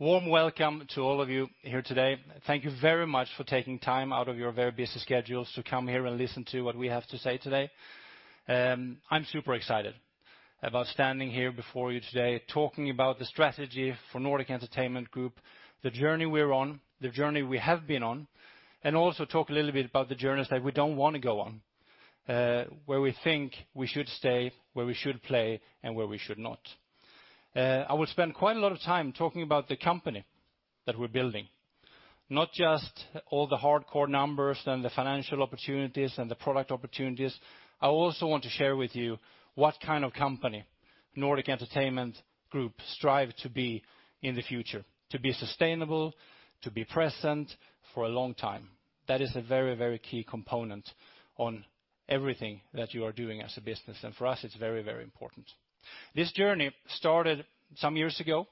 Warm welcome to all of you here today. Thank you very much for taking time out of your very busy schedules to come here and listen to what we have to say today. I'm super excited about standing here before you today, talking about the strategy for Nordic Entertainment Group, the journey we're on, the journey we have been on, and also talk a little bit about the journeys that we don't want to go on, where we think we should stay, where we should play, and where we should not. I will spend quite a lot of time talking about the company that we're building, not just all the hardcore numbers and the financial opportunities and the product opportunities. I also want to share with you what kind of company Nordic Entertainment Group strive to be in the future, to be sustainable, to be present for a long time. That is a very key component on everything that you are doing as a business, and for us, it's very important. This journey started some years ago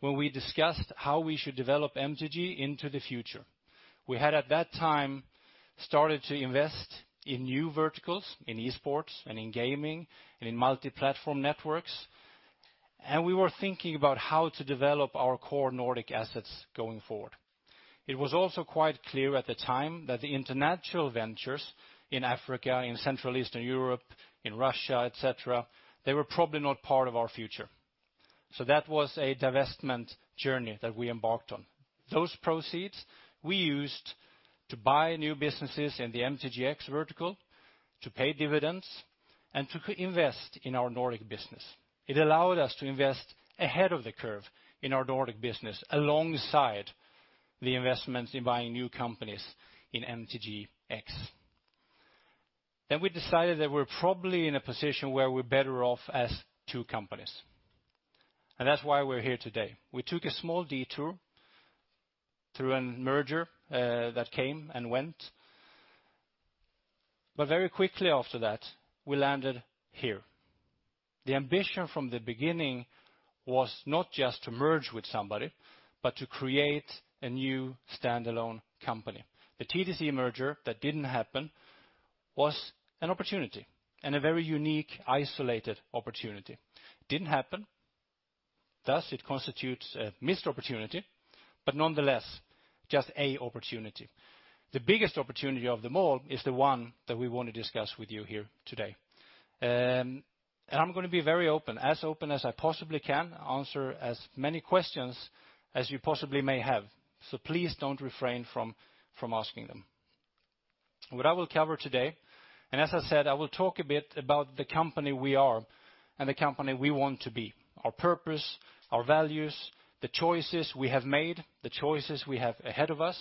when we discussed how we should develop MTG into the future. We had, at that time, started to invest in new verticals, in e-sports and in gaming, and in multi-platform networks, and we were thinking about how to develop our core Nordic assets going forward. It was also quite clear at the time that the international ventures in Africa, in Central Eastern Europe, in Russia, et cetera, they were probably not part of our future. That was a divestment journey that we embarked on. Those proceeds we used to buy new businesses in the MTGx vertical, to pay dividends, and to invest in our Nordic business. It allowed us to invest ahead of the curve in our Nordic business, alongside the investments in buying new companies in MTGx. We decided that we're probably in a position where we're better off as two companies, and that's why we're here today. We took a small detour through a merger that came and went, very quickly after that, we landed here. The ambition from the beginning was not just to merge with somebody, but to create a new standalone company. The TDC merger that didn't happen was an opportunity and a very unique, isolated opportunity. It didn't happen, thus it constitutes a missed opportunity, but nonetheless, just an opportunity. The biggest opportunity of them all is the one that we want to discuss with you here today. I'm going to be very open, as open as I possibly can, answer as many questions as you possibly may have. Please don't refrain from asking them. What I will cover today, as I said, I will talk a bit about the company we are and the company we want to be, our purpose, our values, the choices we have made, the choices we have ahead of us.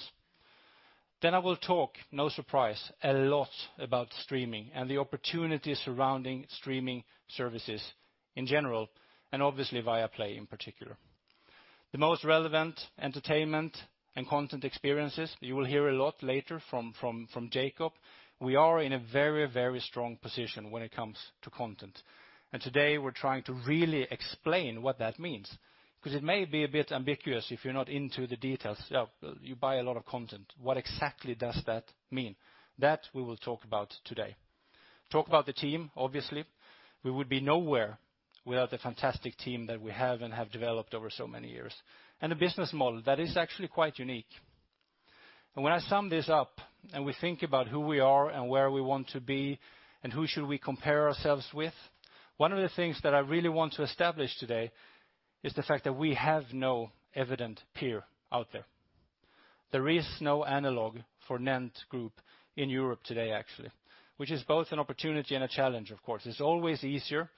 I will talk, no surprise, a lot about streaming and the opportunity surrounding streaming services in general, and obviously Viaplay in particular. The most relevant entertainment and content experiences you will hear a lot later from Jakob. We are in a very strong position when it comes to content, and today we're trying to really explain what that means, because it may be a bit ambiguous if you're not into the details. You buy a lot of content. What exactly does that mean? That we will talk about today. Talk about the team, obviously. We would be nowhere without the fantastic team that we have and have developed over so many years. The business model that is actually quite unique. When I sum this up and we think about who we are and where we want to be and who should we compare ourselves with, one of the things that I really want to establish today is the fact that we have no evident peer out there. There is no analog for NENT Group in Europe today, actually, which is both an opportunity and a challenge, of course. It is always easier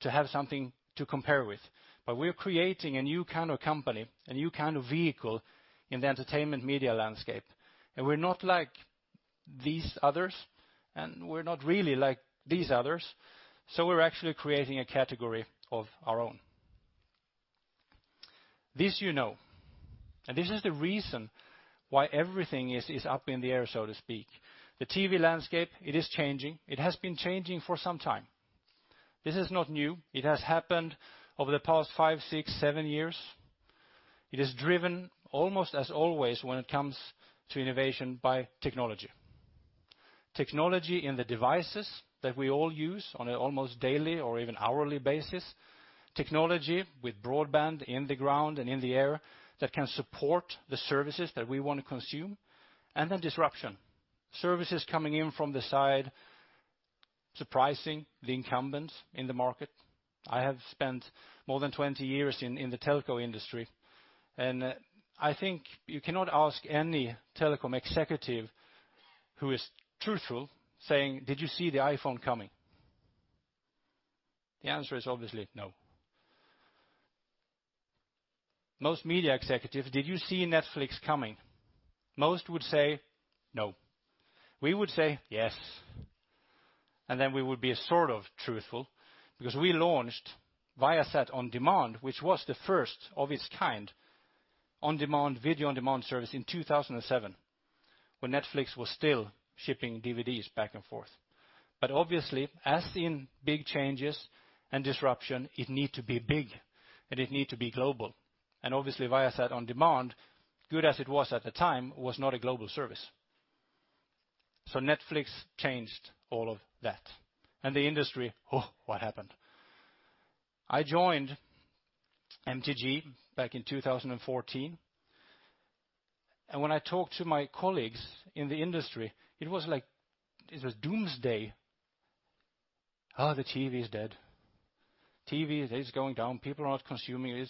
to have something to compare with, but we are creating a new kind of company, a new kind of vehicle in the entertainment media landscape. We are not like these others, we are not really like these others. We are actually creating a category of our own. This you know, this is the reason why everything is up in the air, so to speak. The TV landscape, it is changing. It has been changing for some time. This is not new. It has happened over the past five, six, seven years. It is driven almost as always when it comes to innovation by technology. Technology in the devices that we all use on an almost daily or even hourly basis, technology with broadband in the ground and in the air that can support the services that we want to consume, and then disruption. Services coming in from the side, surprising the incumbents in the market. I have spent more than 20 years in the telco industry. I think you cannot ask any telecom executive who is truthful saying, "Did you see the iPhone coming?" The answer is obviously no. Most media executive, "Did you see Netflix coming?" Most would say no. We would say yes, then we would be sort of truthful because we launched Viasat On Demand, which was the first of its kind video-on-demand service in 2007, when Netflix was still shipping DVDs back and forth. Obviously, as in big changes and disruption, it need to be big and it need to be global. Obviously, Viasat On Demand, good as it was at the time, was not a global service. Netflix changed all of that and the industry, oh, what happened? I joined MTG back in 2014. When I talked to my colleagues in the industry, it was like it was doomsday. Oh, the TV is dead. TV is going down. People are not consuming it.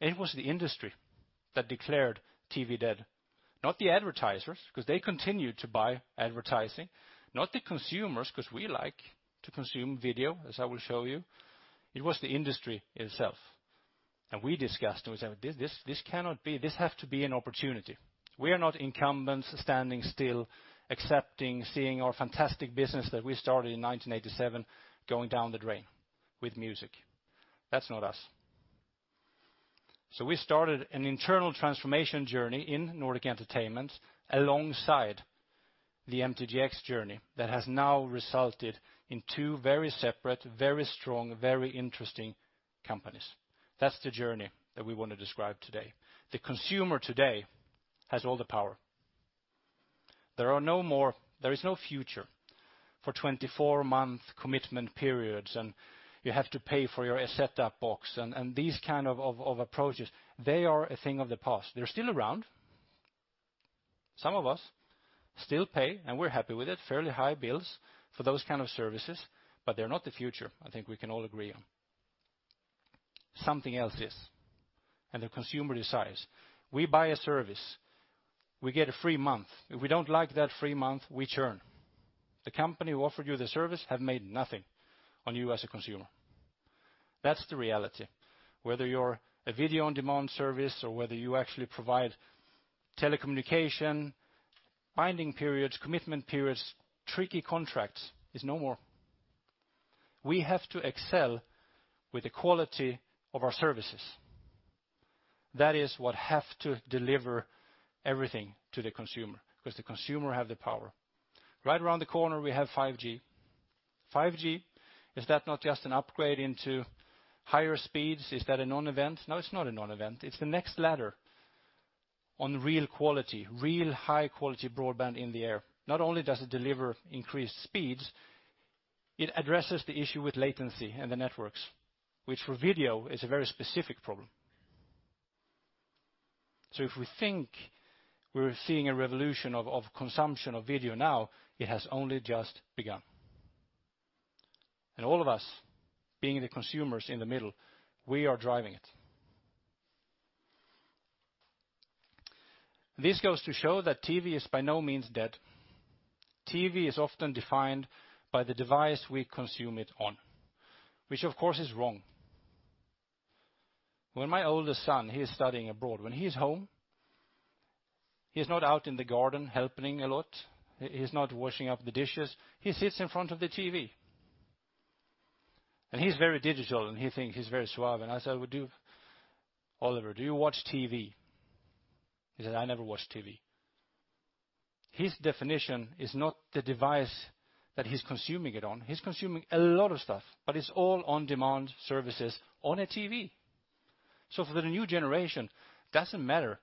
It was the industry that declared TV dead, not the advertisers, because they continued to buy advertising. Not the consumers, because we like to consume video, as I will show you. It was the industry itself. We discussed and we said, "This cannot be. This has to be an opportunity." We are not incumbents standing still accepting seeing our fantastic business that we started in 1987 going down the drain with music. That is not us. We started an internal transformation journey in Nordic Entertainment alongside the MTGx journey that has now resulted in two very separate, very strong, very interesting companies. That is the journey that we want to describe today. The consumer today has all the power. There is no future for 24-month commitment periods and you have to pay for your set-top box and these kind of approaches. They are a thing of the past. They're still around. Some of us still pay and we're happy with it, fairly high bills for those kind of services, but they're not the future, I think we can all agree on. Something else is and the consumer decides. We buy a service. We get a free month. If we don't like that free month, we churn. The company who offered you the service have made nothing on you as a consumer. That's the reality. Whether you're a video-on-demand service or whether you actually provide telecommunication, binding periods, commitment periods, tricky contracts is no more. We have to excel with the quality of our services. That is what has to deliver everything to the consumer because the consumer has the power. Right around the corner we have 5G. 5G, is that not just an upgrade into higher speeds? Is that a non-event? No, it's not a non-event. It's the next ladder on real quality, real high-quality broadband in the air. Not only does it deliver increased speeds, it addresses the issue with latency and the networks, which for video is a very specific problem. If we think we're seeing a revolution of consumption of video now, it has only just begun. All of us, being the consumers in the middle, we are driving it. This goes to show that TV is by no means dead. TV is often defined by the device we consume it on, which of course is wrong. When my oldest son, he is studying abroad, when he is home, he is not out in the garden helping a lot. He's not washing up the dishes. He sits in front of the TV. He's very digital and he thinks he's very suave and I said, "Oliver, do you watch TV?" He said, "I never watch TV." His definition is not the device that he's consuming it on. He's consuming a lot of stuff, but it's all on-demand services on a TV. For the new generation, doesn't matter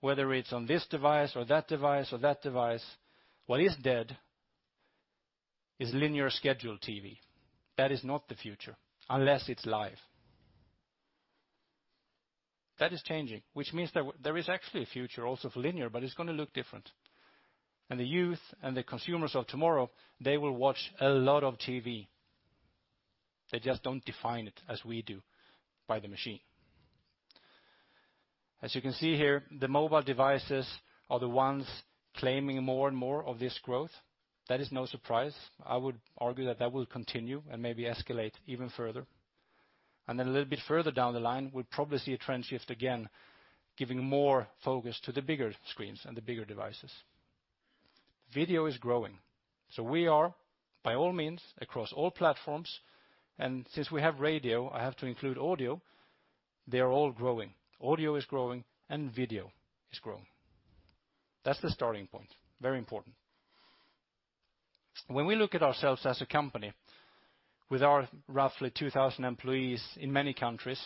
whether it's on this device or that device or that device. What is dead is linear scheduled TV. That is not the future unless it's live. That is changing, which means that there is actually a future also for linear, but it's going to look different. The youth and the consumers of tomorrow, they will watch a lot of TV. They just don't define it as we do by the machine. As you can see here, the mobile devices are the ones claiming more and more of this growth. That is no surprise. I would argue that that will continue and maybe escalate even further. Then a little bit further down the line, we'll probably see a trend shift again, giving more focus to the bigger screens and the bigger devices. Video is growing. We are by all means across all platforms and since we have radio, I have to include audio, they are all growing. Audio is growing and video is growing. That's the starting point. Very important. When we look at ourselves as a company with our roughly 2,000 employees in many countries,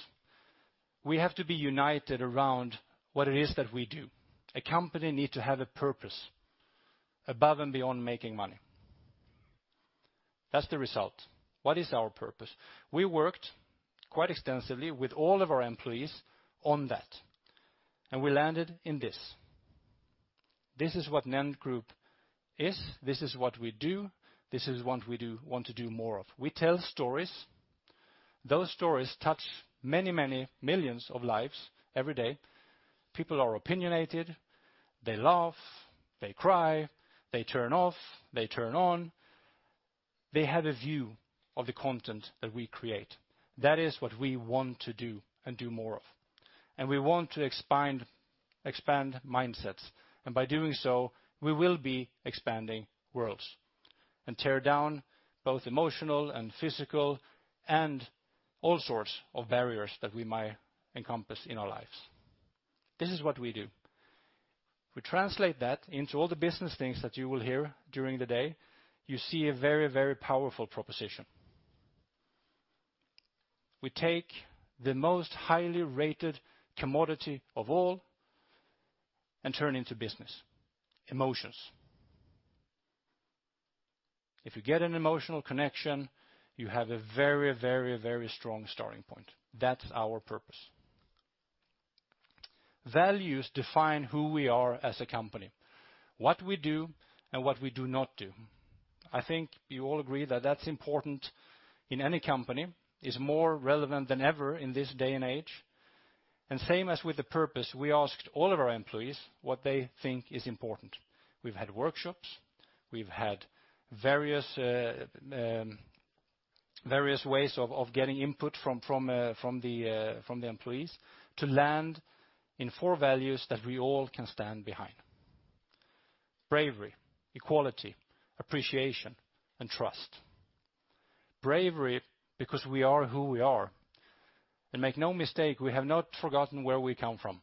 we have to be united around what it is that we do. A company needs to have a purpose above and beyond making money. That's the result. What is our purpose? We worked quite extensively with all of our employees on that and we landed in this. This is what NENT Group is. This is what we do. This is what we want to do more of. We tell stories. Those stories touch many millions of lives every day. People are opinionated. They laugh, they cry, they turn off, they turn on. They have a view of the content that we create. That is what we want to do and do more of. We want to expand mindsets and by doing so, we will be expanding worlds and tear down both emotional and physical and all sorts of barriers that we might encompass in our lives. This is what we do. We translate that into all the business things that you will hear during the day. You see a very powerful proposition. We take the most highly rated commodity of all and turn into business: emotions. If you get an emotional connection, you have a very strong starting point. That's our purpose. Values define who we are as a company, what we do, and what we do not do. I think you all agree that that's important in any company, is more relevant than ever in this day and age. Same as with the purpose, we asked all of our employees what they think is important. We've had workshops, we've had various ways of getting input from the employees to land in four values that we all can stand behind. Bravery, equality, appreciation, and trust. Bravery because we are who we are. Make no mistake, we have not forgotten where we come from.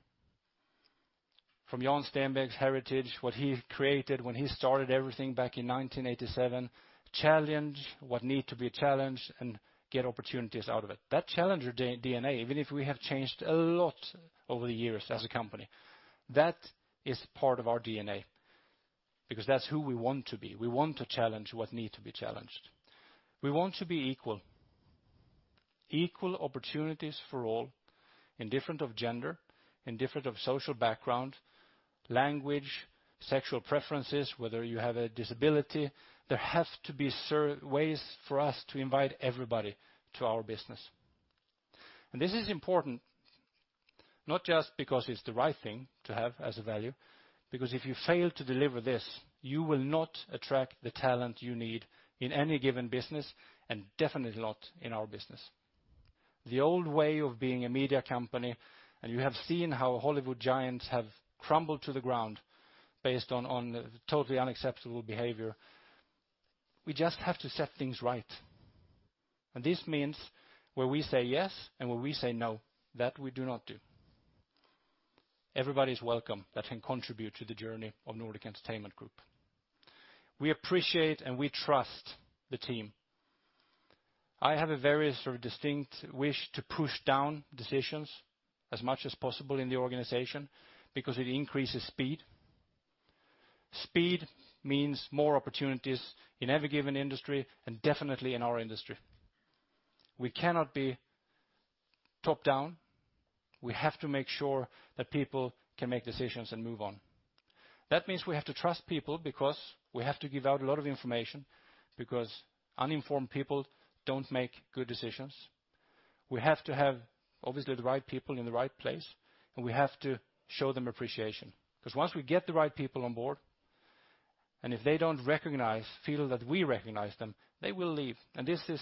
From Jan Stenbeck's heritage, what he created when he started everything back in 1987, challenge what need to be challenged and get opportunities out of it. That challenger DNA, even if we have changed a lot over the years as a company, that is part of our DNA, because that's who we want to be. We want to challenge what need to be challenged. We want to be equal. Equal opportunities for all, indifferent of gender, indifferent of social background, language, sexual preferences, whether you have a disability, there have to be ways for us to invite everybody to our business. This is important not just because it's the right thing to have as a value, because if you fail to deliver this, you will not attract the talent you need in any given business, and definitely not in our business. The old way of being a media company, and you have seen how Hollywood giants have crumbled to the ground based on totally unacceptable behavior. We just have to set things right. This means where we say yes and where we say no, that we do not do. Everybody's welcome that can contribute to the journey of Nordic Entertainment Group. We appreciate and we trust the team. I have a very sort of distinct wish to push down decisions as much as possible in the organization, because it increases speed. Speed means more opportunities in every given industry and definitely in our industry. We cannot be top-down. We have to make sure that people can make decisions and move on. That means we have to trust people because we have to give out a lot of information, because uninformed people don't make good decisions. We have to have, obviously, the right people in the right place, and we have to show them appreciation. Once we get the right people on board, and if they don't feel that we recognize them, they will leave. This is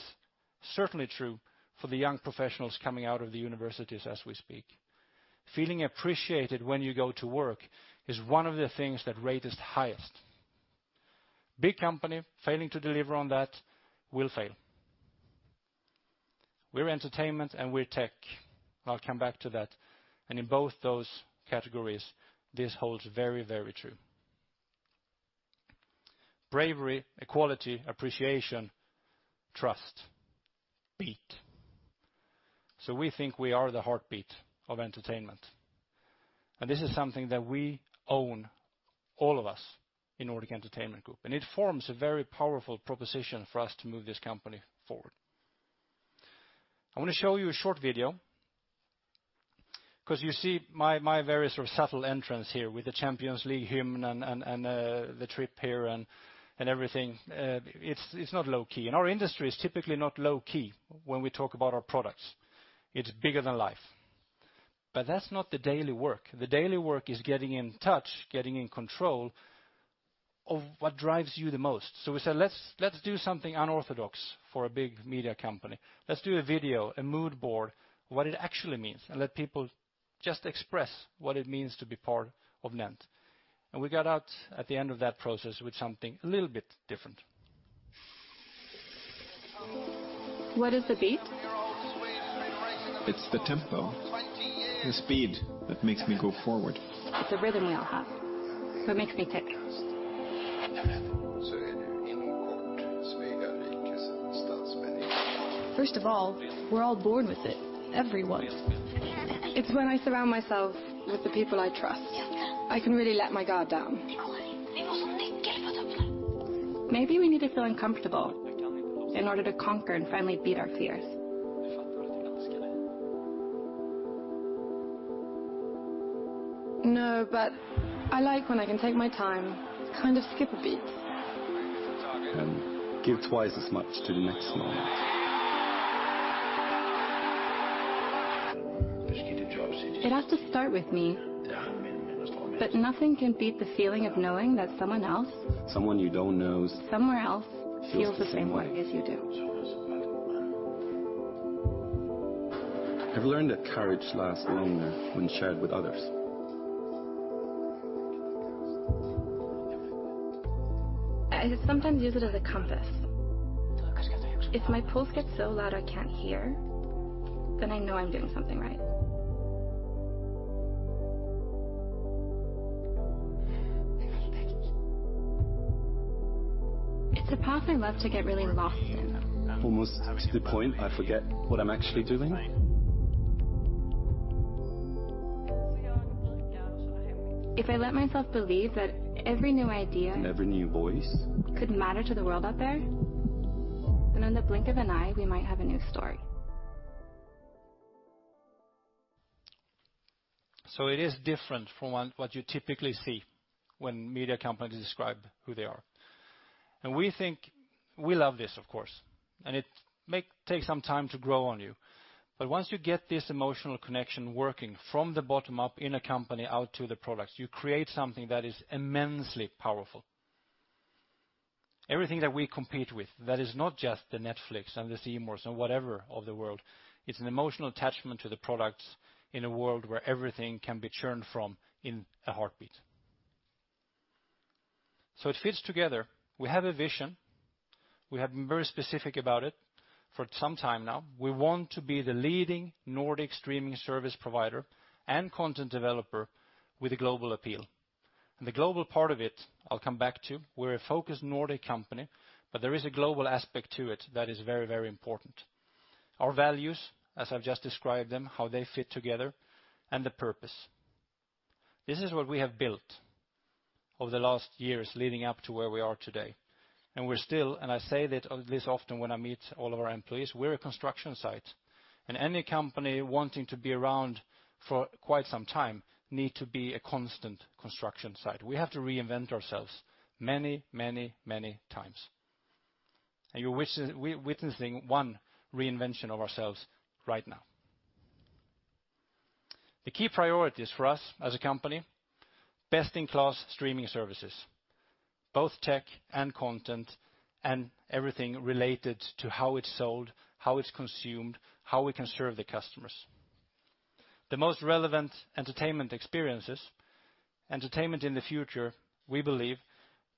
certainly true for the young professionals coming out of the universities as we speak. Feeling appreciated when you go to work is one of the things that rate is highest. Big company failing to deliver on that will fail. We're entertainment and we're tech. I'll come back to that. In both those categories, this holds very true. Bravery, equality, appreciation, trust. Beat. We think we are the heartbeat of entertainment. This is something that we own, all of us in Nordic Entertainment Group. It forms a very powerful proposition for us to move this company forward. I want to show you a short video because you see my very sort of subtle entrance here with the Champions League hymn and the trip here and everything. It's not low-key. Our industry is typically not low-key when we talk about our products. It's bigger than life. That's not the daily work. The daily work is getting in touch, getting in control of what drives you the most. We said, let's do something unorthodox for a big media company. Let's do a video, a mood board, what it actually means, and let people just express what it means to be part of NENT. We got out at the end of that process with something a little bit different. What is the beat? It's the tempo, the speed that makes me go forward. It's a rhythm we all have. It's what makes me tick. First of all, we're all born with it. Everyone. It's when I surround myself with the people I trust. I can really let my guard down. Maybe we need to feel uncomfortable in order to conquer and finally beat our fears. I like when I can take my time, kind of skip a beat. Give twice as much to the next moment. It has to start with me. Nothing can beat the feeling of knowing that someone else. Someone you don't know. somewhere else feels. Feels the same way. feels the same way as you do. I've learned that courage lasts longer when shared with others. I sometimes use it as a compass. If my pulse gets so loud I can't hear, then I know I'm doing something right. It's a path I love to get really lost in. Almost to the point I forget what I'm actually doing. If I let myself believe that every new idea Every new voice Could matter to the world out there, in the blink of an eye, we might have a new story. It is different from what you typically see when media companies describe who they are. We think we love this, of course, and it may take some time to grow on you. Once you get this emotional connection working from the bottom up in a company out to the products, you create something that is immensely powerful. Everything that we compete with, that is not just the Netflix and the C More and whatever of the world. It's an emotional attachment to the products in a world where everything can be churned from in a heartbeat. It fits together. We have a vision. We have been very specific about it for some time now. We want to be the leading Nordic streaming service provider and content developer with a global appeal. The global part of it, I'll come back to. We're a focused Nordic company. There is a global aspect to it that is very, very important. Our values, as I've just described them, how they fit together, and the purpose. This is what we have built over the last years leading up to where we are today. We're still, and I say this often when I meet all of our employees, we're a construction site. Any company wanting to be around for quite some time need to be a constant construction site. We have to reinvent ourselves many, many, many times. You're witnessing one reinvention of ourselves right now. The key priorities for us as a company, best-in-class streaming services, both tech and content, and everything related to how it's sold, how it's consumed, how we can serve the customers. The most relevant entertainment experiences, entertainment in the future, we believe,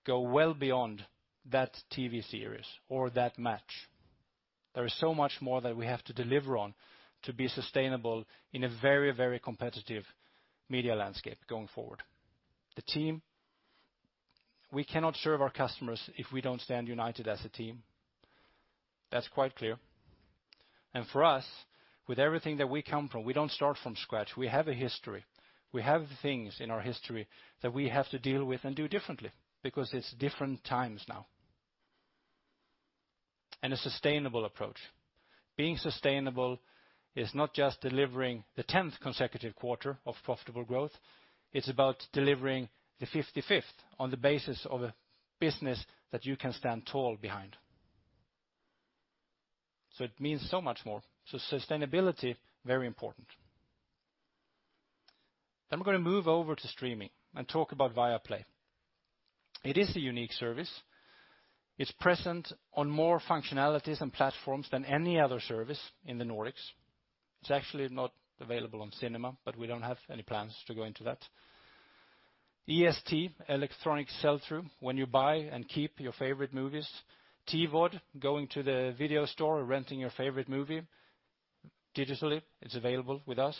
go well beyond that TV series or that match. There is so much more that we have to deliver on to be sustainable in a very, very competitive media landscape going forward. The team, we cannot serve our customers if we don't stand united as a team. That's quite clear. For us, with everything that we come from, we don't start from scratch. We have a history. We have things in our history that we have to deal with and do differently because it's different times now. A sustainable approach. Being sustainable is not just delivering the 10th consecutive quarter of profitable growth. It's about delivering the 55th on the basis of a business that you can stand tall behind. It means so much more. Sustainability, very important. We're going to move over to streaming and talk about Viaplay. It is a unique service. It's present on more functionalities and platforms than any other service in the Nordics. It's actually not available on cinema. We don't have any plans to go into that. EST, electronic sell-through, when you buy and keep your favorite movies. TVOD, going to the video store, renting your favorite movie digitally, it's available with us.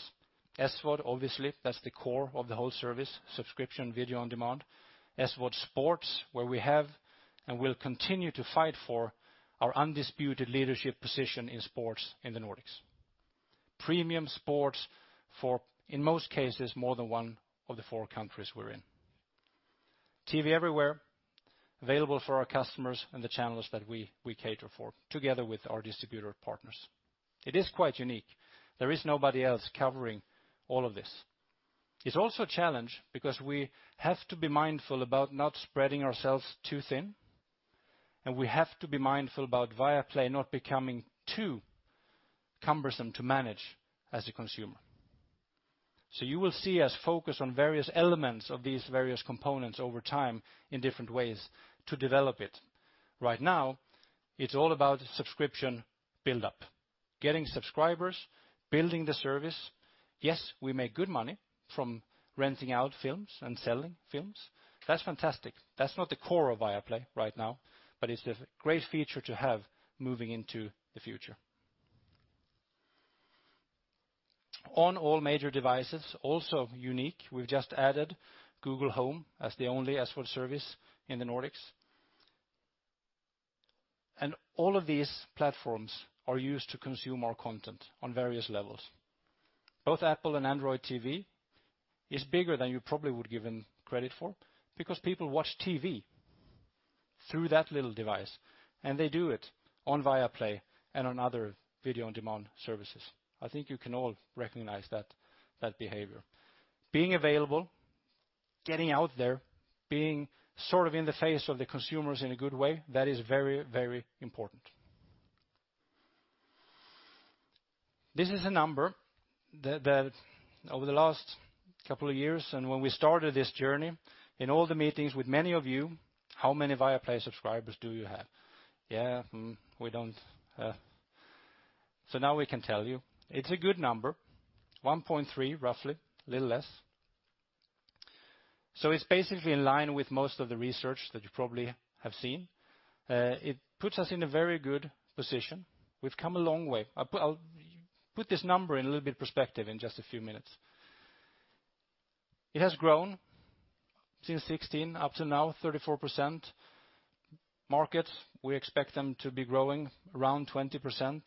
SVOD, obviously, that's the core of the whole service, subscription video on demand. SVOD sports, where we have and will continue to fight for our undisputed leadership position in sports in the Nordics. Premium sports for, in most cases, more than one of the 4 countries we're in. TV everywhere, available for our customers and the channels that we cater for together with our distributor partners. It is quite unique. There is nobody else covering all of this. It's also a challenge because we have to be mindful about not spreading ourselves too thin. We have to be mindful about Viaplay not becoming too cumbersome to manage as a consumer. You will see us focus on various elements of these various components over time in different ways to develop it. Right now, it's all about subscription build-up, getting subscribers, building the service. Yes, we make good money from renting out films and selling films. That's fantastic. That's not the core of Viaplay right now. It's a great feature to have moving into the future. On all major devices, also unique. We've just added Google Home as the only SVOD service in the Nordics. All of these platforms are used to consume our content on various levels. Both Apple and Android TV is bigger than you probably would given credit for because people watch TV through that little device, and they do it on Viaplay and on other video-on-demand services. I think you can all recognize that behavior. Being available, getting out there, being sort of in the face of the consumers in a good way, that is very, very important. This is a number that over the last couple of years and when we started this journey, in all the meetings with many of you, how many Viaplay subscribers do you have? Yeah, we don't. Now we can tell you. It's a good number. 1.3 roughly, a little less. It's basically in line with most of the research that you probably have seen. It puts us in a very good position. We've come a long way. I'll put this number in a little bit perspective in just a few minutes. It has grown since 2016 up to now, 34%. Markets, we expect them to be growing around 20%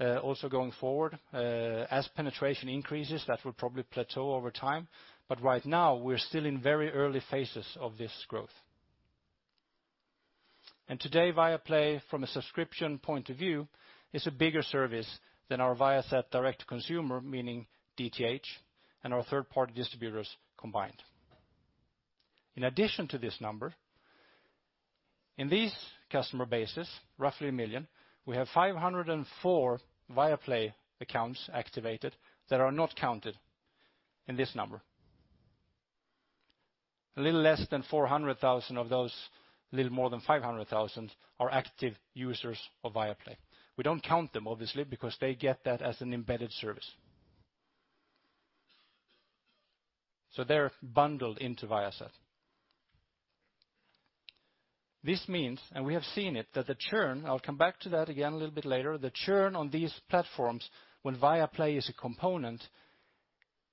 also going forward. As penetration increases, that will probably plateau over time, but right now we're still in very early phases of this growth. Today Viaplay, from a subscription point of view, is a bigger service than our Viasat direct consumer, meaning DTH, and our third-party distributors combined. In addition to this number, in these customer bases, roughly a million, we have 504 Viaplay accounts activated that are not counted in this number. A little less than 400,000 of those, a little more than 500,000, are active users of Viaplay. We don't count them obviously, because they get that as an embedded service. They're bundled into Viasat. This means, and we have seen it, that the churn, I'll come back to that again a little bit later, the churn on these platforms when Viaplay is a component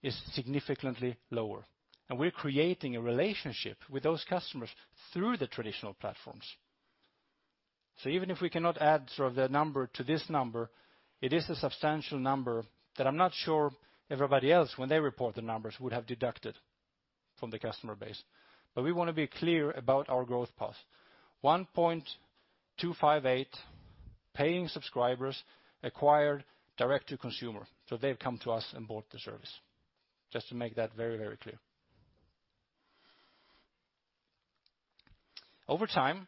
is significantly lower. We're creating a relationship with those customers through the traditional platforms. Even if we cannot add the number to this number, it is a substantial number that I'm not sure everybody else when they report the numbers would have deducted from the customer base. We want to be clear about our growth path. 1.258 paying subscribers acquired direct to consumer. They've come to us and bought the service. Just to make that very clear. Over time,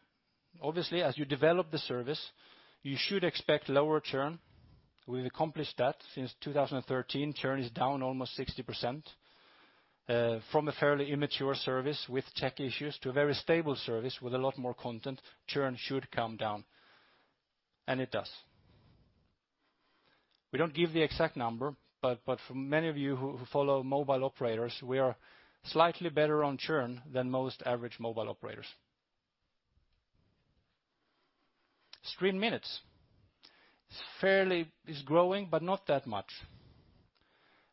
obviously, as you develop the service, you should expect lower churn. We've accomplished that since 2013. Churn is down almost 60%, from a fairly immature service with tech issues to a very stable service with a lot more content, churn should come down. It does. We don't give the exact number, but for many of you who follow mobile operators, we are slightly better on churn than most average mobile operators. Stream minutes. It's growing, but not that much.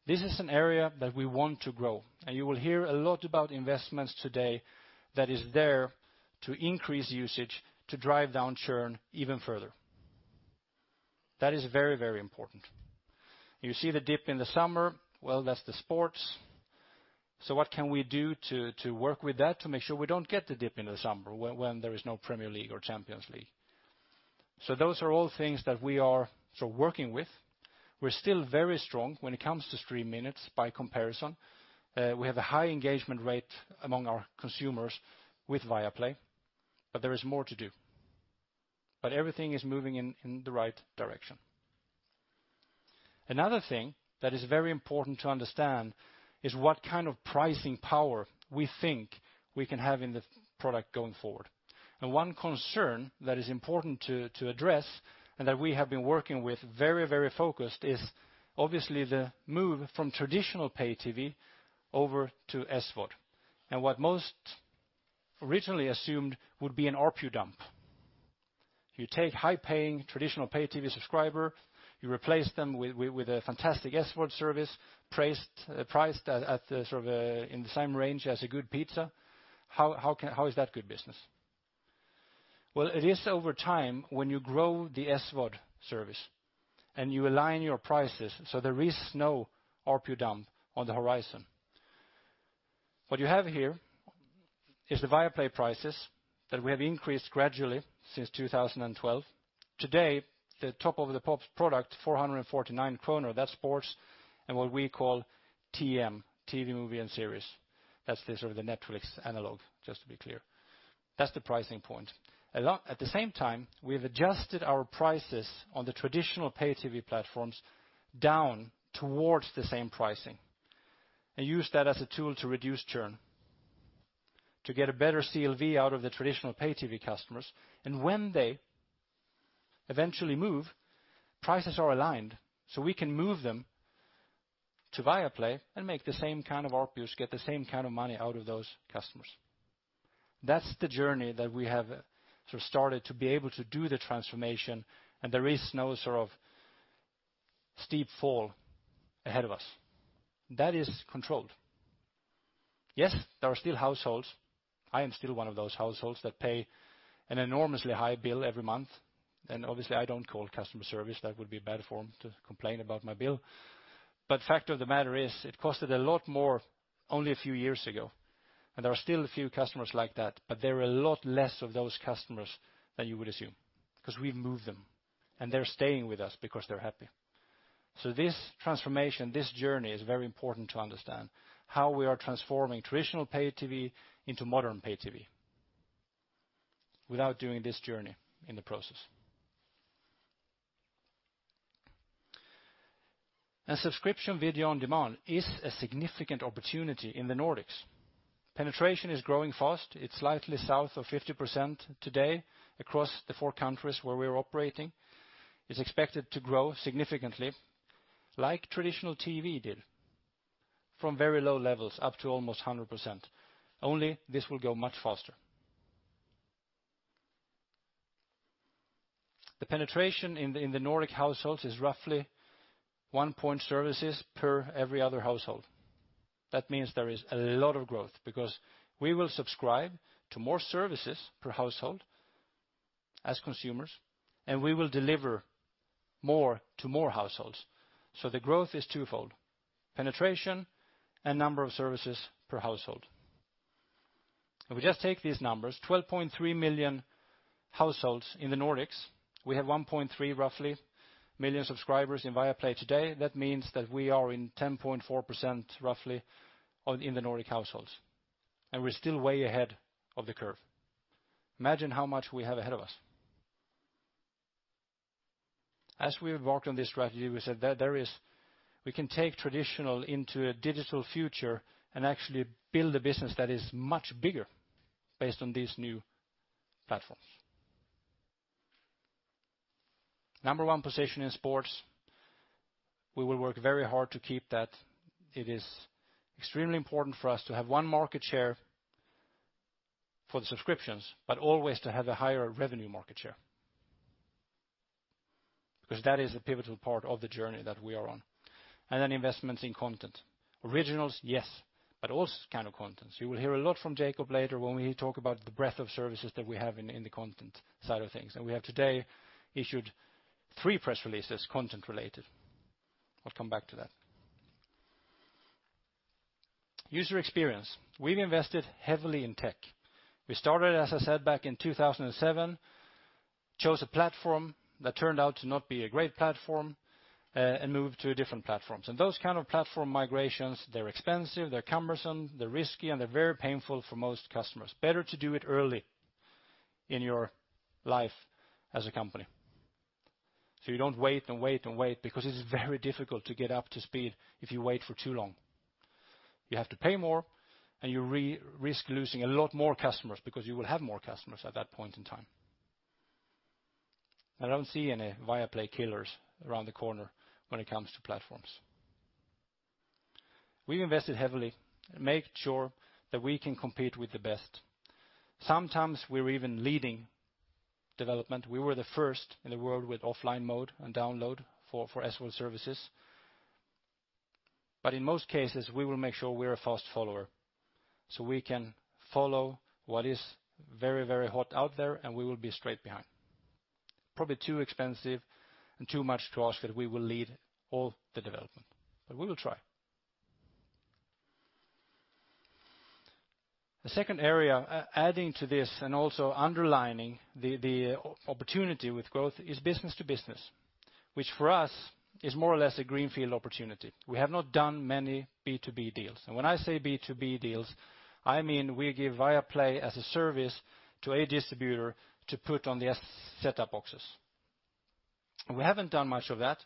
This is an area that we want to grow, and you will hear a lot about investments today that is there to increase usage to drive down churn even further. That is very important. You see the dip in the summer. That's the sports. What can we do to work with that to make sure we don't get the dip in the summer when there is no Premier League or Champions League? Those are all things that we are working with. We're still very strong when it comes to stream minutes by comparison. We have a high engagement rate among our consumers with Viaplay, but there is more to do. Everything is moving in the right direction. Another thing that is very important to understand is what kind of pricing power we think we can have in the product going forward. One concern that is important to address and that we have been working with very focused is obviously the move from traditional pay TV over to SVOD. What most originally assumed would be an ARPU dump. You take high-paying traditional pay TV subscriber, you replace them with a fantastic SVOD service, priced in the same range as a good pizza. How is that good business? Well, it is over time when you grow the SVOD service and you align your prices so there is no ARPU dump on the horizon. What you have here is the Viaplay prices that we have increased gradually since 2012. Today, the top of the pops product, 449 kronor, that's sports and what we call TM, TV, movie, and series. That's the Netflix analog, just to be clear. That's the pricing point. At the same time, we've adjusted our prices on the traditional pay TV platforms down towards the same pricing and used that as a tool to reduce churn to get a better CLV out of the traditional pay TV customers. When they eventually move, prices are aligned so we can move them to Viaplay and make the same kind of ARPUs, get the same kind of money out of those customers. That's the journey that we have started to be able to do the transformation, there is no steep fall ahead of us. That is controlled. Yes, there are still households. I am still one of those households that pay an enormously high bill every month. Obviously I don't call customer service. That would be bad form to complain about my bill. The fact of the matter is, it costed a lot more only a few years ago. There are still a few customers like that, but there are a lot less of those customers than you would assume, because we've moved them and they're staying with us because they're happy. This transformation, this journey is very important to understand how we are transforming traditional pay TV into modern pay TV without doing this journey in the process. Subscription video on demand is a significant opportunity in the Nordics. Penetration is growing fast. It's slightly south of 50% today across the four countries where we're operating. It's expected to grow significantly, like traditional TV did, from very low levels up to almost 100%. Only this will go much faster. The penetration in the Nordic households is roughly one point services per every other household. That means there is a lot of growth because we will subscribe to more services per household as consumers, and we will deliver more to more households. The growth is twofold: penetration and number of services per household. If we just take these numbers, 12.3 million households in the Nordics, we have 1.3 roughly million subscribers in Viaplay today. That means that we are in 10.4% roughly in the Nordic households, and we're still way ahead of the curve. Imagine how much we have ahead of us. As we worked on this strategy, we said that we can take traditional into a digital future and actually build a business that is much bigger based on these new platforms. Number one position in sports, we will work very hard to keep that. It is extremely important for us to have one market share for the subscriptions, but always to have a higher revenue market share. That is the pivotal part of the journey that we are on. Investments in content. Originals, yes, but also this kind of content. You will hear a lot from Jakob later when we talk about the breadth of services that we have in the content side of things. We have today issued three press releases, content related. I'll come back to that. User experience. We've invested heavily in tech. We started, as I said, back in 2007, chose a platform that turned out to not be a great platform, and moved to different platforms. Those kind of platform migrations, they're expensive, they're cumbersome, they're risky, and they're very painful for most customers. Better to do it early in your life as a company. You don't wait and wait and wait because it is very difficult to get up to speed if you wait for too long. You have to pay more and you risk losing a lot more customers because you will have more customers at that point in time. I don't see any Viaplay killers around the corner when it comes to platforms. We've invested heavily to make sure that we can compete with the best. Sometimes we're even leading development. We were the first in the world with offline mode and download for SVOD services. In most cases, we will make sure we're a fast follower so we can follow what is very, very hot out there, and we will be straight behind. Probably too expensive and too much to ask that we will lead all the development, but we will try. The second area, adding to this and also underlining the opportunity with growth, is business to business, which for us is more or less a greenfield opportunity. We have not done many B2B deals. When I say B2B deals, I mean we give Viaplay as a service to a distributor to put on the set-top boxes. We haven't done much of that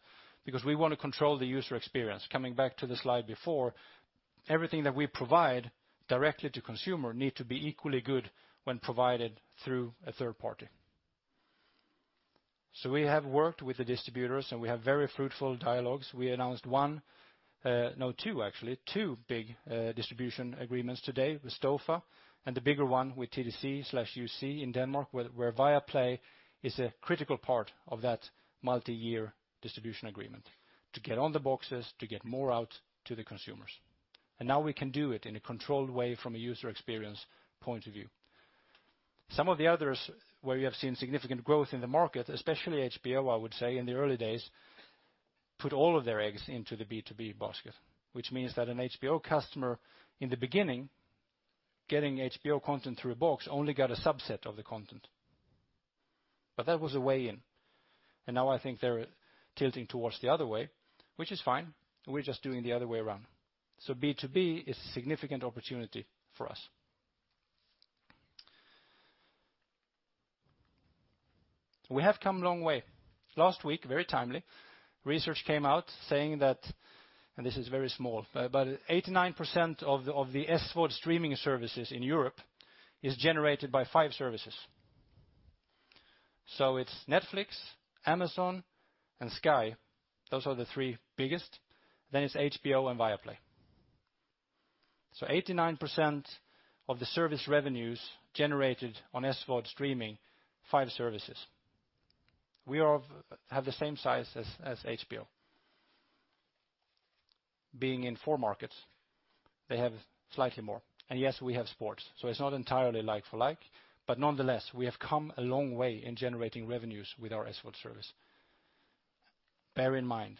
because we want to control the user experience. Coming back to the slide before, everything that we provide directly to consumer need to be equally good when provided through a third party. We have worked with the distributors and we have very fruitful dialogues. We announced one, no, two actually, two big distribution agreements today with Stofa and the bigger one with TDC/YouSee in Denmark, where Viaplay is a critical part of that multi-year distribution agreement to get on the boxes, to get more out to the consumers. Now we can do it in a controlled way from a user experience point of view. Some of the others where we have seen significant growth in the market, especially HBO, I would say in the early days, put all of their eggs into the B2B basket, which means that an HBO customer in the beginning, getting HBO content through a box, only got a subset of the content. That was a way in, and now I think they're tilting towards the other way, which is fine. We're just doing the other way around. B2B is a significant opportunity for us. We have come a long way. Last week, very timely, research came out saying that, and this is very small, but 89% of the SVOD streaming services in Europe is generated by five services. It's Netflix, Amazon, and Sky. Those are the three biggest. It's HBO and Viaplay. 89% of the service revenues generated on SVOD streaming, five services. We have the same size as HBO. Being in four markets, they have slightly more. And yes, we have sports, so it's not entirely like for like, but nonetheless, we have come a long way in generating revenues with our SVOD service. Bear in mind,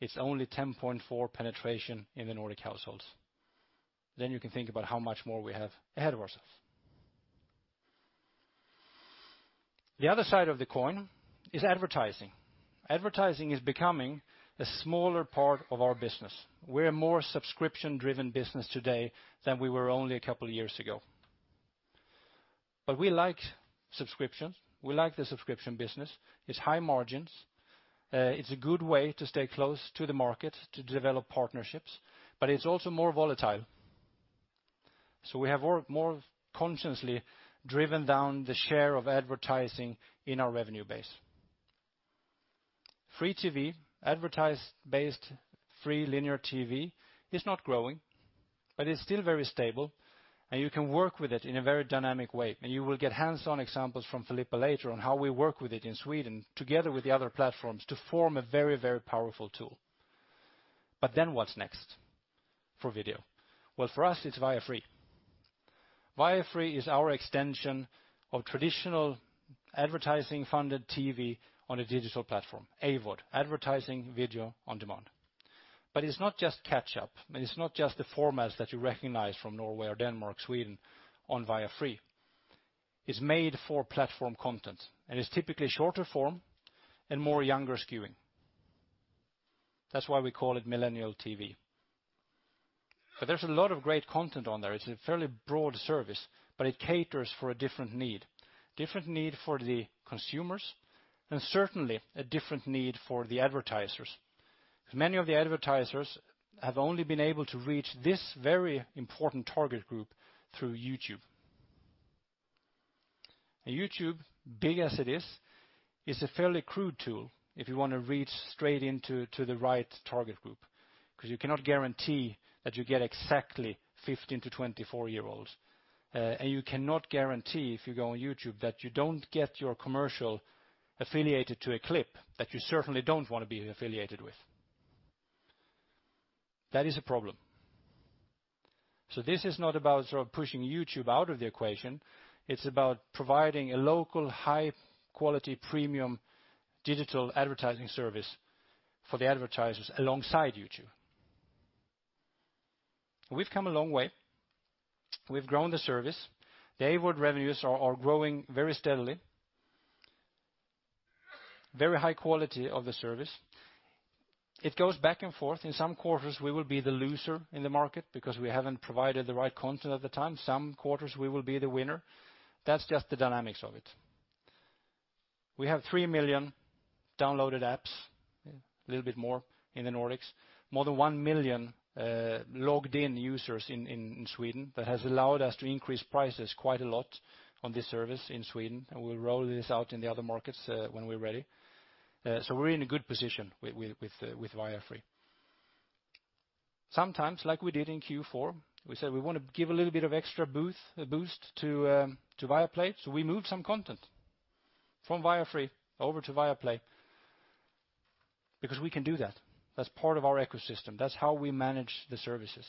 it's only 10.4% penetration in the Nordic households. You can think about how much more we have ahead of ourselves. The other side of the coin is advertising. Advertising is becoming a smaller part of our business. We're a more subscription-driven business today than we were only a couple of years ago. We like subscriptions. We like the subscription business. It's high margins. It's a good way to stay close to the market, to develop partnerships, but it's also more volatile. We have more consciously driven down the share of advertising in our revenue base Free TV, advertise-based free linear TV is not growing, but it's still very stable, and you can work with it in a very dynamic way. You will get hands-on examples from Filippa later on how we work with it in Sweden together with the other platforms to form a very powerful tool. What's next for video? For us, it's Viafree. Viafree is our extension of traditional advertising funded TV on a digital platform, AVOD, advertising video on demand. It's not just catch up, it's not just the formats that you recognize from Norway or Denmark, Sweden on Viafree. It's made for platform content, it's typically shorter form and more younger skewing. That's why we call it millennial TV. There's a lot of great content on there. It's a fairly broad service, but it caters for a different need. Different need for the consumers, certainly a different need for the advertisers. Many of the advertisers have only been able to reach this very important target group through YouTube. YouTube, big as it is a fairly crude tool if you want to reach straight into the right target group, because you cannot guarantee that you get exactly 15-24-year-olds. You cannot guarantee if you go on YouTube that you don't get your commercial affiliated to a clip that you certainly don't want to be affiliated with. That is a problem. This is not about sort of pushing YouTube out of the equation. It's about providing a local, high-quality, premium digital advertising service for the advertisers alongside YouTube. We've come a long way. We've grown the service. The AVOD revenues are growing very steadily. Very high quality of the service. It goes back and forth. In some quarters, we will be the loser in the market because we haven't provided the right content at the time. Some quarters we will be the winner. That's just the dynamics of it. We have 3 million downloaded apps, a little bit more in the Nordics. More than 1 million logged in users in Sweden that has allowed us to increase prices quite a lot on this service in Sweden, we'll roll this out in the other markets when we're ready. We're in a good position with Viafree. Sometimes, like we did in Q4, we said we want to give a little bit of extra boost to Viaplay. We moved some content from Viafree over to Viaplay because we can do that. That's part of our ecosystem. That's how we manage the services.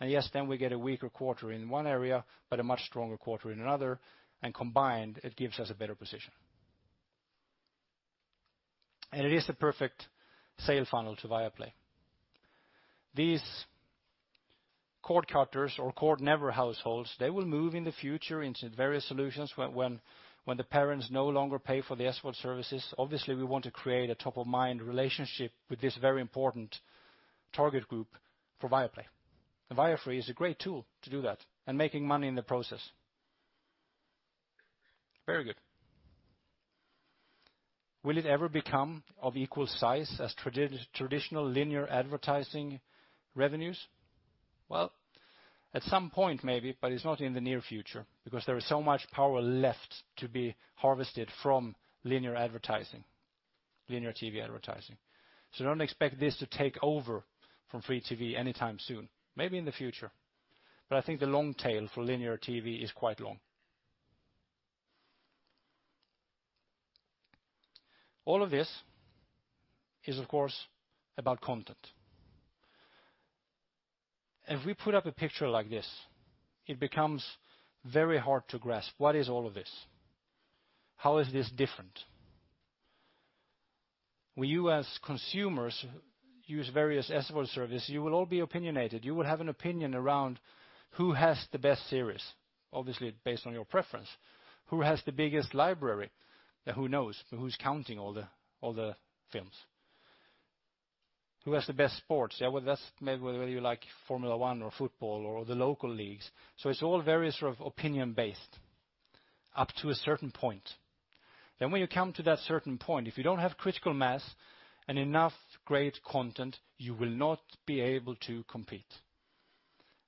Yes, then we get a weaker quarter in one area, but a much stronger quarter in another, and combined, it gives us a better position. It is the perfect sale funnel to Viaplay. These cord cutters or cord never households, they will move in the future into various solutions when the parents no longer pay for the SVOD services. Obviously, we want to create a top-of-mind relationship with this very important target group for Viaplay. Viafree is a great tool to do that and making money in the process. Very good. Will it ever become of equal size as traditional linear advertising revenues? Well, at some point maybe, but it's not in the near future because there is so much power left to be harvested from linear advertising, linear TV advertising. Don't expect this to take over from free TV anytime soon. Maybe in the future, but I think the long tail for linear TV is quite long. All of this is, of course, about content. If we put up a picture like this, it becomes very hard to grasp. What is all of this? How is this different? When you as consumers use various SVOD service, you will all be opinionated. You will have an opinion around who has the best series, obviously based on your preference. Who has the biggest library? Who knows? Who's counting all the films? Who has the best sports? Yeah, well, that's maybe whether you like Formula One or football or the local leagues. It's all very sort of opinion-based up to a certain point. When you come to that certain point, if you don't have critical mass and enough great content, you will not be able to compete.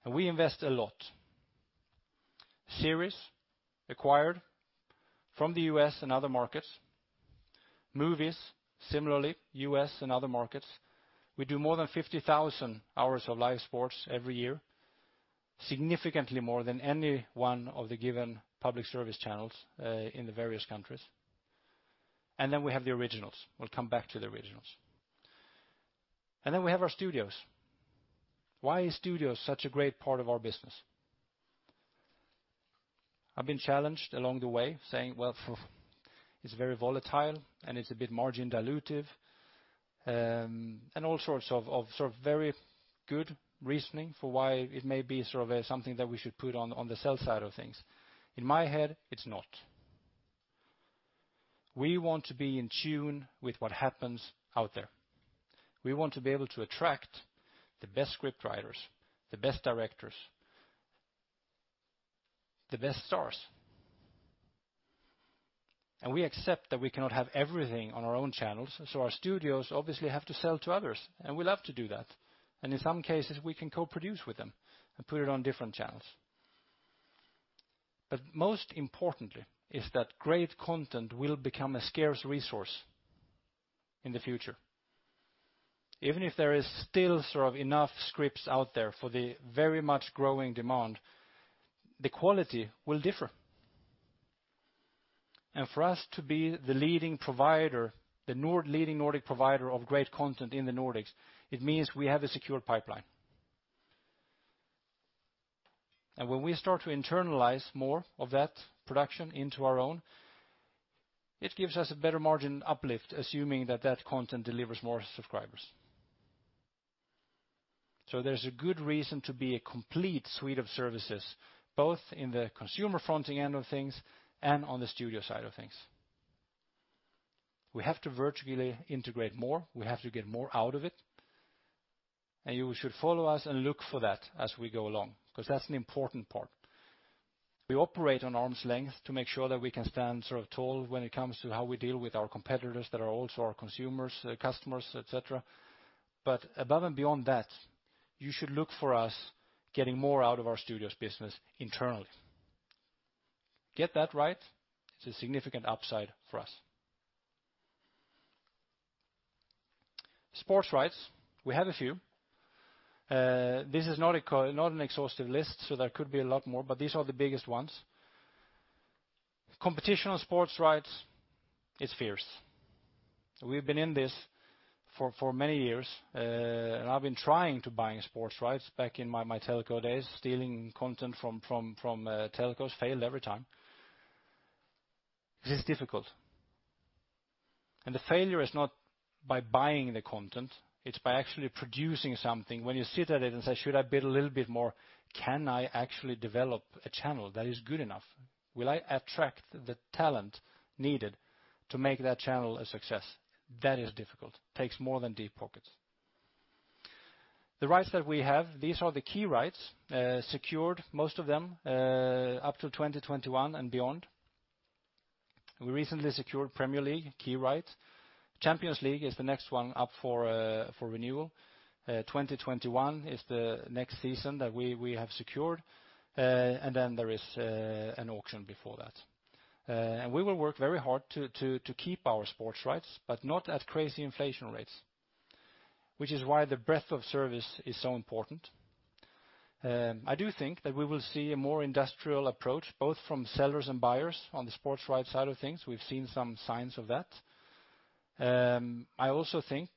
We invest a lot. Series acquired from the U.S. and other markets. Movies, similarly, U.S. and other markets. We do more than 50,000 hours of live sports every year, significantly more than any one of the given public service channels in the various countries. Then we have the originals. We'll come back to the originals. Then we have our Studios. Why is Studios such a great part of our business? I've been challenged along the way saying, "Well, it's very volatile and it's a bit margin dilutive," and all sorts of very good reasoning for why it may be sort of something that we should put on the sell side of things. In my head, it's not. We want to be in tune with what happens out there. We want to be able to attract the best scriptwriters, the best directors, the best stars. We accept that we cannot have everything on our own channels. Our studios obviously have to sell to others, and we love to do that. We love to do that. In some cases, we can co-produce with them and put it on different channels. But most importantly is that great content will become a scarce resource in the future. Even if there is still enough scripts out there for the very much growing demand, the quality will differ. For us to be the leading Nordic provider of great content in the Nordics, it means we have a secure pipeline. When we start to internalize more of that production into our own, it gives us a better margin uplift, assuming that that content delivers more subscribers. There's a good reason to be a complete suite of services, both in the consumer-fronting end of things and on the studio side of things. We have to vertically integrate more. We have to get more out of it, and you should follow us and look for that as we go along, because that's an important part. We operate on arm's length to make sure that we can stand tall when it comes to how we deal with our competitors that are also our consumers, customers, et cetera. But above and beyond that, you should look for us getting more out of our studios business internally. Get that right, it's a significant upside for us. Sports rights, we have a few. This is not an exhaustive list, so there could be a lot more, but these are the biggest ones. Competition on sports rights is fierce. We've been in this for many years, and I've been trying to buying sports rights back in my telco days, stealing content from telcos. Failed every time. This is difficult. The failure is not by buying the content, it's by actually producing something. When you sit at it and say, "Should I bid a little bit more? Can I actually develop a channel that is good enough? Will I attract the talent needed to make that channel a success?" That is difficult. Takes more than deep pockets. The rights that we have, these are the key rights, secured, most of them, up to 2021 and beyond. We recently secured Premier League, key right. Champions League is the next one up for renewal. 2021 is the next season that we have secured, and then there is an auction before that. We will work very hard to keep our sports rights, but not at crazy inflation rates, which is why the breadth of service is so important. I do think that we will see a more industrial approach, both from sellers and buyers on the sports rights side of things. We've seen some signs of that. I also think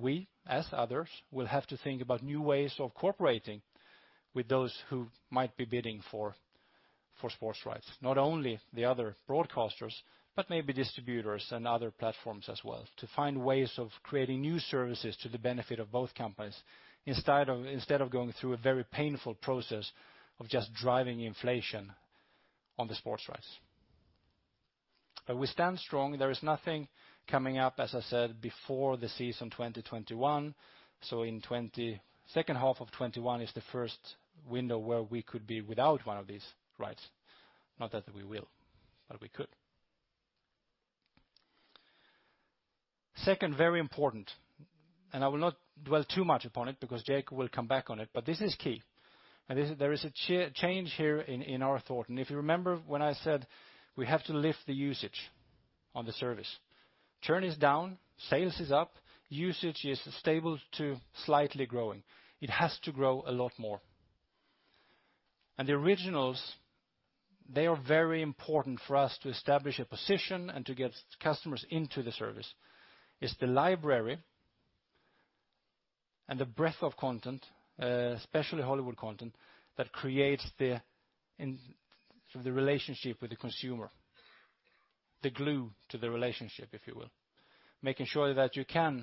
we, as others, will have to think about new ways of cooperating with those who might be bidding for sports rights. Not only the other broadcasters, but maybe distributors and other platforms as well, to find ways of creating new services to the benefit of both companies, instead of going through a very painful process of just driving inflation on the sports rights. We stand strong. There is nothing coming up, as I said, before the season 2021. In second half of 2021 is the first window where we could be without one of these rights. Not that we will, but we could. Second, very important, I will not dwell too much upon it because Jakob will come back on it, but this is key. There is a change here in our thought. If you remember when I said we have to lift the usage on the service. Churn is down, sales is up, usage is stable to slightly growing. It has to grow a lot more. The originals, they are very important for us to establish a position and to get customers into the service. It's the library and the breadth of content, especially Hollywood content, that creates the relationship with the consumer, the glue to the relationship, if you will. Making sure that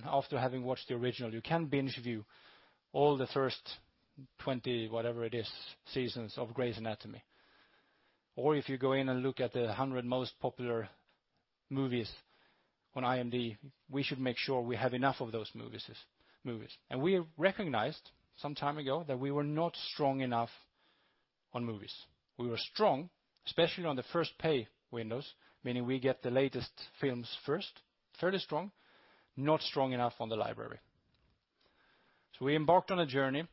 after having watched the original, you can binge-view all the first 20, whatever it is, seasons of "Grey's Anatomy." If you go in and look at the 100 most popular movies on IMDb, we should make sure we have enough of those movies. We recognized some time ago that we were not strong enough on movies. We were strong, especially on the first pay windows, meaning we get the latest films first, fairly strong, not strong enough on the library. We embarked on a journey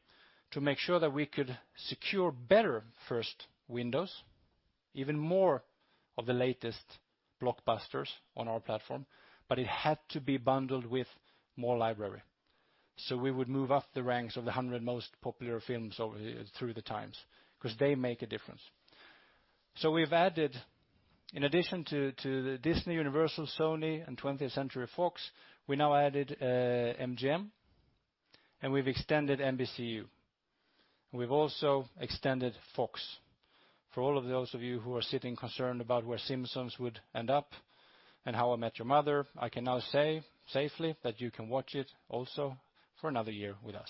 to make sure that we could secure better first windows, even more of the latest blockbusters on our platform, but it had to be bundled with more library. We would move up the ranks of the 100 most popular films through the times, because they make a difference. We've added, in addition to the Disney, Universal, Sony, and 20th Century Fox, we now added MGM, and we've extended NBCU. We've also extended Fox. For all of those of you who are sitting concerned about where "The Simpsons" would end up and "How I Met Your Mother", I can now say safely that you can watch it also for another year with us.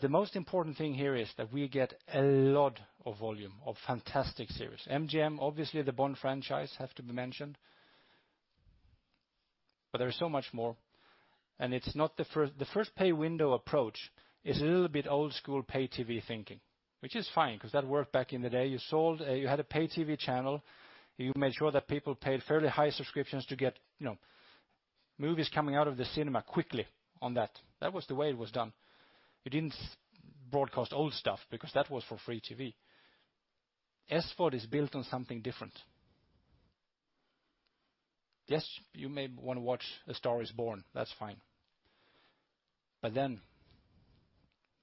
The most important thing here is that we get a lot of volume of fantastic series. MGM, obviously the "Bond" franchise have to be mentioned. There is so much more, the first pay window approach is a little bit old-school pay TV thinking, which is fine because that worked back in the day. You had a pay TV channel, you made sure that people paid fairly high subscriptions to get Movies coming out of the cinema quickly on that. That was the way it was done. You didn't broadcast old stuff because that was for free TV. SVOD is built on something different. Yes, you may want to watch "A Star Is Born," that's fine. Then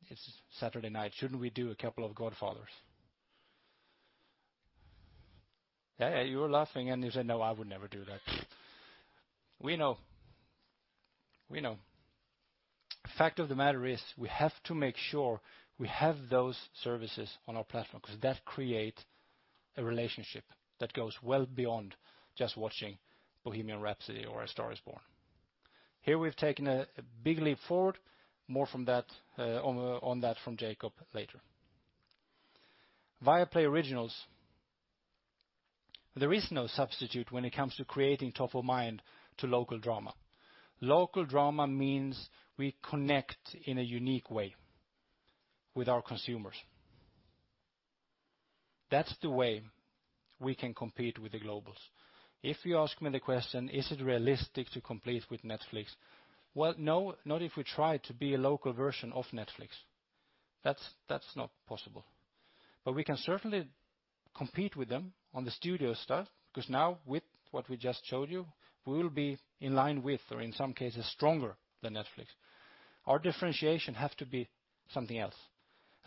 it's Saturday night, shouldn't we do a couple of "The Godfathers?" Yeah, you were laughing and you said, "No, I would never do that." We know. Fact of the matter is, we have to make sure we have those services on our platform because that creates a relationship that goes well beyond just watching "Bohemian Rhapsody" or "A Star Is Born." Here we've taken a big leap forward. More on that from Jakob later. Viaplay originals, there is no substitute when it comes to creating top of mind to local drama. Local drama means we connect in a unique way with our consumers. That's the way we can compete with the globals. If you ask me the question, is it realistic to compete with Netflix? Well, no, not if we try to be a local version of Netflix. That's not possible. We can certainly compete with them on the studio stuff, because now with what we just showed you, we will be in line with, or in some cases, stronger than Netflix. Our differentiation has to be something else.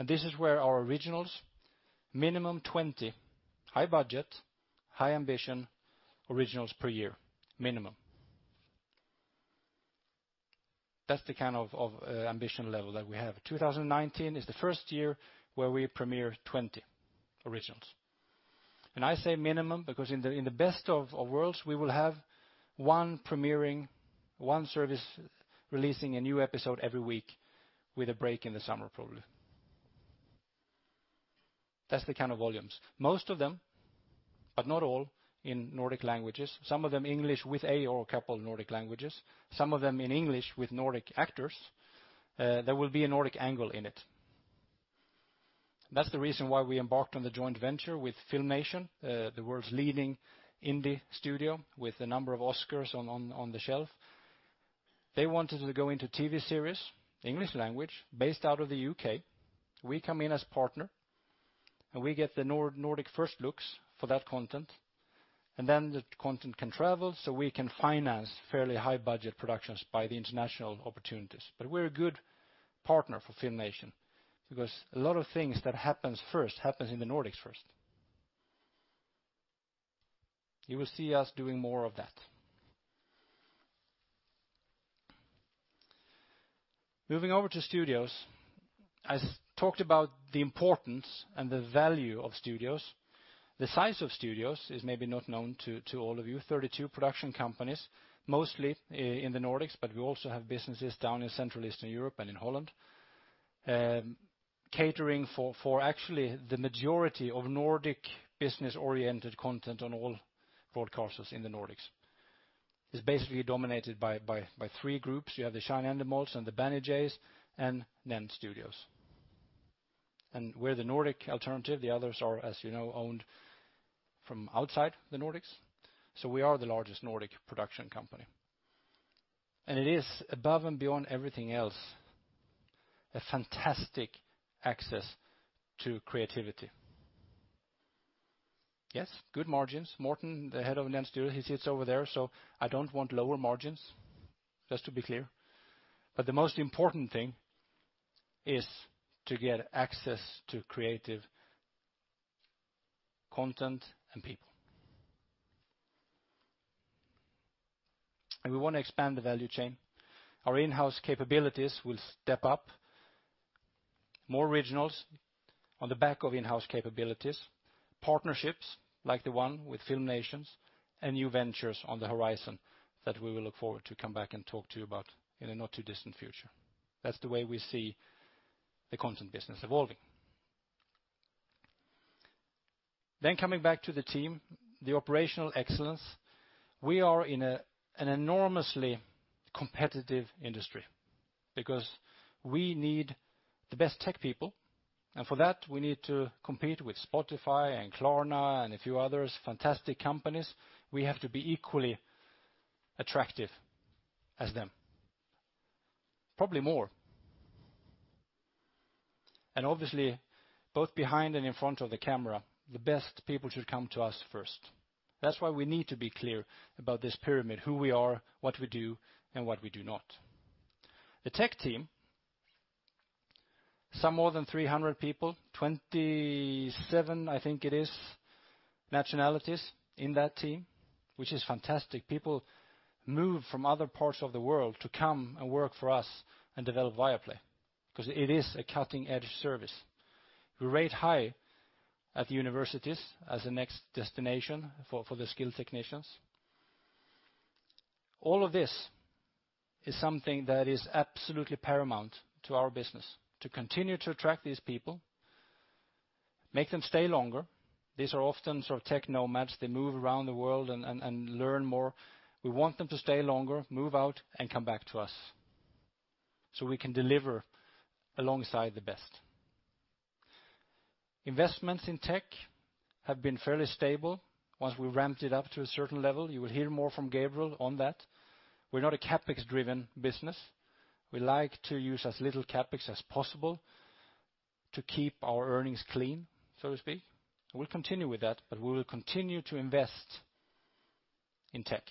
This is where our originals, minimum 20 high-budget, high-ambition originals per year, minimum. That's the kind of ambition level that we have. 2019 is the first year where we premiere 20 originals. I say minimum because in the best of worlds, we will have one premiering, one service releasing a new episode every week with a break in the summer probably. That's the kind of volumes. Most of them, but not all, in Nordic languages, some of them English with a, or a couple Nordic languages, some of them in English with Nordic actors. There will be a Nordic angle in it. That's the reason why we embarked on the joint venture with FilmNation, the world's leading indie studio with a number of Oscars on the shelf. They wanted to go into TV series, English language, based out of the U.K. We come in as partner, we get the Nordic first looks for that content, then the content can travel, so we can finance fairly high-budget productions by the international opportunities. We're a good partner for FilmNation, because a lot of things that happens first, happens in the Nordics first. You will see us doing more of that. Moving over to studios. I talked about the importance and the value of studios. The size of studios is maybe not known to all of you, 32 production companies, mostly in the Nordics, but we also have businesses down in Central Eastern Europe and in Holland. Catering for actually the majority of Nordic business-oriented content on all broadcasters in the Nordics. It's basically dominated by three groups. You have the Endemol Shine and the Banijays and NENT Studios. We're the Nordic alternative. The others are, as you know, owned from outside the Nordics. We are the largest Nordic production company. It is above and beyond everything else, a fantastic access to creativity. Yes, good margins. Morten, the head of NENT Studios, he sits over there, so I don't want lower margins, just to be clear. The most important thing is to get access to creative content and people. We want to expand the value chain. Our in-house capabilities will step up. More originals on the back of in-house capabilities, partnerships like the one with FilmNation, new ventures on the horizon that we will look forward to come back and talk to you about in a not too distant future. That's the way we see the content business evolving. Coming back to the team, the operational excellence. We are in an enormously competitive industry because we need the best tech people, and for that, we need to compete with Spotify and Klarna and a few others, fantastic companies. We have to be equally attractive as them. Probably more. Obviously, both behind and in front of the camera, the best people should come to us first. That's why we need to be clear about this pyramid, who we are, what we do, and what we do not. The tech team, some more than 300 people, 27 nationalities in that team, which is fantastic. People move from other parts of the world to come and work for us and develop Viaplay because it is a cutting-edge service. We rate high at the universities as a next destination for the skilled technicians. All of this is something that is absolutely paramount to our business, to continue to attract these people, make them stay longer. These are often sort of tech nomads. They move around the world and learn more. We want them to stay longer, move out, and come back to us so we can deliver alongside the best. Investments in tech have been fairly stable once we ramped it up to a certain level. You will hear more from Gabriel on that. We're not a CapEx-driven business. We like to use as little CapEx as possible to keep our earnings clean, so to speak. We'll continue with that, but we will continue to invest in tech.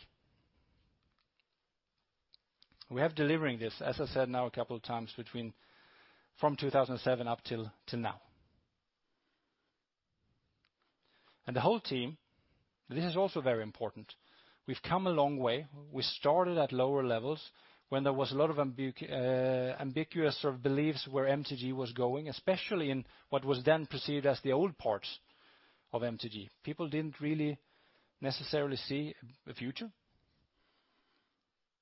We have delivering this, as I said now a couple of times, from 2007 up till now. The whole team, this is also very important. We've come a long way. We started at lower levels when there was a lot of ambiguous sort of beliefs where MTG was going, especially in what was then perceived as the old parts of MTG. People didn't really necessarily see a future.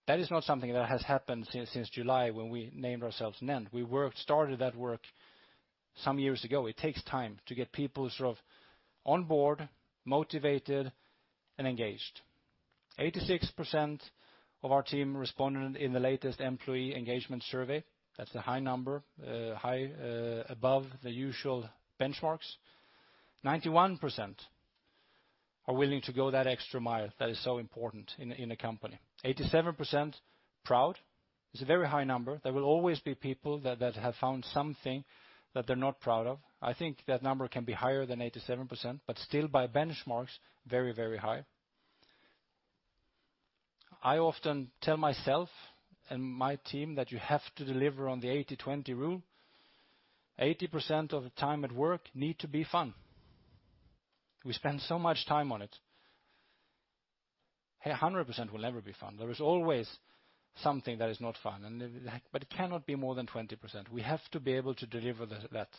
That is not something that has happened since July when we named ourselves NENT. We started that work some years ago. It takes time to get people sort of on board, motivated, and engaged. 86% of our team responded in the latest employee engagement survey. That's a high number, above the usual benchmarks. 91% are willing to go that extra mile. That is so important in a company. 87% proud is a very high number. There will always be people that have found something that they're not proud of. I think that number can be higher than 87%, but still by benchmarks, very high. I often tell myself and my team that you have to deliver on the 80-20 rule. 80% of the time at work needs to be fun. We spend so much time on it. Hey, 100% will never be fun. There is always something that is not fun, but it cannot be more than 20%. We have to be able to deliver that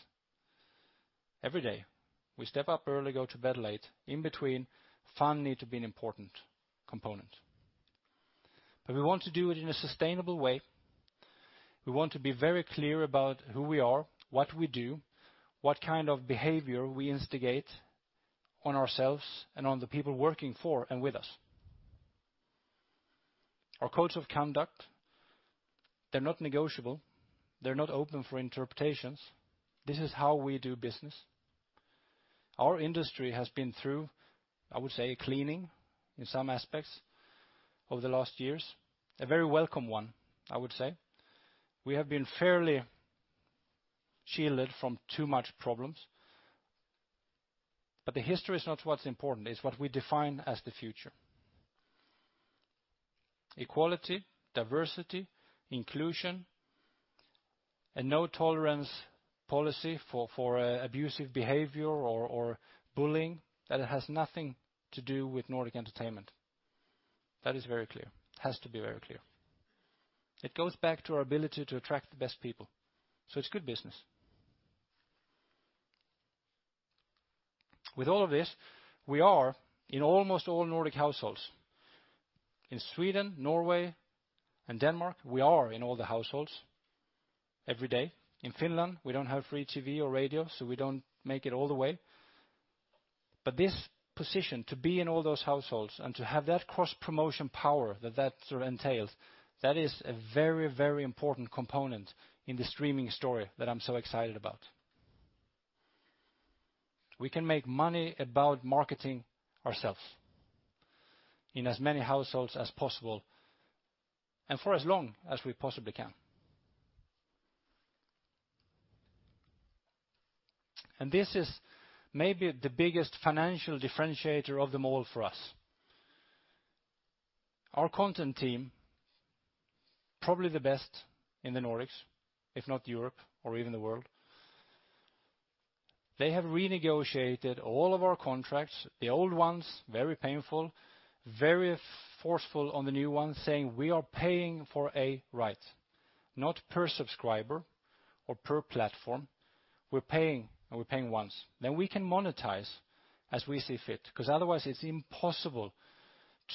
every day. We step up early, go to bed late. In between, fun needs to be an important component. We want to do it in a sustainable way. We want to be very clear about who we are, what we do, what kind of behavior we instigate on ourselves and on the people working for and with us. Our codes of conduct, they're not negotiable. They're not open for interpretations. This is how we do business. Our industry has been through, I would say, cleaning in some aspects over the last years. A very welcome one, I would say. We have been fairly shielded from too much problems. The history is not what's important, it's what we define as the future. Equality, diversity, inclusion, and no tolerance policy for abusive behavior or bullying, that has nothing to do with Nordic Entertainment. That is very clear. It has to be very clear. It goes back to our ability to attract the best people. It's good business. With all of this, we are in almost all Nordic households. In Sweden, Norway, and Denmark, we are in all the households every day. In Finland, we don't have free TV or radio, we don't make it all the way. This position to be in all those households and to have that cross-promotion power that sort of entails, that is a very important component in the streaming story that I'm so excited about. We can make money about marketing ourselves in as many households as possible and for as long as we possibly can. This is maybe the biggest financial differentiator of them all for us. Our content team, probably the best in the Nordics, if not Europe or even the world. They have renegotiated all of our contracts, the old ones, very painful, very forceful on the new ones, saying we are paying for a right, not per subscriber or per platform. We're paying, and we're paying once. We can monetize as we see fit, because otherwise it's impossible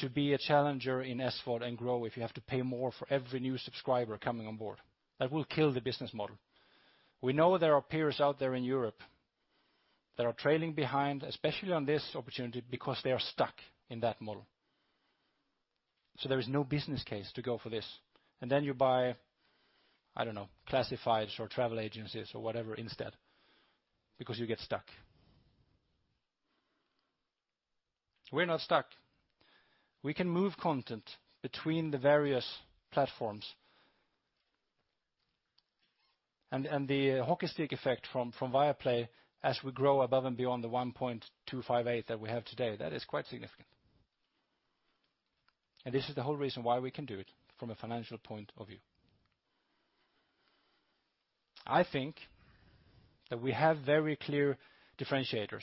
to be a challenger in SVOD and grow if you have to pay more for every new subscriber coming on board. That will kill the business model. We know there are peers out there in Europe that are trailing behind, especially on this opportunity, because they are stuck in that model. There is no business case to go for this. You buy, I don't know, classifieds or travel agencies or whatever instead, because you get stuck. We're not stuck. We can move content between the various platforms. The hockey stick effect from Viaplay as we grow above and beyond the 1.258 that we have today, that is quite significant. This is the whole reason why we can do it from a financial point of view. I think that we have very clear differentiators.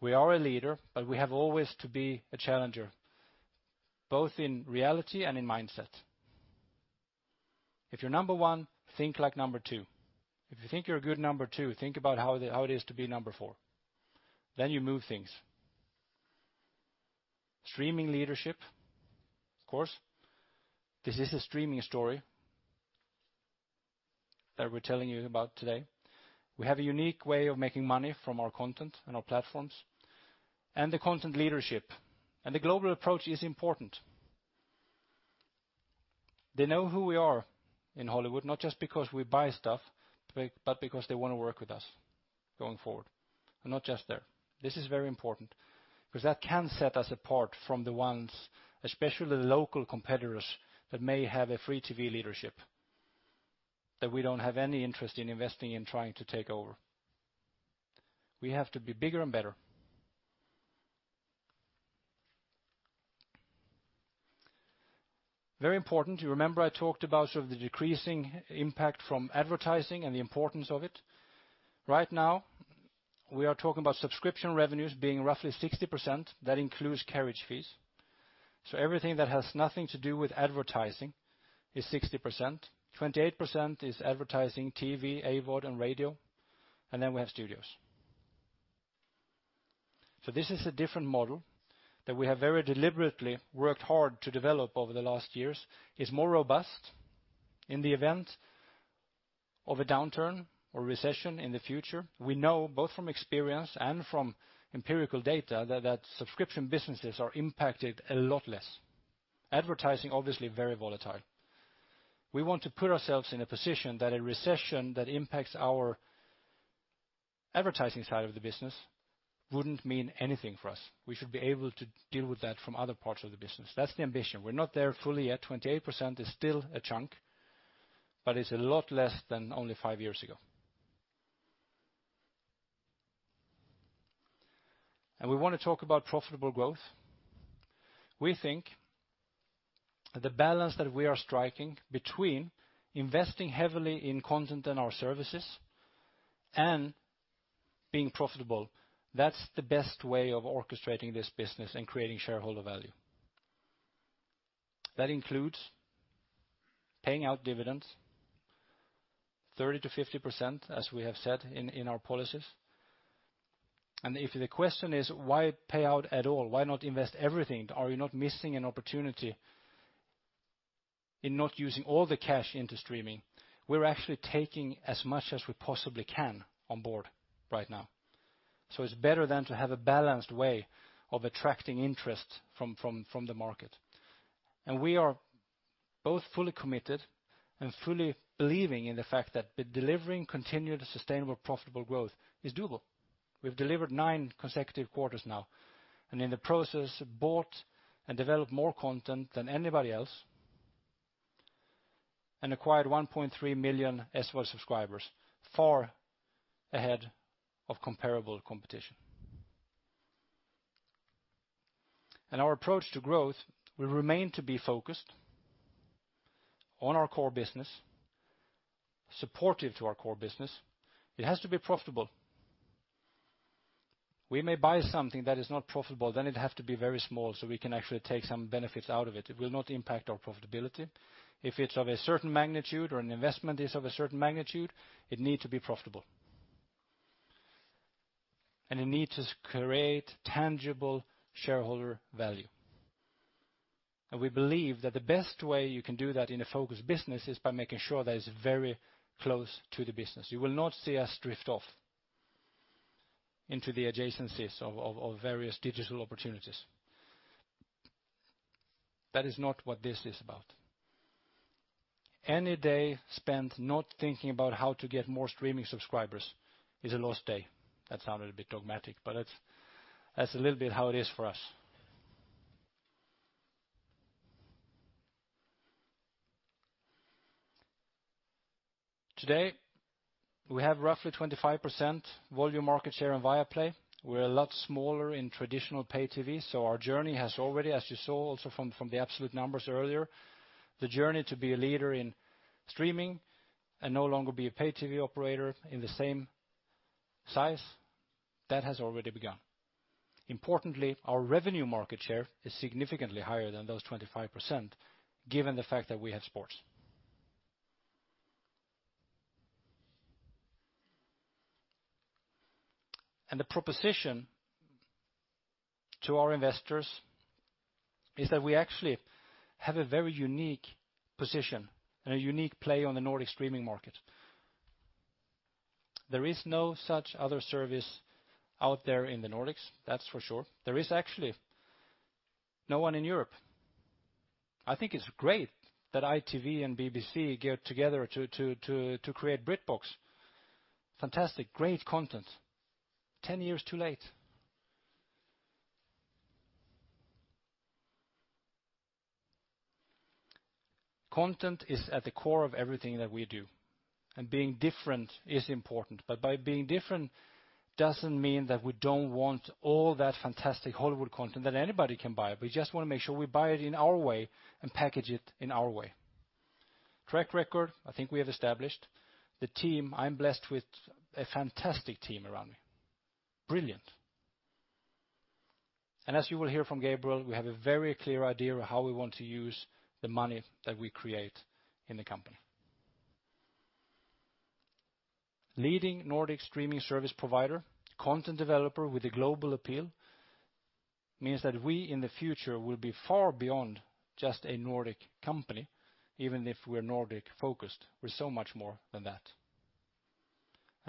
We are a leader, but we have always to be a challenger, both in reality and in mindset. If you're number 1, think like number 2. If you think you're a good number 2, think about how it is to be number 4. You move things. Streaming leadership, of course. This is a streaming story that we're telling you about today. We have a unique way of making money from our content and our platforms and the content leadership. The global approach is important. They know who we are in Hollywood, not just because we buy stuff, but because they want to work with us going forward. Not just there. This is very important because that can set us apart from the ones, especially the local competitors, that may have a free TV leadership that we don't have any interest in investing in trying to take over. We have to be bigger and better. Very important, you remember I talked about the decreasing impact from advertising and the importance of it. Right now, we are talking about subscription revenues being roughly 60%. That includes carriage fees. Everything that has nothing to do with advertising is 60%. 28% is advertising, TV, AVOD, and radio. We have studios. This is a different model that we have very deliberately worked hard to develop over the last years, is more robust in the event of a downturn or recession in the future. We know both from experience and from empirical data that subscription businesses are impacted a lot less. Advertising, obviously very volatile. We want to put ourselves in a position that a recession that impacts our advertising side of the business wouldn't mean anything for us. We should be able to deal with that from other parts of the business. That's the ambition. We're not there fully yet. 28% is still a chunk, but it's a lot less than only five years ago. We want to talk about profitable growth. We think the balance that we are striking between investing heavily in content and our services and being profitable, that's the best way of orchestrating this business and creating shareholder value. That includes paying out dividends 30%-50%, as we have said in our policies. If the question is why pay out at all, why not invest everything? Are you not missing an opportunity in not using all the cash into streaming? We're actually taking as much as we possibly can on board right now. It's better than to have a balanced way of attracting interest from the market. We are both fully committed and fully believing in the fact that delivering continued, sustainable, profitable growth is doable. We've delivered nine consecutive quarters now, and in the process, bought and developed more content than anybody else and acquired 1.3 million SVOD subscribers, far ahead of comparable competition. Our approach to growth will remain to be focused on our core business, supportive to our core business. It has to be profitable. We may buy something that is not profitable, it has to be very small so we can actually take some benefits out of it. It will not impact our profitability. If it's of a certain magnitude or an investment is of a certain magnitude, it needs to be profitable. It needs to create tangible shareholder value. We believe that the best way you can do that in a focused business is by making sure that it's very close to the business. You will not see us drift off into the adjacencies of various digital opportunities. That is not what this is about. Any day spent not thinking about how to get more streaming subscribers is a lost day. That sounded a bit dogmatic, but that's a little bit how it is for us. Today, we have roughly 25% volume market share on Viaplay. We're a lot smaller in traditional pay TV, our journey has already, as you saw also from the absolute numbers earlier, the journey to be a leader in streaming and no longer be a pay TV operator in the same size, that has already begun. Importantly, our revenue market share is significantly higher than those 25%, given the fact that we have sports. The proposition to our investors is that we actually have a very unique position and a unique play on the Nordic streaming market. There is no such other service out there in the Nordics, that's for sure. There is actually no one in Europe. I think it's great that ITV and BBC get together to create BritBox. Fantastic. Great content. Ten years too late. Content is at the core of everything that we do, and being different is important. Being different doesn't mean that we don't want all that fantastic Hollywood content that anybody can buy. We just want to make sure we buy it in our way and package it in our way. Track record, I think we have established. The team, I'm blessed with a fantastic team around me. Brilliant. As you will hear from Gabriel, we have a very clear idea of how we want to use the money that we create in the company. Leading Nordic streaming service provider, content developer with a global appeal means that we, in the future, will be far beyond just a Nordic company, even if we're Nordic-focused. We're so much more than that.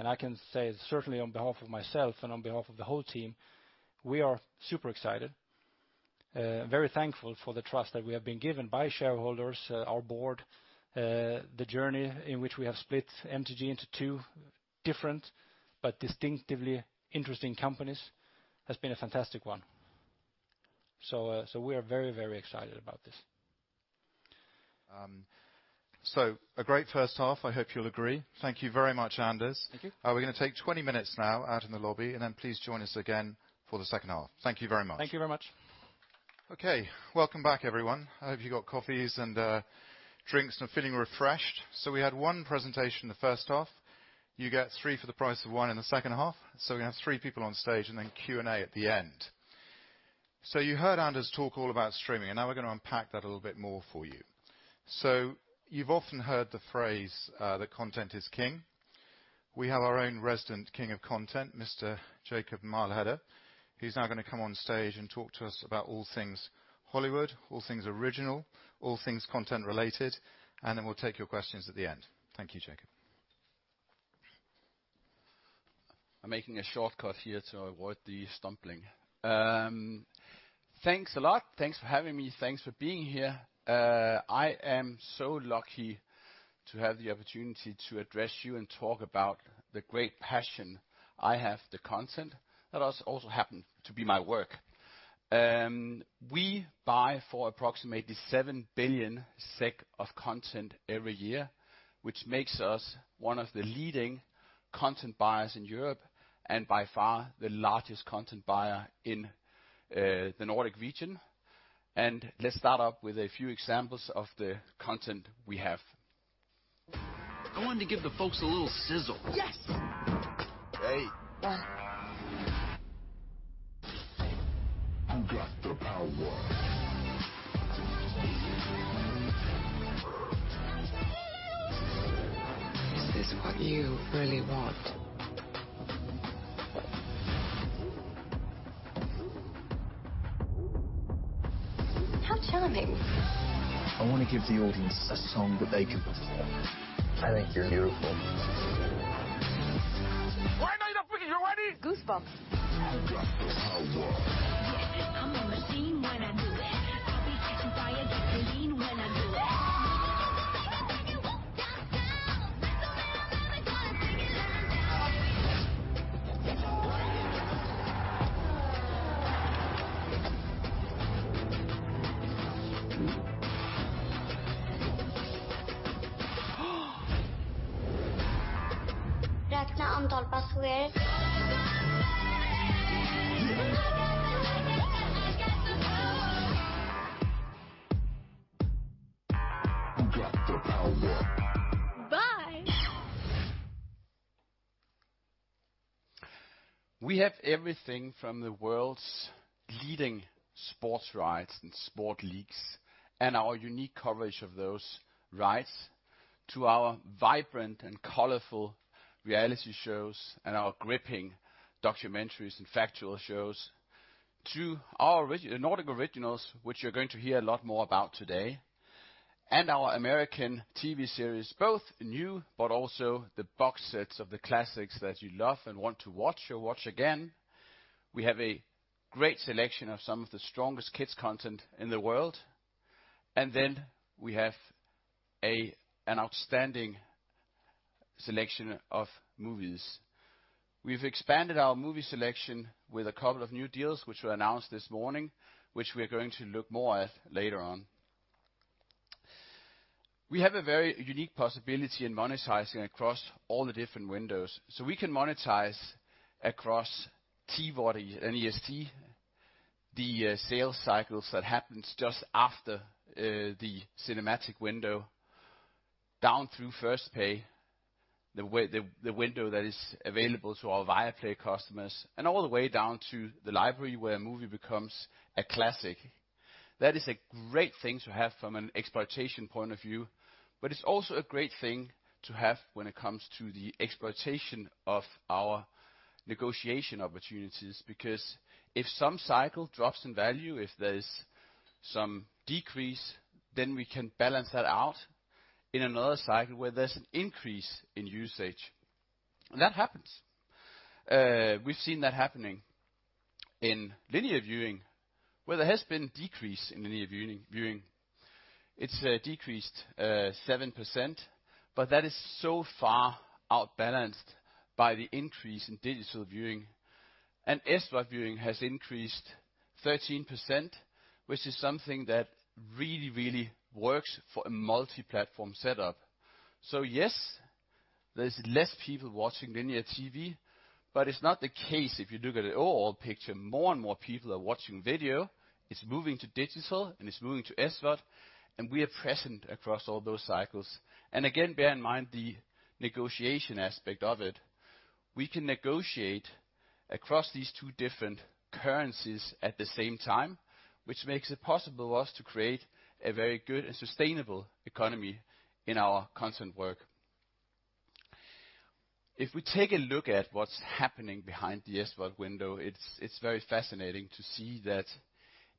I can say certainly on behalf of myself and on behalf of the whole team, we are super excited, very thankful for the trust that we have been given by shareholders, our board. The journey in which we have split MTG into two different but distinctively interesting companies has been a fantastic one. We are very excited about this. A great first half, I hope you'll agree. Thank you very much, Anders. Thank you. We're going to take 20 minutes now out in the lobby, then please join us again for the second half. Thank you very much. Thank you very much. Welcome back, everyone. I hope you got coffees and drinks and are feeling refreshed. We had one presentation in the first half. You get three for the price of one in the second half. We're going to have three people on stage, then Q&A at the end. You heard Anders talk all about streaming, now we're going to unpack that a little bit more for you. You've often heard the phrase that content is king. We have our own resident king of content, Mr. Jakob Mejlhede, who's now going to come on stage and talk to us about all things Hollywood, all things original, all things content related, then we'll take your questions at the end. Thank you, Jakob. I'm making a shortcut here to avoid the stumbling. Thanks a lot. Thanks for having me. Thanks for being here. I am so lucky to have the opportunity to address you and talk about the great passion I have, the content that also happens to be my work. We buy for approximately 7 billion SEK of content every year, which makes us one of the leading content buyers in Europe and by far the largest content buyer in the Nordic region. Let's start up with a few examples of the content we have. I wanted to give the folks a little sizzle. Yes. Hey. What? Who got the power? Is this what you really want? How charming. I want to give the audience a song that they can perform. I think you're beautiful. Right now, you're fucking ready. Goosebumps. Who got the power? Yeah, I'm a machine when I do it. I'll be catching fire, gasoline when I do it. Maybe you could take it, take it way downtown. Bet the way I move it, got a stick it lockdown. We have everything from the world's leading sports rights and sport leagues and our unique coverage of those rights to our vibrant and colorful reality shows and our gripping documentaries and factual shows to our Nordic originals, which you're going to hear a lot more about today. Our American TV series, both new, but also the box sets of the classics that you love and want to watch or watch again. We have a great selection of some of the strongest kids content in the world. We have an outstanding selection of movies. We've expanded our movie selection with a couple of new deals, which were announced this morning, which we are going to look more at later on. We have a very unique possibility in monetizing across all the different windows. We can monetize across TVOD and EST, the sales cycles that happens just after the cinematic window, down through first pay, the window that is available to all Viaplay customers, and all the way down to the library where a movie becomes a classic. That is a great thing to have from an exploitation point of view, but it is also a great thing to have when it comes to the exploitation of our negotiation opportunities, because if some cycle drops in value, if there is some decrease, then we can balance that out in another cycle where there is an increase in usage. That happens. We have seen that happening in linear viewing, where there has been a decrease in linear viewing. It has decreased 7%, but that is so far outbalanced by the increase in digital viewing. SVOD viewing has increased 13%, which is something that really works for a multi-platform setup. Yes, there is less people watching linear TV, but it is not the case if you look at the overall picture. More and more people are watching video. It is moving to digital, and it is moving to SVOD, and we are present across all those cycles. Again, bear in mind the negotiation aspect of it. We can negotiate across these two different currencies at the same time, which makes it possible for us to create a very good and sustainable economy in our content work. If we take a look at what is happening behind the SVOD window, it is very fascinating to see that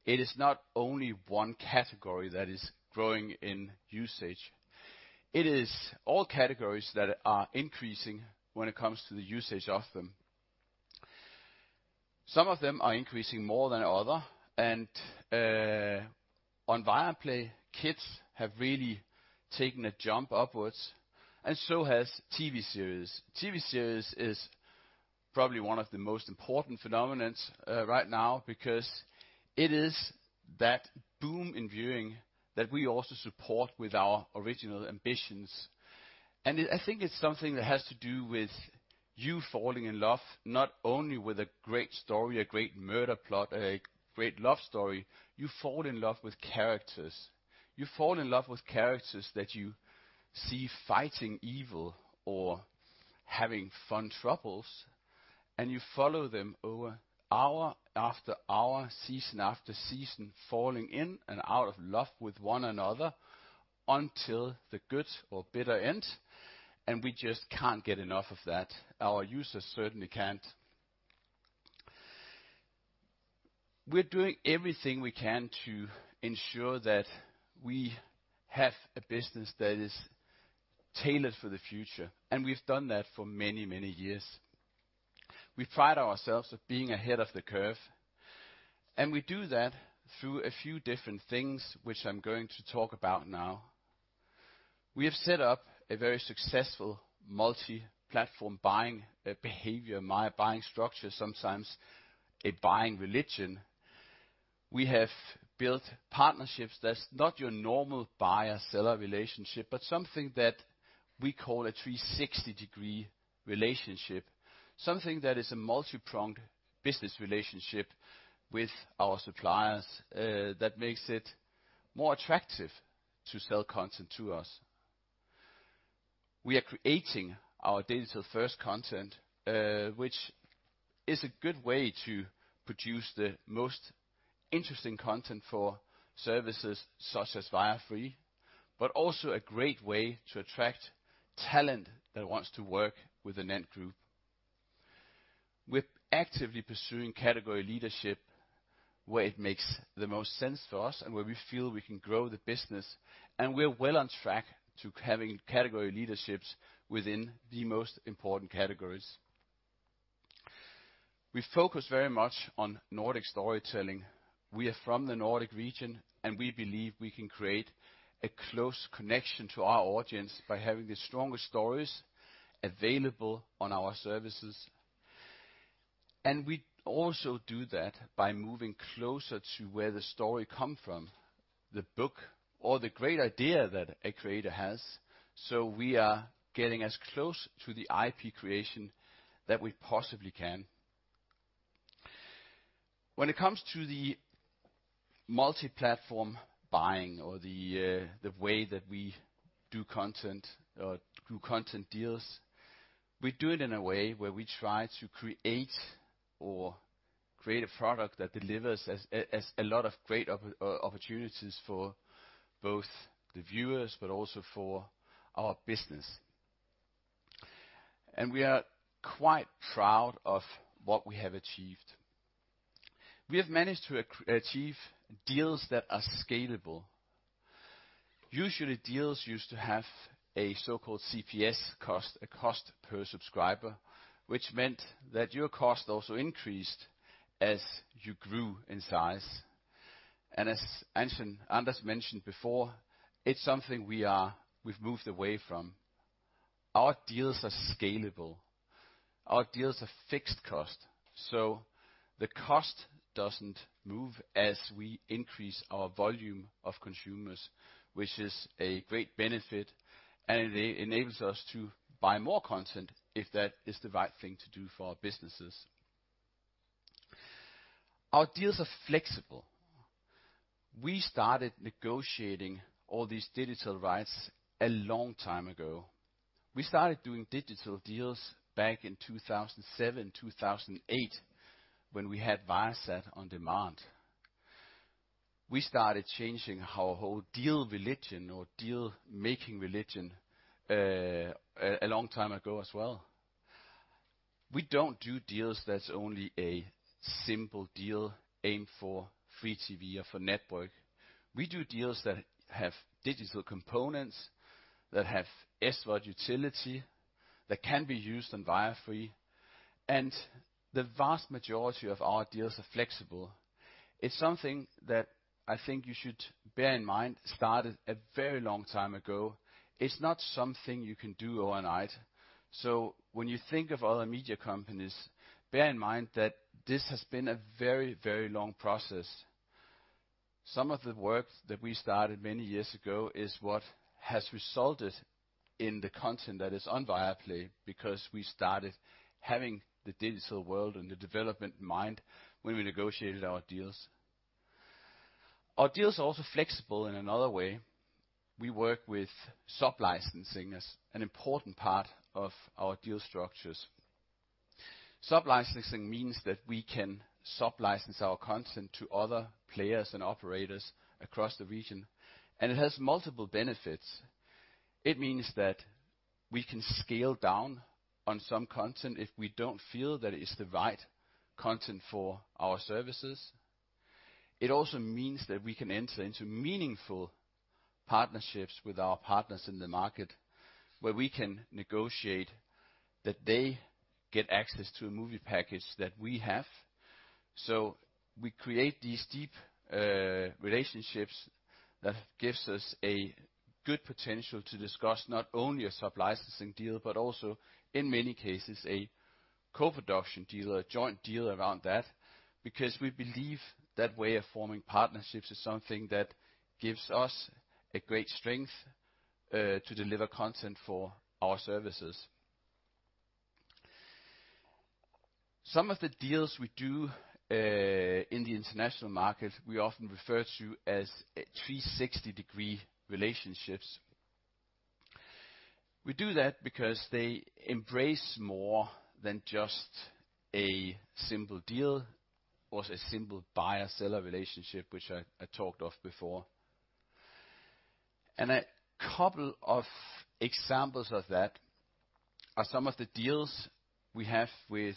it is not only one category that is growing in usage. It is all categories that are increasing when it comes to the usage of them. Some of them are increasing more than other and on Viaplay, kids have really taken a jump upwards and so has TV series. TV series is probably one of the most important phenomenons right now because it is that boom in viewing that we also support with our original ambitions. I think it is something that has to do with you falling in love, not only with a great story, a great murder plot, a great love story. You fall in love with characters. You fall in love with characters that you see fighting evil or having fun troubles, and you follow them over hour after hour, season after season, falling in and out of love with one another until the good or bitter end, and we just cannot get enough of that. Our users certainly cannot. We are doing everything we can to ensure that we have a business that is tailored for the future, we have done that for many, many years. We pride ourselves of being ahead of the curve, we do that through a few different things, which I am going to talk about now. We have set up a very successful multi-platform buying behavior, buying structure, sometimes a buying religion. We have built partnerships that is not your normal buyer-seller relationship, but something that we call a 360-degree relationship, something that is a multi-pronged business relationship with our suppliers, that makes it more attractive to sell content to us. We are creating our digital-first content, which is a good way to produce the most interesting content for services such as Viafree, but also a great way to attract talent that wants to work with the NENT Group. We're actively pursuing category leadership where it makes the most sense for us and where we feel we can grow the business, we're well on track to having category leaderships within the most important categories. We focus very much on Nordic storytelling. We are from the Nordic region, and we believe we can create a close connection to our audience by having the strongest stories available on our services. We also do that by moving closer to where the story come from, the book or the great idea that a creator has. We are getting as close to the IP creation that we possibly can. When it comes to the multi-platform buying or the way that we do content or do content deals, we do it in a way where we try to create a product that delivers a lot of great opportunities for both the viewers but also for our business. We are quite proud of what we have achieved. We have managed to achieve deals that are scalable. Usually, deals used to have a so-called CPS cost, a cost per subscriber, which meant that your cost also increased as you grew in size. As Anders mentioned before, it's something we've moved away from. Our deals are scalable. Our deals are fixed cost, the cost doesn't move as we increase our volume of consumers, which is a great benefit, and it enables us to buy more content if that is the right thing to do for our businesses. Our deals are flexible. We started negotiating all these digital rights a long time ago. We started doing digital deals back in 2007, 2008, when we had Viasat On Demand. We started changing our whole deal religion or deal-making religion a long time ago as well. We don't do deals that's only a simple deal aimed for free TV or for network. We do deals that have digital components that have SVOD utility that can be used on Viafree, the vast majority of our deals are flexible. It's something that I think you should bear in mind, started a very long time ago. It's not something you can do overnight. When you think of other media companies, bear in mind that this has been a very, very long process. Some of the work that we started many years ago is what has resulted in the content that is on Viaplay because we started having the digital world and the development in mind when we negotiated our deals. Our deals are also flexible in another way. We work with sub-licensing as an important part of our deal structures. Sub-licensing means that we can sub-license our content to other players and operators across the region, it has multiple benefits. It means that we can scale down on some content if we don't feel that it's the right content for our services. It also means that we can enter into meaningful partnerships with our partners in the market, where we can negotiate that they get access to a movie package that we have. We create these deep relationships that gives us a good potential to discuss not only a sub-licensing deal, but also, in many cases, a co-production deal or a joint deal around that, because we believe that way of forming partnerships is something that gives us a great strength to deliver content for our services. Some of the deals we do in the international market, we often refer to as 360-degree relationships. We do that because they embrace more than just a simple deal or a simple buyer-seller relationship, which I talked of before. A couple of examples of that are some of the deals we have with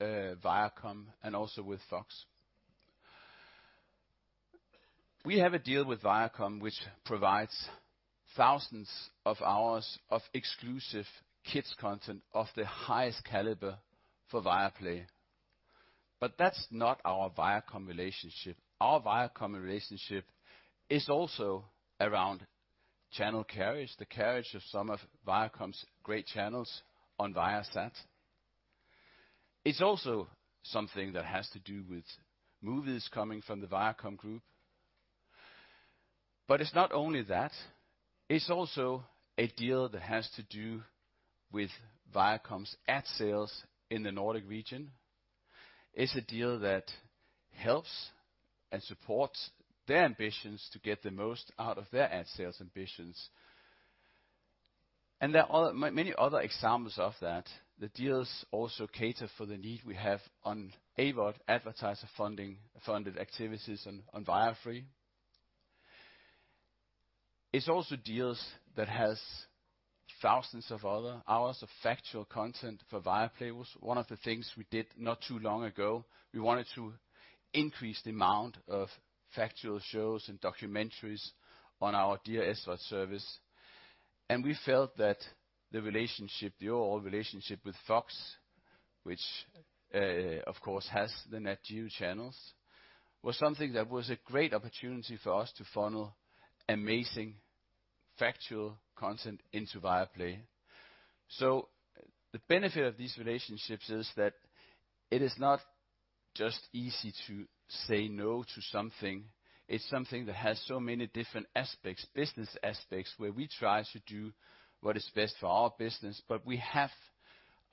Viacom and also with Fox. We have a deal with Viacom, which provides thousands of hours of exclusive kids content of the highest caliber for Viaplay. That's not our Viacom relationship. Our Viacom relationship is also around channel carriage, the carriage of some of Viacom's great channels on Viasat. It's also something that has to do with movies coming from the Viacom group. It's not only that, it's also a deal that has to do with Viacom's ad sales in the Nordic region. It's a deal that helps and supports their ambitions to get the most out of their ad sales ambitions. There are many other examples of that. The deals also cater for the need we have on AVOD, advertiser-funded activities on Viafree. It's also deals that has thousands of other hours of factual content for Viaplay. One of the things we did not too long ago, we wanted to increase the amount of factual shows and documentaries on our [Dplay service. We felt that the overall relationship with Fox, which, of course, has the Nat Geo channels, was something that was a great opportunity for us to funnel amazing factual content into Viaplay. The benefit of these relationships is that it is not just easy to say no to something. It's something that has so many different aspects, business aspects, where we try to do what is best for our business, but we have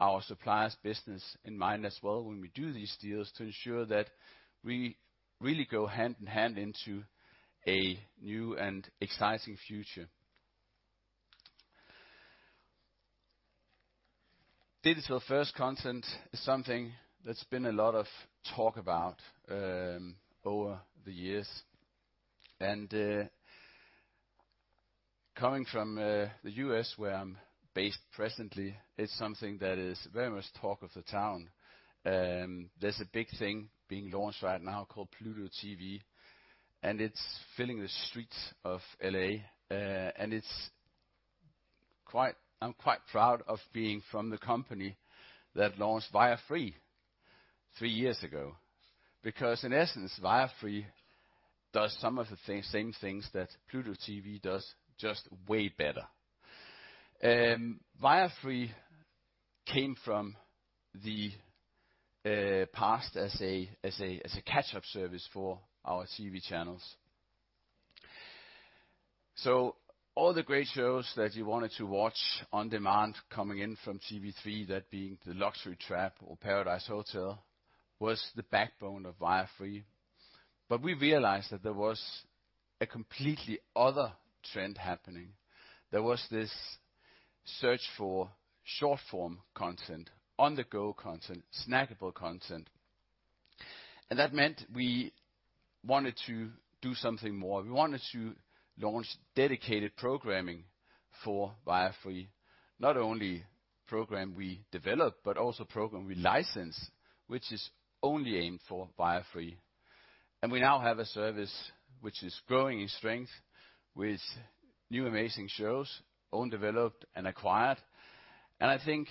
our suppliers' business in mind as well when we do these deals to ensure that we really go hand in hand into a new and exciting future. Digital-first content is something that's been a lot of talk about over the years, and coming from the U.S. where I'm based presently, it's something that is very much talk of the town. There's a big thing being launched right now called Pluto TV, and it's filling the streets of L.A., and I'm quite proud of being from the company that launched Viafree three years ago, because in essence, Viafree does some of the same things that Pluto TV does, just way better. Viafree came from the past as a catch-up service for our TV channels. All the great shows that you wanted to watch on demand coming in from TV3, that being "The Luxury Trap" or "Paradise Hotel," was the backbone of Viafree. We realized that there was a completely other trend happening. There was this search for short-form content, on-the-go content, snackable content. That meant we wanted to do something more. We wanted to launch dedicated programming for Viafree. Not only program we develop, but also program we license, which is only aimed for Viafree. We now have a service which is growing in strength with new amazing shows, own developed and acquired. I think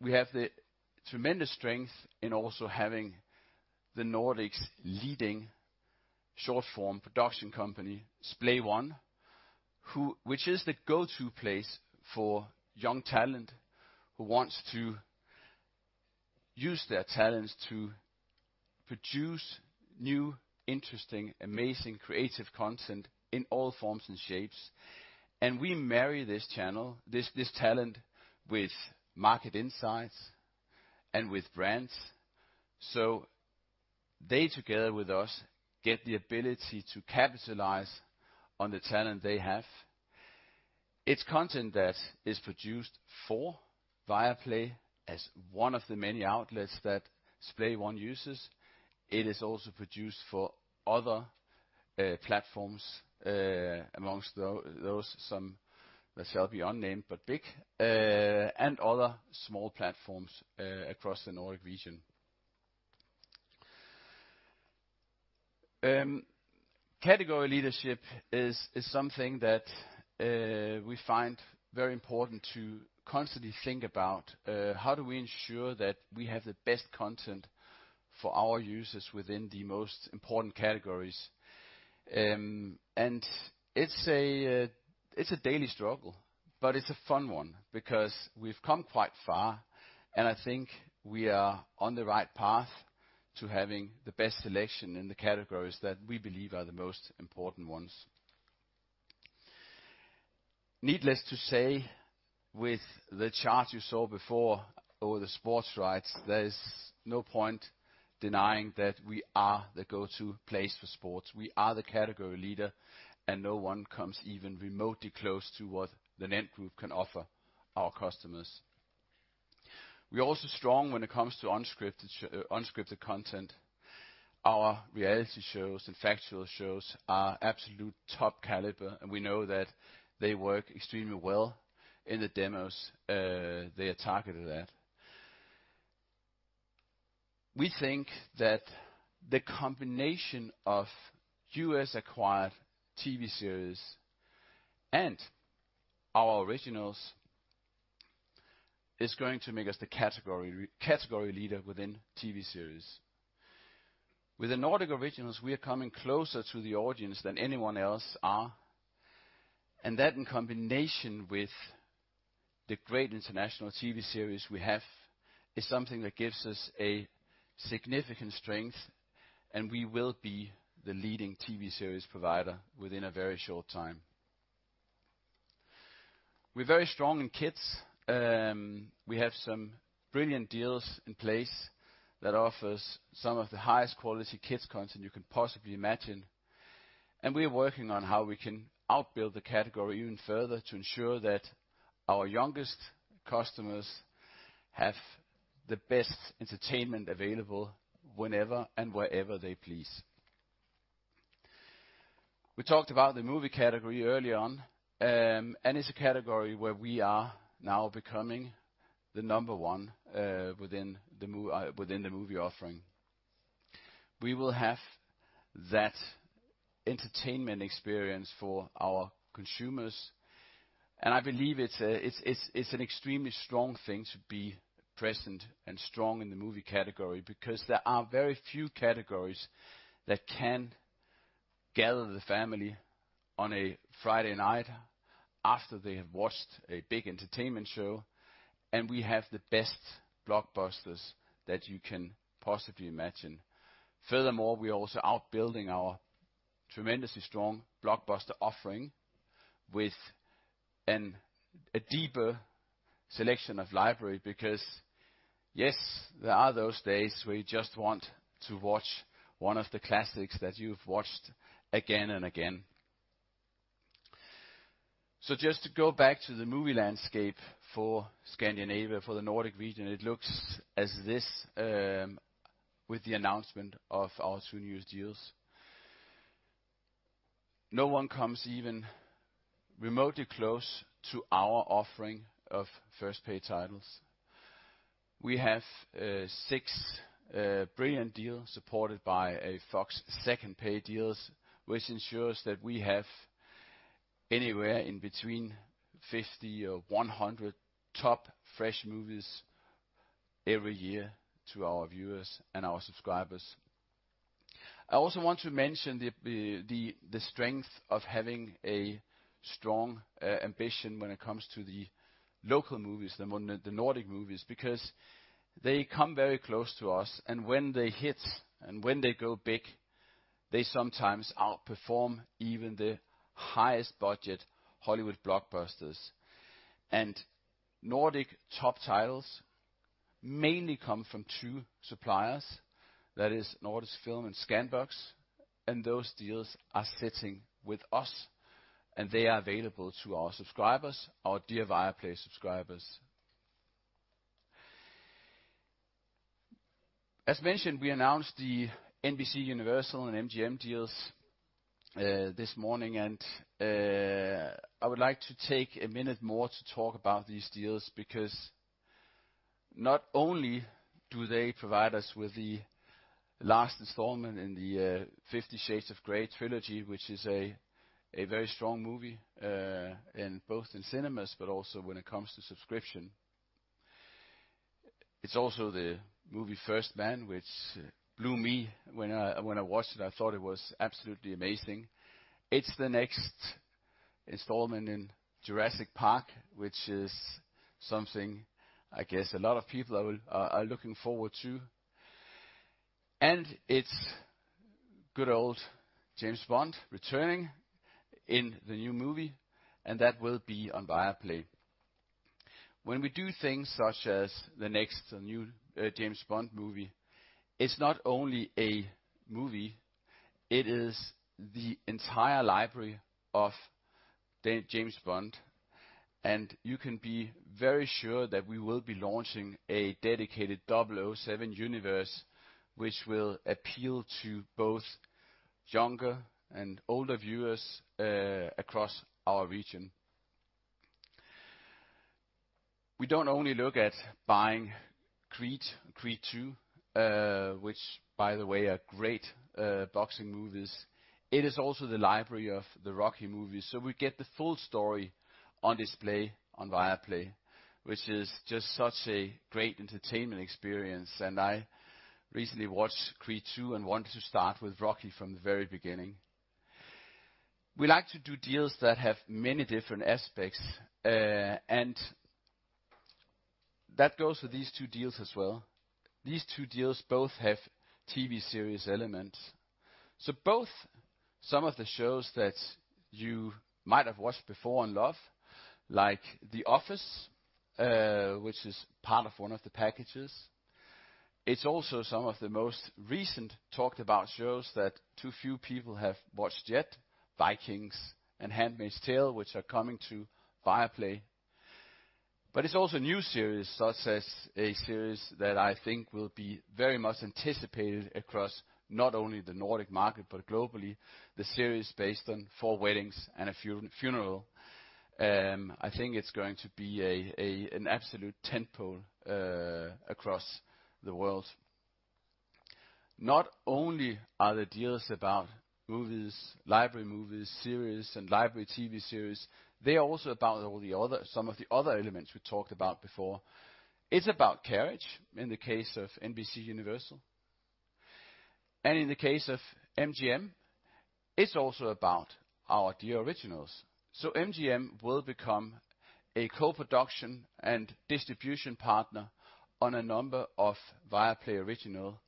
we have the tremendous strength in also having the Nordic's leading short-form production company, Splay One, which is the go-to place for young talent who wants to use their talents to produce new, interesting, amazing, creative content in all forms and shapes. We marry this talent with market insights and with brands. They, together with us, get the ability to capitalize on the talent they have. It's content that is produced for Viaplay as one of the many outlets that Splay One uses. It is also produced for other platforms amongst those, some that shall be unnamed, but big, and other small platforms across the Nordic region. Category leadership is something that we find very important to constantly think about. How do we ensure that we have the best content for our users within the most important categories? It's a daily struggle, but it's a fun one because we've come quite far, and I think we are on the right path to having the best selection in the categories that we believe are the most important ones. Needless to say, with the chart you saw before over the sports rights, there is no point denying that we are the go-to place for sports. We are the category leader, and no one comes even remotely close to what the NENT Group can offer our customers. We're also strong when it comes to unscripted content. Our reality shows and factual shows are absolute top caliber, and we know that they work extremely well in the demos they are targeted at. We think that the combination of U.S.-acquired TV series and our originals is going to make us the category leader within TV series. With the Nordic originals, we are coming closer to the audience than anyone else are. That in combination with the great international TV series we have, is something that gives us a significant strength, and we will be the leading TV series provider within a very short time. We're very strong in kids. We have some brilliant deals in place that offers some of the highest quality kids content you can possibly imagine, and we are working on how we can outbuild the category even further to ensure that our youngest customers have the best entertainment available whenever and wherever they please. We talked about the movie category early on, and it's a category where we are now becoming the number one within the movie offering. We will have that entertainment experience for our consumers, and I believe it's an extremely strong thing to be present and strong in the movie category because there are very few categories that can gather the family on a Friday night after they have watched a big entertainment show, and we have the best blockbusters that you can possibly imagine. Furthermore, we're also outbuilding our tremendously strong blockbuster offering with a deeper selection of library because, yes, there are those days where you just want to watch one of the classics that you've watched again and again. Just to go back to the movie landscape for Scandinavia, for the Nordic region, it looks as this with the announcement of our two newest deals. No one comes even remotely close to our offering of first pay titles. We have six brilliant deals supported by a Fox second pay deals, which ensures that we have anywhere in between 50 or 100 top fresh movies every year to our viewers and our subscribers. I also want to mention the strength of having a strong ambition when it comes to the local movies, the Nordic movies, because they come very close to us and when they hit and when they go big, they sometimes outperform even the highest budget Hollywood blockbusters. Nordic top titles mainly come from two suppliers, that is Nordisk Film and Scanbox, and those deals are sitting with us, and they are available to our subscribers, our dear Viaplay subscribers. As mentioned, we announced the NBCUniversal and MGM deals this morning, and I would like to take a minute more to talk about these deals because not only do they provide us with the last installment in the "Fifty Shades of Grey" trilogy, which is a very strong movie both in cinemas but also when it comes to subscription. It's also the movie "First Man" which blew me when I watched it. I thought it was absolutely amazing. It's the next installment in Jurassic Park, which is something I guess a lot of people are looking forward to. It's good old James Bond returning in the new movie, and that will be on Viaplay. When we do things such as the next new James Bond movie, it's not only a movie, it is the entire library of James Bond. You can be very sure that we will be launching a dedicated 007 universe, which will appeal to both younger and older viewers across our region. We don't only look at buying Creed II, which by the way are great boxing movies. It is also the library of the Rocky movies, so we get the full story on display on Viaplay, which is just such a great entertainment experience. I recently watched Creed II and wanted to start with Rocky from the very beginning. We like to do deals that have many different aspects, and that goes for these two deals as well. These two deals both have TV series elements. Both some of the shows that you might have watched before and love, like The Office, which is part of one of the packages. It's also some of the most recent talked about shows that too few people have watched yet, Vikings and The Handmaid's Tale, which are coming to Viaplay. It's also a new series, such as a series that I think will be very much anticipated across not only the Nordic market, but globally. The series based on Four Weddings and a Funeral. I think it's going to be an absolute tent-pole across the world. Not only are the deals about movies, library movies, series and library TV series, they are also about some of the other elements we talked about before. It's about carriage, in the case of NBCUniversal. In the case of MGM, it's also about our dear originals. MGM will become a co-production and distribution partner on a number of Viaplay Original,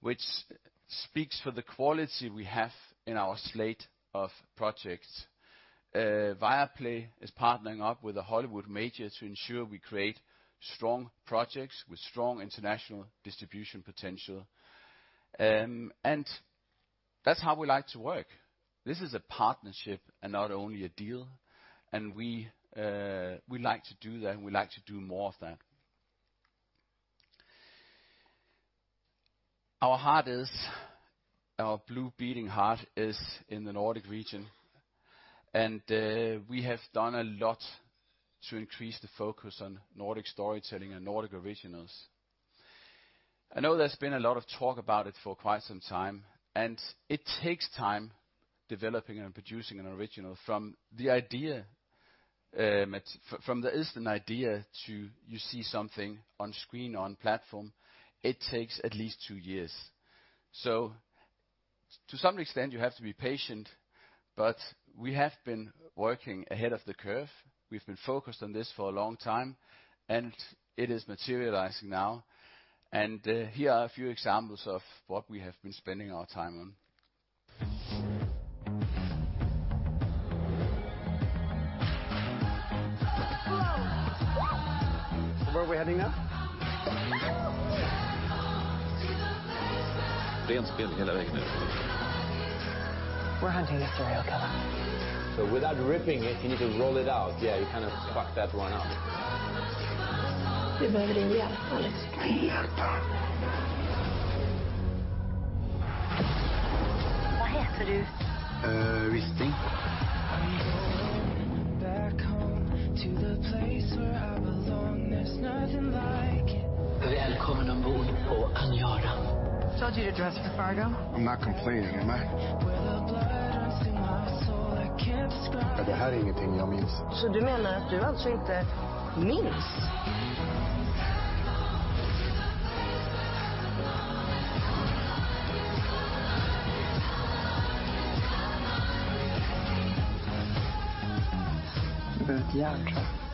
which speaks for the quality we have in our slate of projects. Viaplay is partnering up with a Hollywood major to ensure we create strong projects with strong international distribution potential. That's how we like to work. This is a partnership and not only a deal. We like to do that, and we like to do more of that. Our blue beating heart is in the Nordic region, and we have done a lot to increase the focus on Nordic storytelling and Nordic Originals. I know there's been a lot of talk about it for quite some time. It takes time developing and producing an Original from the idea, from the instant idea to you see something on screen, on platform, it takes at least two years. To some extent, you have to be patient. We have been working ahead of the curve. We've been focused on this for a long time, and it is materializing now. Here are a few examples of what we have been spending our time on. Whoa. Where are we heading now? We're hunting a serial killer. Without ripping it, you need to roll it out. Yeah, you kind of fucked that one up. We need your help, Alex. My heart. What's your name? Wisting. Welcome aboard Aniara. Told you to dress for Fargo. I'm not complaining, am I? This is nothing I remember. You mean you don't remember anything? The devil.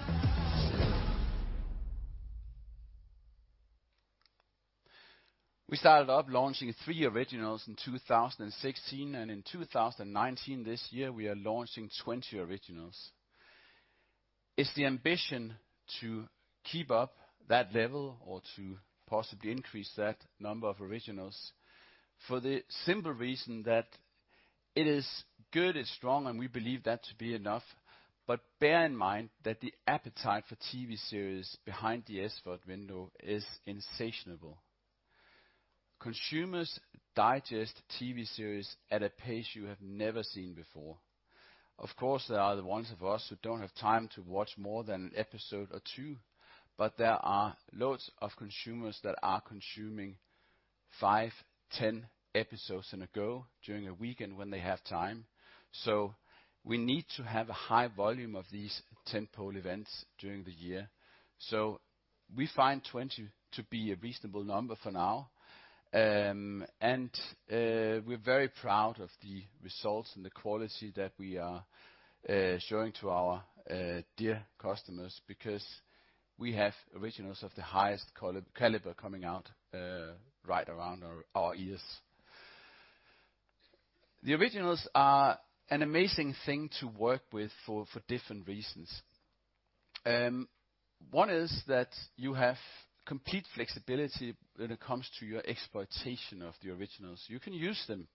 We started up launching three Originals in 2016, and in 2019, this year, we are launching 20 Originals. It's the ambition to keep up that level or to possibly increase that number of Originals for the simple reason that it is good, it's strong, and we believe that to be enough. Bear in mind that the appetite for TV series behind the SVOD window is insatiable. Consumers digest TV series at a pace you have never seen before. Of course, there are the ones of us who don't have time to watch more than an episode or two, but there are loads of consumers that are consuming five, 10 episodes in a go during a weekend when they have time. We need to have a high volume of these tent-pole events during the year. We find 20 to be a reasonable number for now. We're very proud of the results and the quality that we are showing to our dear customers, because we have originals of the highest caliber coming out right around our ears. The originals are an amazing thing to work with for different reasons. One is that you have complete flexibility when it comes to your exploitation of the originals. You can use them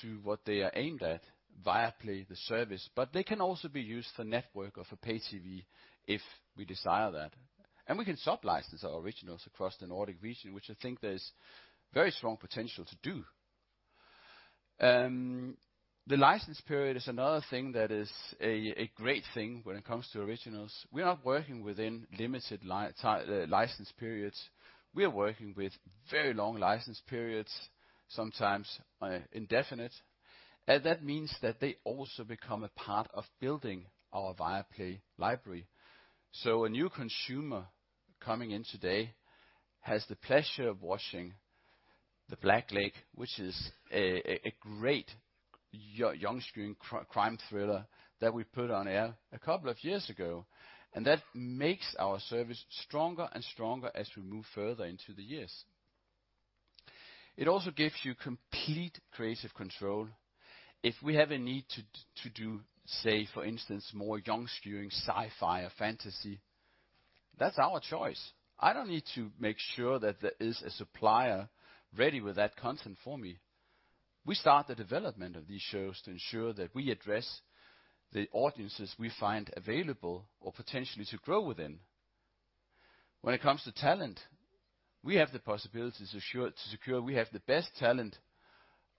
to what they are aimed at, Viaplay the service, but they can also be used for network or for pay TV if we desire that. We can sub-license our originals across the Nordic region, which I think there's very strong potential to do. The license period is another thing that is a great thing when it comes to originals. We are not working within limited license periods. We are working with very long license periods, sometimes indefinite. That means that they also become a part of building our Viaplay library. A new consumer coming in today has the pleasure of watching Black Lake, which is a great young streaming crime thriller that we put on air a couple of years ago. That makes our service stronger and stronger as we move further into the years. It also gives you complete creative control. If we have a need to do, say, for instance, more young streaming sci-fi or fantasy, that's our choice. I don't need to make sure that there is a supplier ready with that content for me. We start the development of these shows to ensure that we address the audiences we find available or potentially to grow within. When it comes to talent, we have the possibility to secure we have the best talent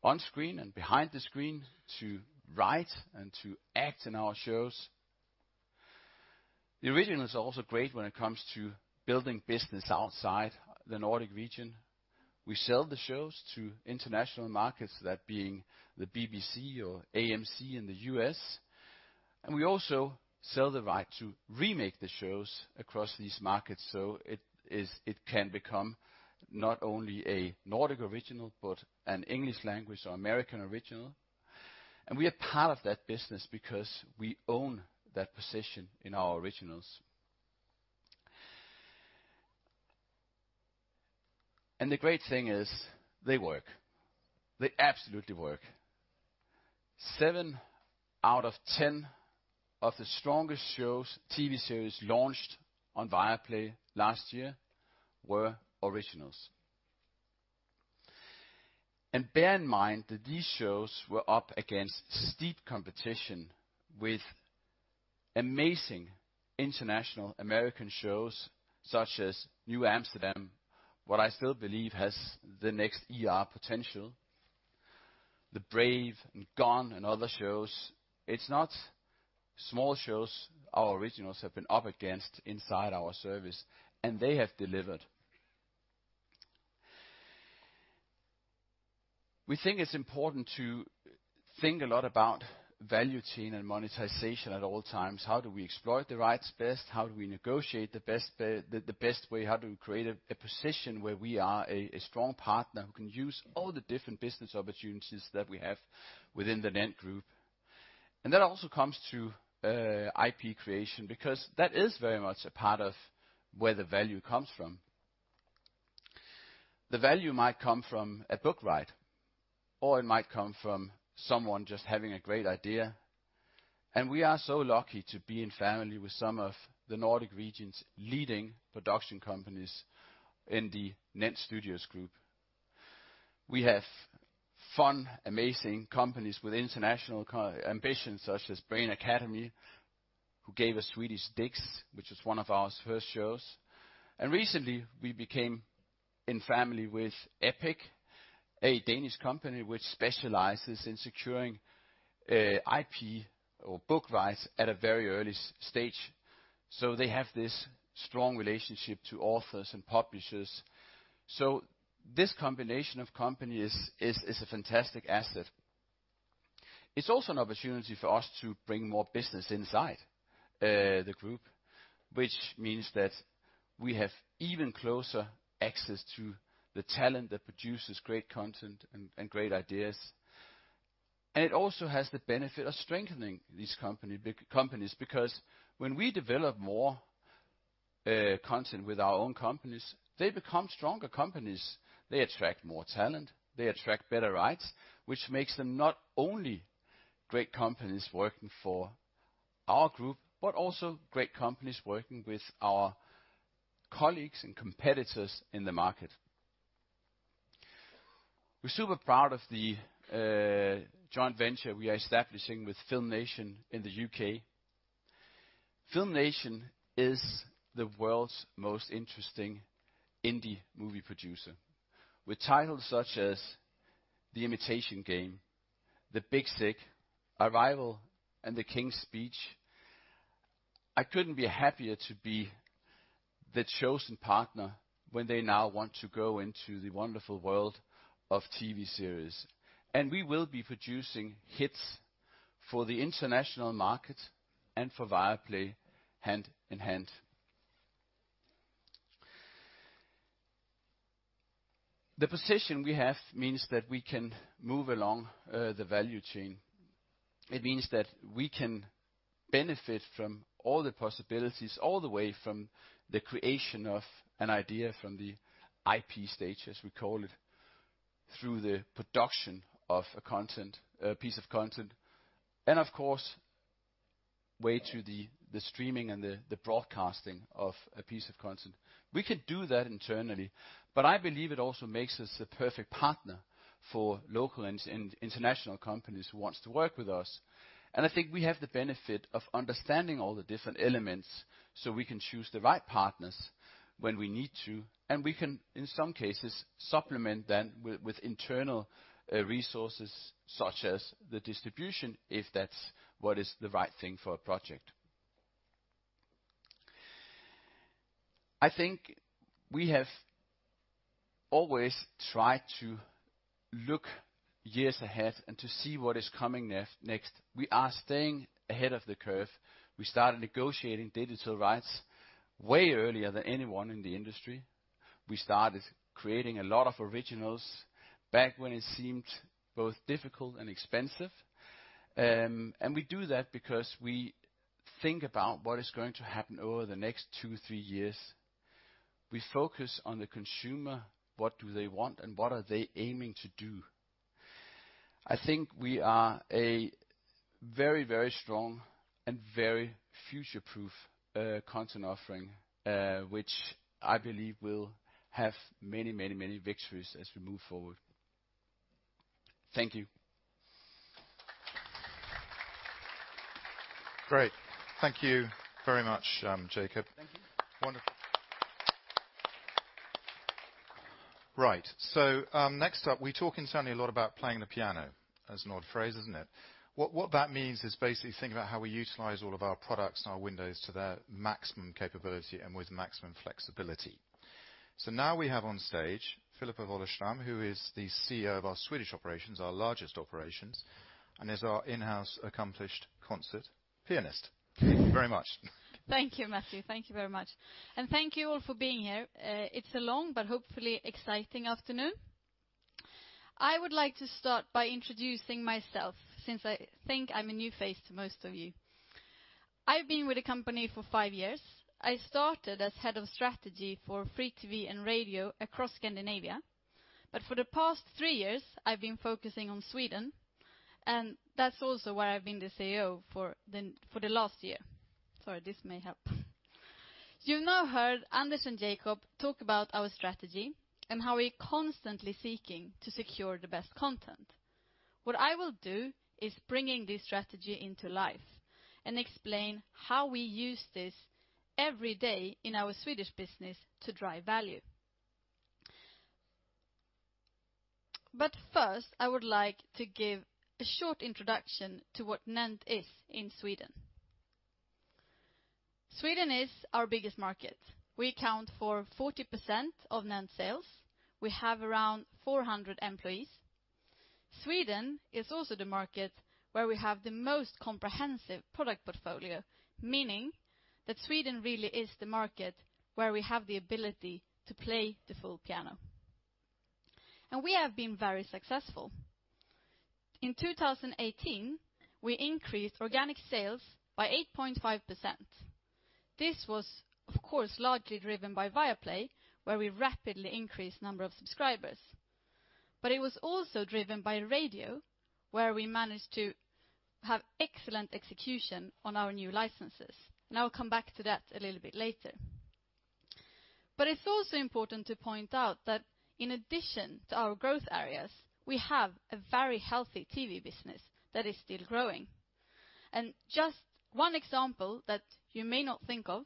on screen and behind the screen to write and to act in our shows. The original is also great when it comes to building business outside the Nordic region. We sell the shows to international markets, that being the BBC or AMC in the U.S. We also sell the right to remake the shows across these markets. It can become not only a Nordic original, but an English language or American original. We are part of that business because we own that position in our originals. The great thing is they work. They absolutely work. Seven out of 10 of the strongest shows, TV series launched on Viaplay last year were originals. Bear in mind that these shows were up against steep competition with amazing international American shows such as New Amsterdam, what I still believe has the next ER potential. The Brave and Gone and other shows. It's not small shows our originals have been up against inside our service, and they have delivered. We think it's important to think a lot about value chain and monetization at all times. How do we exploit the rights best? How do we negotiate the best way? How do we create a position where we are a strong partner who can use all the different business opportunities that we have within the NENT Group? That also comes to IP creation because that is very much a part of where the value comes from. The value might come from a book right or it might come from someone just having a great idea. We are so lucky to be in family with some of the Nordic region's leading production companies in the NENT Studios group. We have fun, amazing companies with international ambitions such as Brain Academy, who gave us Swedish Dips, which is one of our first shows. Recently we became in family with EPIQ, a Danish company which specializes in securing IP or book rights at a very early stage. They have this strong relationship to authors and publishers. This combination of companies is a fantastic asset. It is also an opportunity for us to bring more business inside the group, which means that we have even closer access to the talent that produces great content and great ideas. It also has the benefit of strengthening these companies, because when we develop more content with our own companies, they become stronger companies. They attract more talent, they attract better rights, which makes them not only great companies working for our group, but also great companies working with our colleagues and competitors in the market. We are super proud of the joint venture we are establishing with FilmNation in the U.K. FilmNation is the world's most interesting indie movie producer with titles such as The Imitation Game, The Big Sick, Arrival, and The King's Speech. I couldn't be happier to be the chosen partner when they now want to go into the wonderful world of TV series, and we will be producing hits for the international market and for Viaplay hand in hand. The position we have means that we can move along the value chain. It means that we can benefit from all the possibilities, all the way from the creation of an idea, from the IP stage, as we call it, through the production of a piece of content, and of course all the way to the streaming and the broadcasting of a piece of content. We can do that internally, I believe it also makes us a perfect partner for local and international companies who wants to work with us. I think we have the benefit of understanding all the different elements so we can choose the right partners when we need to, and we can, in some cases, supplement then with internal resources such as the distribution, if that's what is the right thing for a project. I think we have always tried to look years ahead and to see what is coming next. We are staying ahead of the curve. We started negotiating digital rights way earlier than anyone in the industry. We started creating a lot of originals back when it seemed both difficult and expensive. We do that because we think about what is going to happen over the next two, three years. We focus on the consumer, what do they want, what are they aiming to do? I think we are a very strong and very future-proof content offering, which I believe will have many victories as we move forward. Thank you. Great. Thank you very much, Jakob. Thank you. Wonderful. Right. Next up, we talk internally a lot about playing the piano. That's an odd phrase, isn't it? What that means is basically thinking about how we utilize all of our products and our windows to their maximum capability and with maximum flexibility. Now we have on stage Filippa Wallestam, who is the CEO of our Swedish operations, our largest operations, and is our in-house accomplished concert pianist. Thank you very much. Thank you, Matthew. Thank you very much. Thank you all for being here. It's a long but hopefully exciting afternoon. I would like to start by introducing myself since I think I'm a new face to most of you. I've been with the company for five years. I started as head of strategy for free TV and radio across Scandinavia. For the past three years, I've been focusing on Sweden, and that's also where I've been the CEO for the last year. Sorry, this may help. You've now heard Anders and Jakob talk about our strategy and how we're constantly seeking to secure the best content. What I will do is bringing this strategy into life and explain how we use this every day in our Swedish business to drive value. First, I would like to give a short introduction to what NENT is in Sweden. Sweden is our biggest market. We account for 40% of NENT sales. We have around 400 employees. Sweden is also the market where we have the most comprehensive product portfolio, meaning that Sweden really is the market where we have the ability to play the full piano. We have been very successful. In 2018, we increased organic sales by 8.5%. This was, of course, largely driven by Viaplay, where we rapidly increased number of subscribers. It was also driven by radio, where we managed to have excellent execution on our new licenses, and I will come back to that a little bit later. It is also important to point out that in addition to our growth areas, we have a very healthy TV business that is still growing. Just one example that you may not think of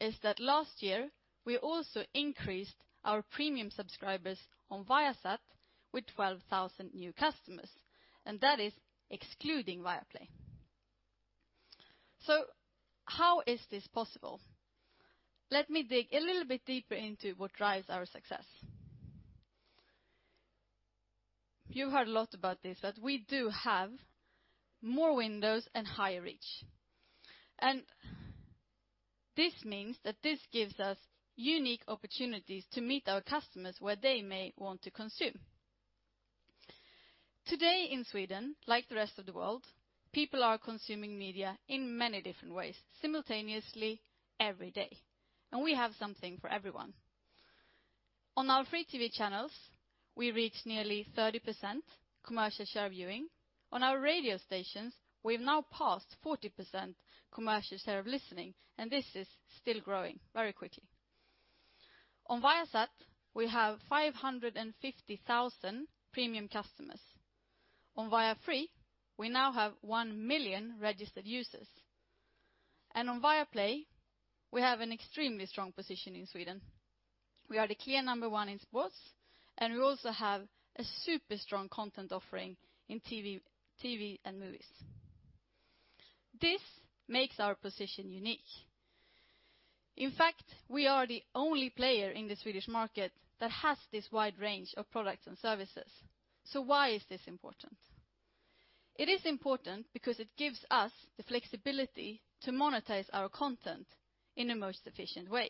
is that last year, we also increased our premium subscribers on Viasat with 12,000 new customers, and that is excluding Viaplay. How is this possible? Let me dig a little bit deeper into what drives our success. You heard a lot about this, that we do have more windows and higher reach. This means that this gives us unique opportunities to meet our customers where they may want to consume. Today in Sweden, like the rest of the world, people are consuming media in many different ways simultaneously, every day. We have something for everyone. On our free TV channels, we reach nearly 30% commercial share viewing. On our radio stations, we have now passed 40% commercial share of listening, and this is still growing very quickly. On Viasat, we have 550,000 premium customers. On Viafree, we now have 1 million registered users. On Viaplay, we have an extremely strong position in Sweden. We are the clear number one in sports, and we also have a super strong content offering in TV and movies. This makes our position unique. In fact, we are the only player in the Swedish market that has this wide range of products and services. Why is this important? It is important because it gives us the flexibility to monetize our content in the most efficient way.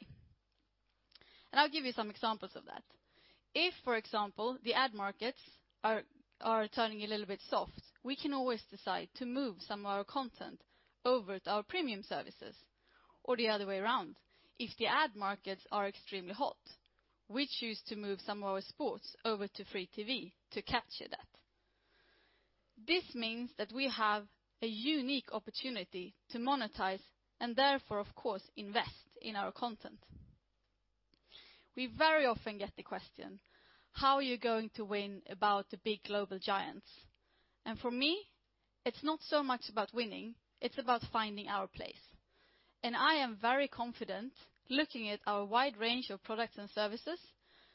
I will give you some examples of that. If, for example, the ad markets are turning a little bit soft, we can always decide to move some of our content over to our premium services Or the other way around. If the ad markets are extremely hot, we choose to move some of our sports over to free TV to capture that. This means that we have a unique opportunity to monetize, and therefore, of course, invest in our content. We very often get the question, "How are you going to win about the big global giants?" For me, it is not so much about winning, it is about finding our place. I am very confident looking at our wide range of products and services,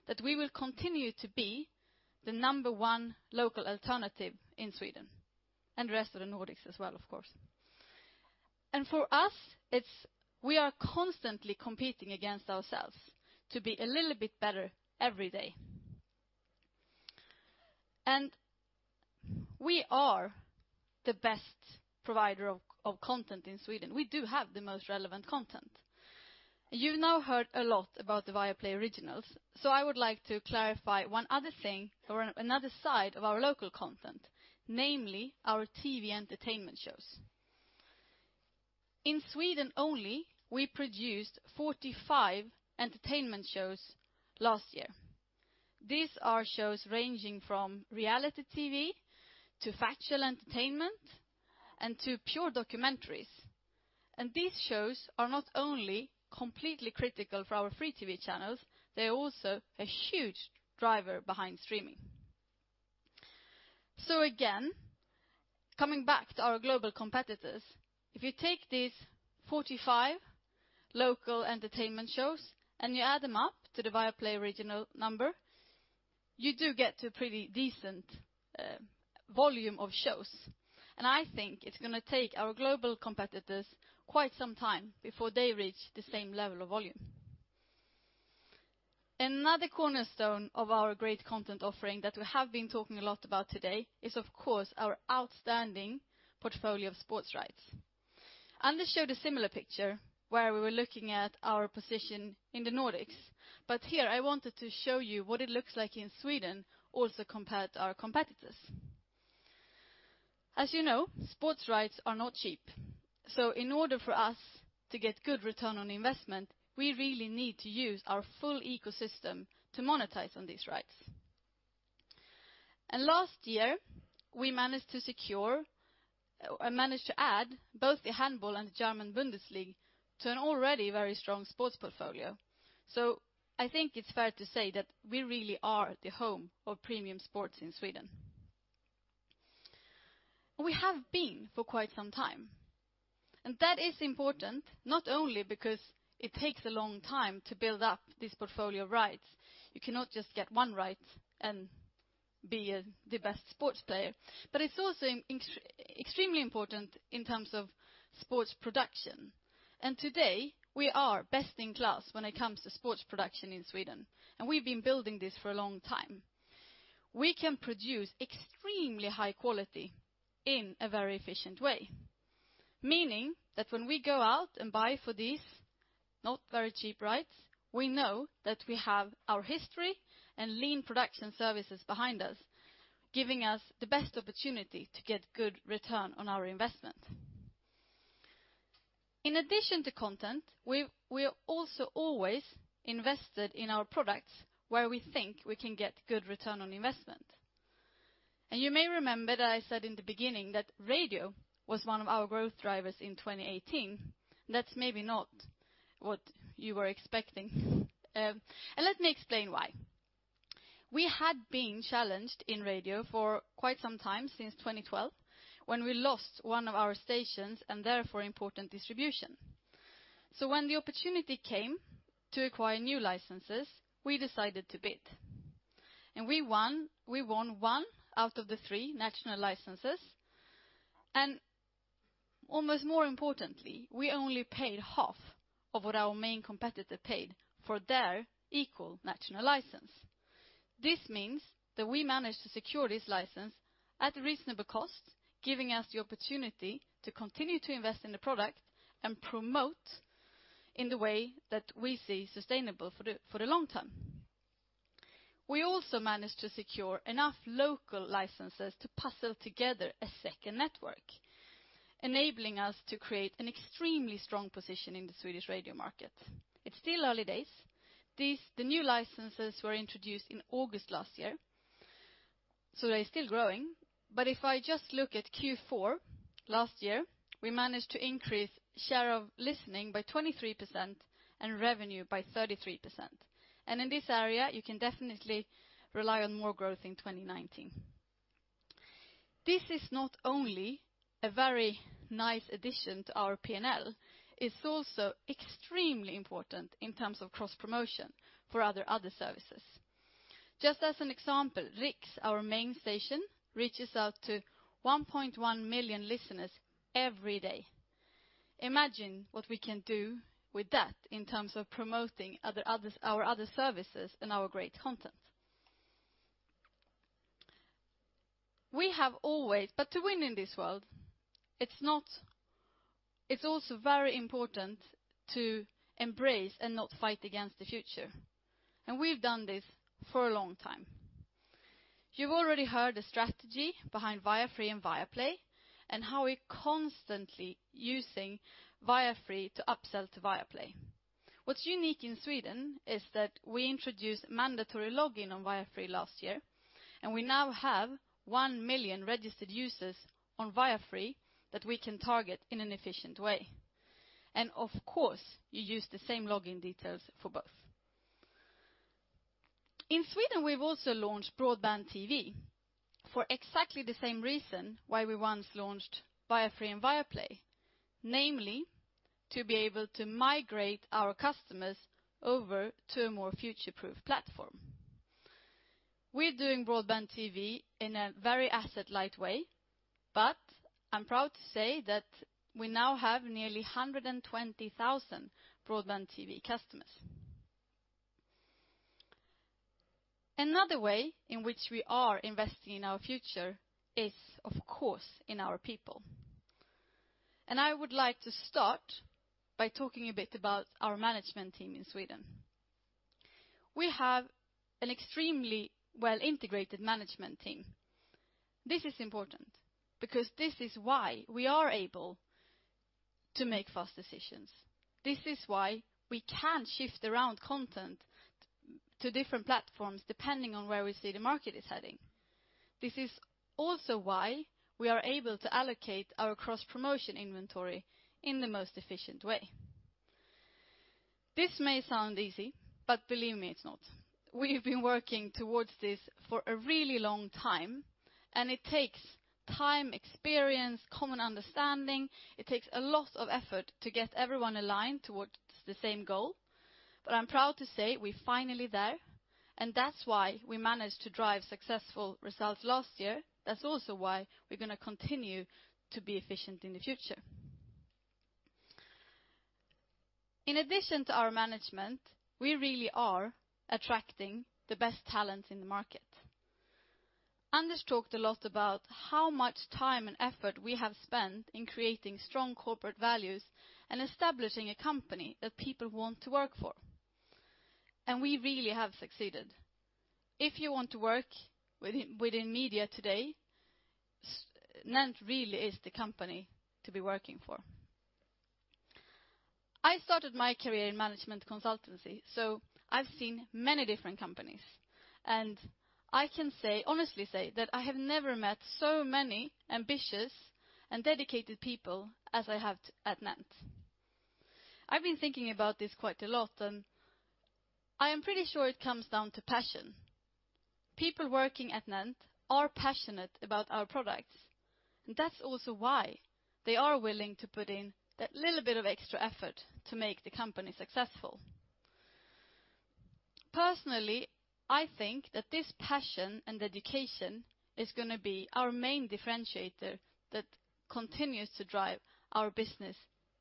that we will continue to be the number one local alternative in Sweden, and rest of the Nordics as well, of course. For us, we are constantly competing against ourselves to be a little bit better every day. We are the best provider of content in Sweden. We do have the most relevant content. You now heard a lot about the Viaplay originals, I would like to clarify one other thing or another side of our local content, namely our TV entertainment shows. In Sweden only, we produced 45 entertainment shows last year. These are shows ranging from reality TV to factual entertainment and to pure documentaries. These shows are not only completely critical for our free TV channels, they're also a huge driver behind streaming. Again, coming back to our global competitors, if you take these 45 local entertainment shows and you add them up to the Viaplay original number, you do get to a pretty decent volume of shows. I think it's going to take our global competitors quite some time before they reach the same level of volume. Another cornerstone of our great content offering that we have been talking a lot about today is, of course, our outstanding portfolio of sports rights. Anders showed a similar picture where we were looking at our position in the Nordics. Here I wanted to show you what it looks like in Sweden, also compared to our competitors. As you know, sports rights are not cheap. In order for us to get good ROI, we really need to use our full ecosystem to monetize on these rights. Last year, we managed to add both the handball and German Bundesliga to an already very strong sports portfolio. I think it's fair to say that we really are the home of premium sports in Sweden. We have been for quite some time, that is important not only because it takes a long time to build up this portfolio of rights. You cannot just get one right and be the best sports player. It's also extremely important in terms of sports production. Today, we are best in class when it comes to sports production in Sweden, and we've been building this for a long time. We can produce extremely high quality in a very efficient way, meaning that when we go out and buy for these not very cheap rights, we know that we have our history and lean production services behind us, giving us the best opportunity to get good return on our investment. In addition to content, we are also always invested in our products where we think we can get good return on investment. You may remember that I said in the beginning that radio was one of our growth drivers in 2018. That's maybe not what you were expecting. Let me explain why. We had been challenged in radio for quite some time since 2012, when we lost one of our stations and therefore important distribution. When the opportunity came to acquire new licenses, we decided to bid. We won one out of the three national licenses, and almost more importantly, we only paid half of what our main competitor paid for their equal national license. This means that we managed to secure this license at a reasonable cost, giving us the opportunity to continue to invest in the product and promote in the way that we see sustainable for the long term. We also managed to secure enough local licenses to puzzle together a second network, enabling us to create an extremely strong position in the Swedish radio market. It's still early days. The new licenses were introduced in August last year, so they're still growing. If I just look at Q4 last year, we managed to increase share of listening by 23% and revenue by 33%. In this area, you can definitely rely on more growth in 2019. This is not only a very nice addition to our P&L, it's also extremely important in terms of cross-promotion for our other services. Just as an example, RIX, our main station, reaches out to 1.1 million listeners every day. Imagine what we can do with that in terms of promoting our other services and our great content. To win in this world, it's also very important to embrace and not fight against the future. We've done this for a long time. You've already heard the strategy behind Viafree and Viaplay and how we're constantly using Viafree to upsell to Viaplay. What's unique in Sweden is that we introduced mandatory login on Viafree last year, and we now have 1 million registered users on Viafree that we can target in an efficient way. Of course, you use the same login details for both. In Sweden, we've also launched broadband TV for exactly the same reason why we once launched Viafree and Viaplay. Namely, to be able to migrate our customers over to a more future-proof platform. We're doing broadband TV in a very asset-light way, but I'm proud to say that we now have nearly 120,000 broadband TV customers. Another way in which we are investing in our future is, of course, in our people. I would like to start by talking a bit about our management team in Sweden. We have an extremely well-integrated management team. This is important because this is why we are able to make fast decisions. This is why we can shift around content to different platforms depending on where we see the market is heading. This is also why we are able to allocate our cross-promotion inventory in the most efficient way. This may sound easy, believe me, it's not. We've been working towards this for a really long time. It takes time, experience, common understanding. It takes a lot of effort to get everyone aligned towards the same goal. I'm proud to say we're finally there. That's why we managed to drive successful results last year. That's also why we're going to continue to be efficient in the future. In addition to our management, we really are attracting the best talent in the market. Anders talked a lot about how much time and effort we have spent in creating strong corporate values and establishing a company that people want to work for. We really have succeeded. If you want to work within media today, Nent really is the company to be working for. I started my career in management consultancy. I've seen many different companies. I can honestly say that I have never met so many ambitious and dedicated people as I have at Nent. I've been thinking about this quite a lot. I am pretty sure it comes down to passion. People working at NENT are passionate about our products, and that's also why they are willing to put in that little bit of extra effort to make the company successful. Personally, I think that this passion and dedication is going to be our main differentiator that continues to drive our business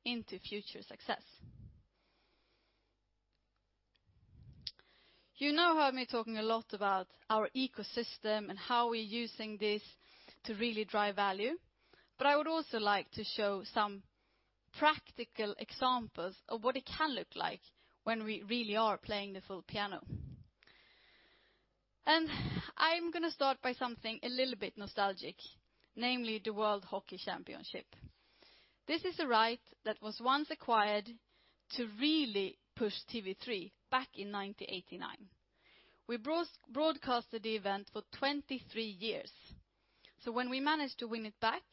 into future success. You know heard me talking a lot about our ecosystem and how we're using this to really drive value. I would also like to show some practical examples of what it can look like when we really are playing the full piano. I'm going to start by something a little bit nostalgic, namely the IIHF World Championship. This is a right that was once acquired to really push TV3 back in 1989. We broadcasted the event for 23 years. When we managed to win it back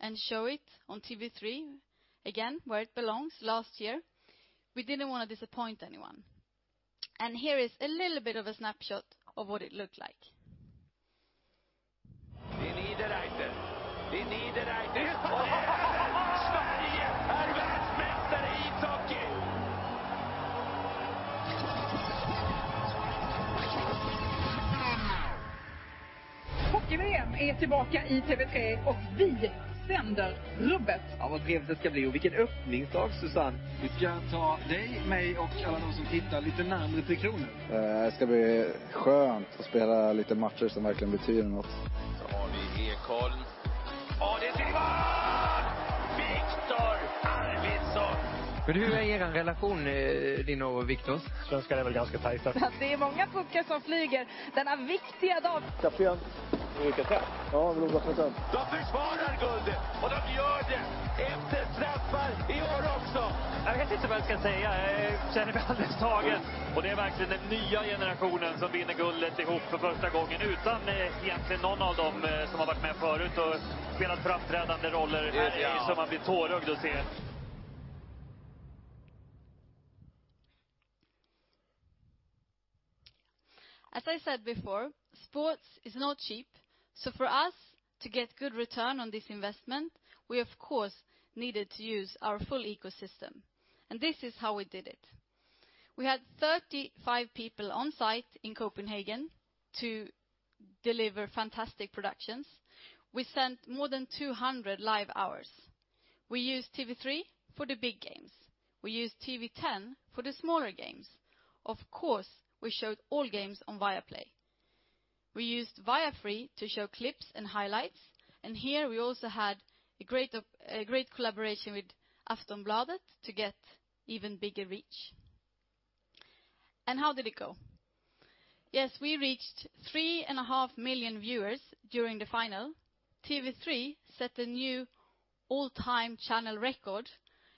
and show it on TV3 again, where it belongs, last year, we didn't want to disappoint anyone. Here is a little bit of a snapshot of what it looked like. As I said before, sports is not cheap. For us to get good return on this investment, we of course, needed to use our full ecosystem. This is how we did it. We had 35 people on site in Copenhagen to deliver fantastic productions. We sent more than 200 live hours. We used TV3 for the big games. We used TV10 for the smaller games. Here we also had a great collaboration with Aftonbladet to get even bigger reach. How did it go? Yes, we reached 3.5 million viewers during the final. TV3 set a new all-time channel record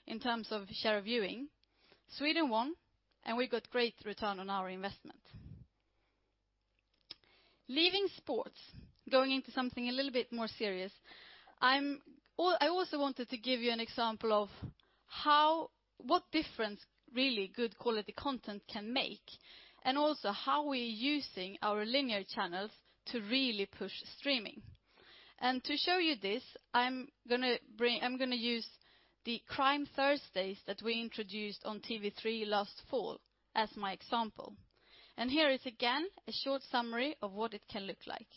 in terms of share viewing. Sweden won. We got great return on our investment. Leaving sports, going into something a little bit more serious, I also wanted to give you an example of what difference really good quality content can make, also how we're using our linear channels to really push streaming. To show you this, I'm going to use the Crime Thursdays that we introduced on TV3 last fall as my example. Here is again a short summary of what it can look like.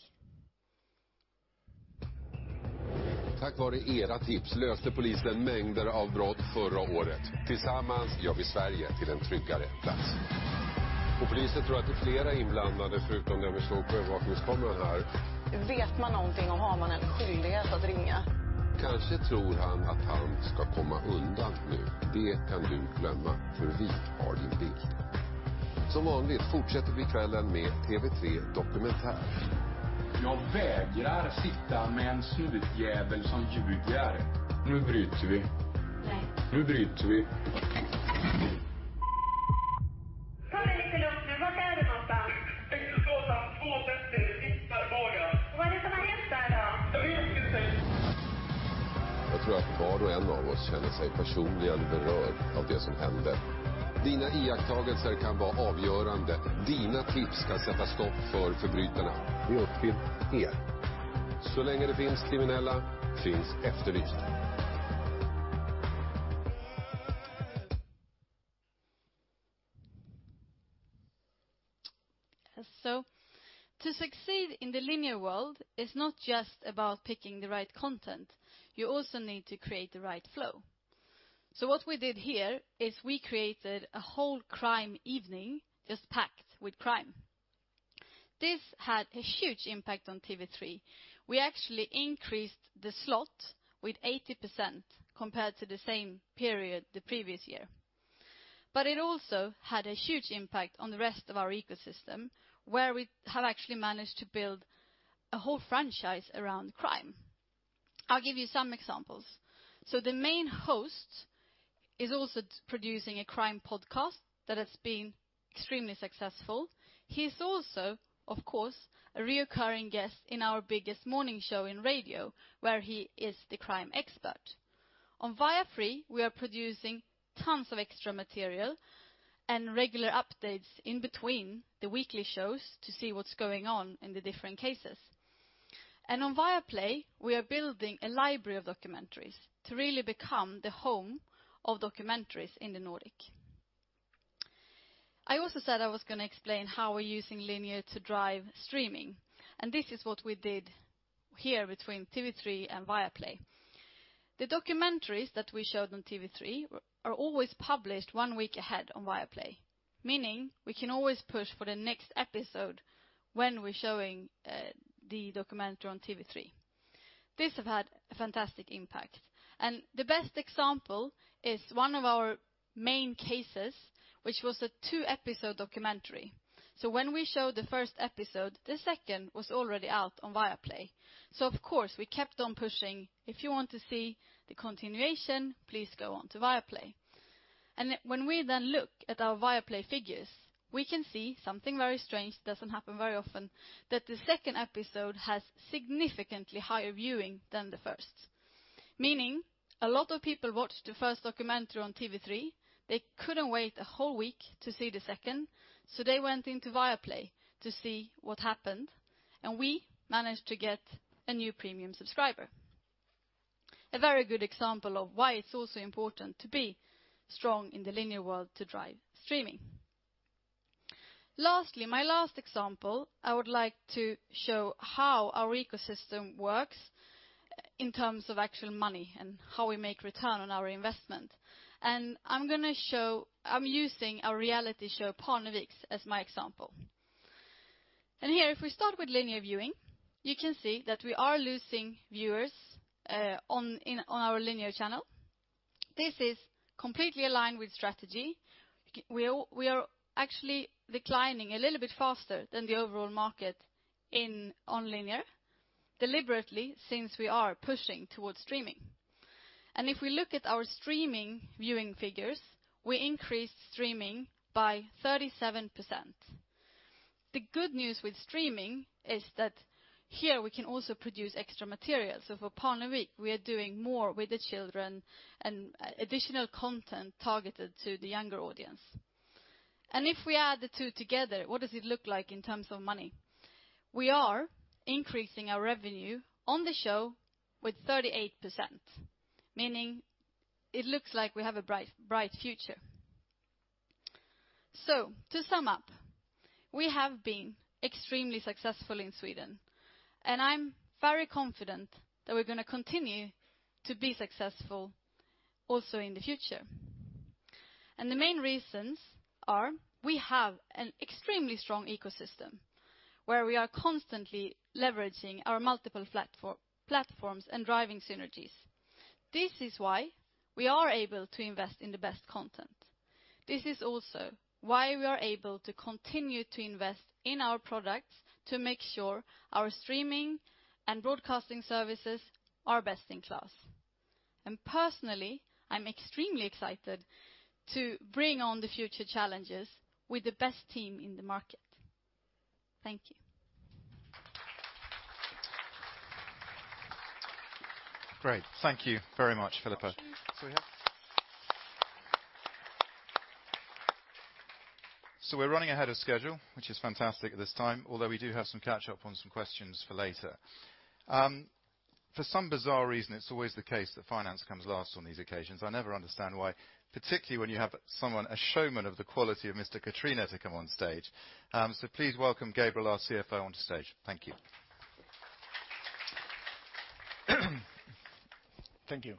To succeed in the linear world is not just about picking the right content. You also need to create the right flow. What we did here is we created a whole crime evening just packed with crime. This had a huge impact on TV3. We actually increased the slot with 80% compared to the same period the previous year. It also had a huge impact on the rest of our ecosystem, where we have actually managed to build a whole franchise around crime. I'll give you some examples. The main host is also producing a crime podcast that has been extremely successful. He's also, of course, a reoccurring guest in our biggest morning show in radio, where he is the crime expert. On Viafree, we are producing tons of extra material and regular updates in between the weekly shows to see what's going on in the different cases. On Viaplay, we are building a library of documentaries to really become the home of documentaries in the Nordic. I also said I was going to explain how we are using linear to drive streaming, and this is what we did here between TV3 and Viaplay. The documentaries that we showed on TV3 are always published one week ahead on Viaplay, meaning we can always push for the next episode when we are showing the documentary on TV3. This has had a fantastic impact, and the best example is one of our main cases, which was a two-episode documentary. When we showed the first episode, the second was already out on Viaplay. Of course, we kept on pushing. If you want to see the continuation, please go on to Viaplay." When we then look at our Viaplay figures, we can see something very strange that does not happen very often, that the second episode has significantly higher viewing than the first. Meaning a lot of people watched the first documentary on TV3. They could not wait a whole week to see the second, so they went into Viaplay to see what happened, and we managed to get a new premium subscriber. A very good example of why it is also important to be strong in the linear world to drive streaming. Lastly, my last example, I would like to show how our ecosystem works in terms of actual money and how we make return on our investment. I am using a reality show, "Parneviks," as my example. Here, if we start with linear viewing, you can see that we are losing viewers on our linear channel. This is completely aligned with strategy. We are actually declining a little bit faster than the overall market on linear, deliberately, since we are pushing towards streaming. If we look at our streaming viewing figures, we increased streaming by 37%. The good news with streaming is that here we can also produce extra material. For "Parneviks," we are doing more with the children and additional content targeted to the younger audience. If we add the two together, what does it look like in terms of money? We are increasing our revenue on the show with 38%, meaning it looks like we have a bright future. To sum up, we have been extremely successful in Sweden, and I am very confident that we are going to continue to be successful also in the future. The main reasons are we have an extremely strong ecosystem where we are constantly leveraging our multiple platforms and driving synergies. This is why we are able to invest in the best content. This is also why we are able to continue to invest in our products to make sure our streaming and broadcasting services are best in class. Personally, I am extremely excited to bring on the future challenges with the best team in the market. Thank you. Great. Thank you very much, Filippa. Thank you. We're running ahead of schedule, which is fantastic at this time, although we do have some catch up on some questions for later. For some bizarre reason, it's always the case that finance comes last on these occasions. I never understand why, particularly when you have someone, a showman of the quality of Mr. Catrina to come on stage. Please welcome Gabriel, our CFO, onto stage. Thank you. Thank you.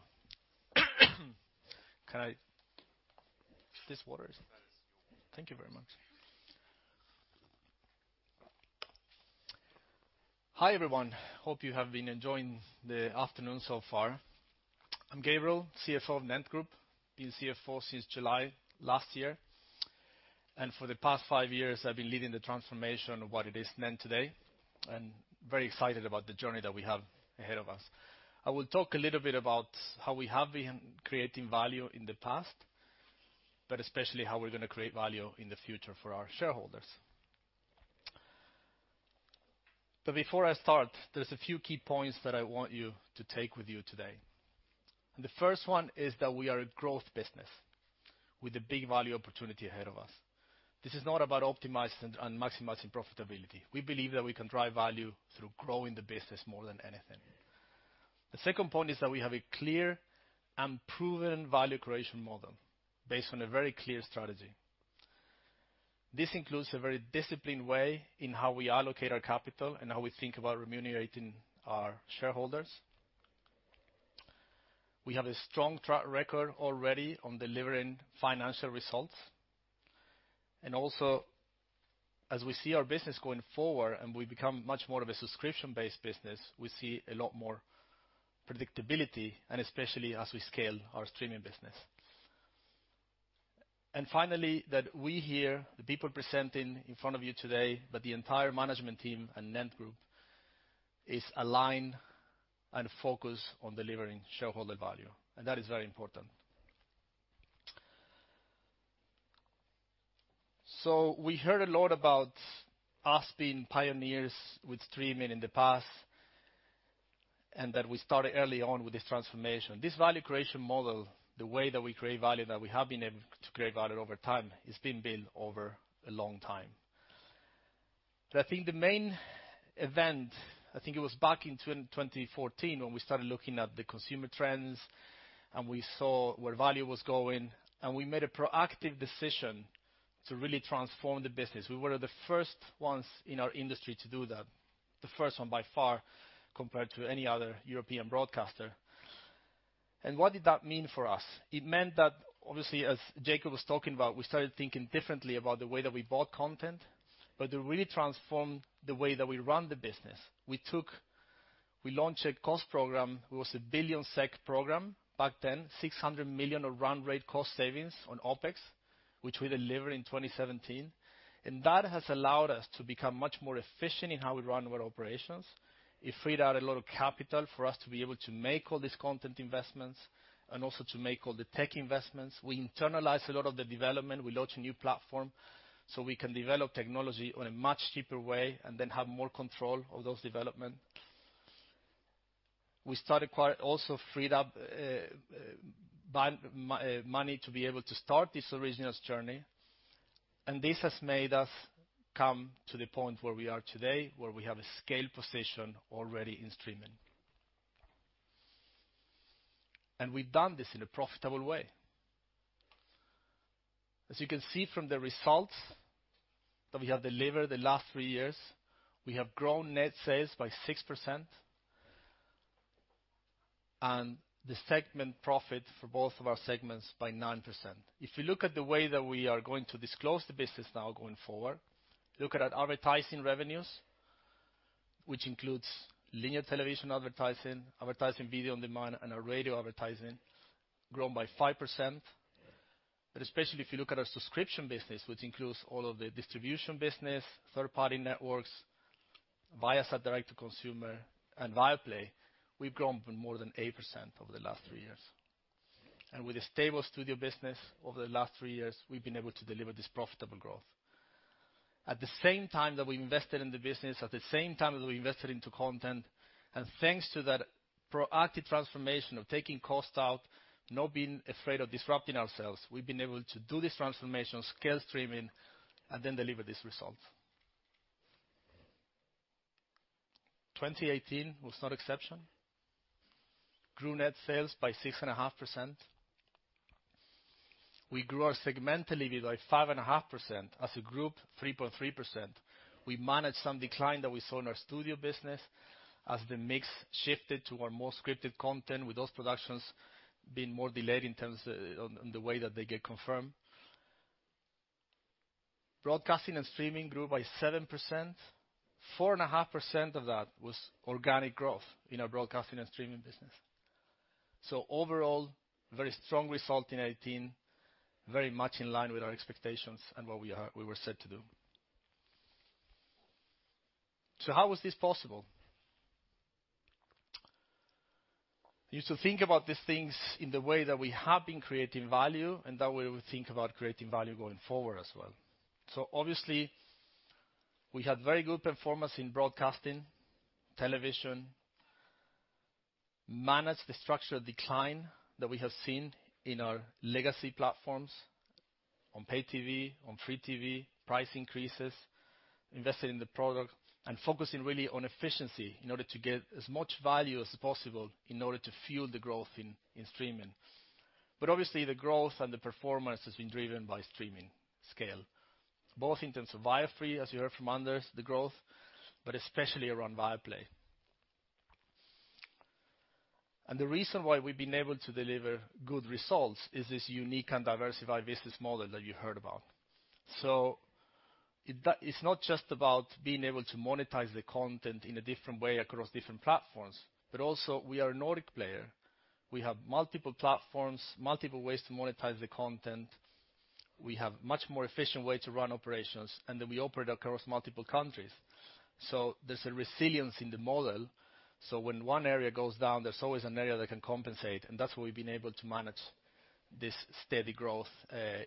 That is yours. Thank you very much. Hi, everyone. Hope you have been enjoying the afternoon so far. I'm Gabriel, CFO of NENT Group. Been CFO since July last year. For the past five years, I've been leading the transformation of what it is NENT today, and very excited about the journey that we have ahead of us. I will talk a little bit about how we have been creating value in the past, but especially how we're going to create value in the future for our shareholders. Before I start, there's a few key points that I want you to take with you today. The first one is that we are a growth business with a big value opportunity ahead of us. This is not about optimizing and maximizing profitability. We believe that we can drive value through growing the business more than anything. The second point is that we have a clear and proven value creation model based on a very clear strategy. This includes a very disciplined way in how we allocate our capital and how we think about remunerating our shareholders. We have a strong track record already on delivering financial results. Also, as we see our business going forward and we become much more of a subscription-based business, we see a lot more predictability, and especially as we scale our streaming business. Finally, that we here, the people presenting in front of you today, but the entire management team and NENT Group, is aligned and focused on delivering shareholder value, and that is very important. We heard a lot about us being pioneers with streaming in the past, and that we started early on with this transformation. This value creation model, the way that we create value, that we have been able to create value over time, it's been built over a long time. I think the main event, I think it was back in 2014 when we started looking at the consumer trends and we saw where value was going, and we made a proactive decision to really transform the business. We were the first ones in our industry to do that, the first one by far, compared to any other European broadcaster. What did that mean for us? It meant that, obviously, as Jakob was talking about, we started thinking differently about the way that we bought content, but to really transform the way that we run the business. We launched a cost program. It was a 1 billion SEK program back then, 600 million of run rate cost savings on OpEx, which we delivered in 2017. That has allowed us to become much more efficient in how we run our operations. It freed up a lot of capital for us to be able to make all these content investments and also to make all the tech investments. We internalized a lot of the development. We launched a new platform so we can develop technology in a much cheaper way and then have more control of that development. We also freed up money to be able to start this originals journey. This has made us come to the point where we are today, where we have a scale position already in streaming. We've done this in a profitable way. As you can see from the results that we have delivered the last three years, we have grown net sales by 6% and the segment profit for both of our segments by 9%. If you look at the way that we are going to disclose the business now going forward, look at our advertising revenues, which includes linear television advertising video on demand, and our radio advertising, grown by 5%. Especially if you look at our subscription business, which includes all of the distribution business, third-party networks, Viaplay direct-to-consumer, and Viaplay, we've grown more than 8% over the last three years. With a stable studio business over the last three years, we've been able to deliver this profitable growth. At the same time that we invested in the business, at the same time that we invested into content, thanks to that proactive transformation of taking cost out, not being afraid of disrupting ourselves, we've been able to do this transformation, scale streaming, deliver this result. 2018 was no exception. Grew net sales by 6.5%. We grew our segment revenue by 5.5%. As a group, 3.3%. We managed some decline that we saw in our studio business as the mix shifted to our more scripted content, with those productions being more delayed in terms of the way that they get confirmed. Broadcasting and streaming grew by 7%. 4.5% of that was organic growth in our broadcasting and streaming business. Overall, very strong result in 2018, very much in line with our expectations and what we were set to do. How was this possible? You used to think about these things in the way that we have been creating value, that way we think about creating value going forward as well. Obviously, we had very good performance in broadcasting, television, managed the structural decline that we have seen in our legacy platforms on paid TV, free TV, price increases, invested in the product, focusing really on efficiency in order to get as much value as possible in order to fuel the growth in streaming. Obviously, the growth and the performance has been driven by streaming scale, both in terms of Viaplay, as you heard from Anders, the growth, especially around Viaplay. The reason why we've been able to deliver good results is this unique and diversified business model that you heard about. It's not just about being able to monetize the content in a different way across different platforms. We are a Nordic player. We have multiple platforms, multiple ways to monetize the content. We have much more efficient way to run operations. We operate across multiple countries. There's a resilience in the model. When one area goes down, there's always an area that can compensate, and that's why we've been able to manage this steady growth,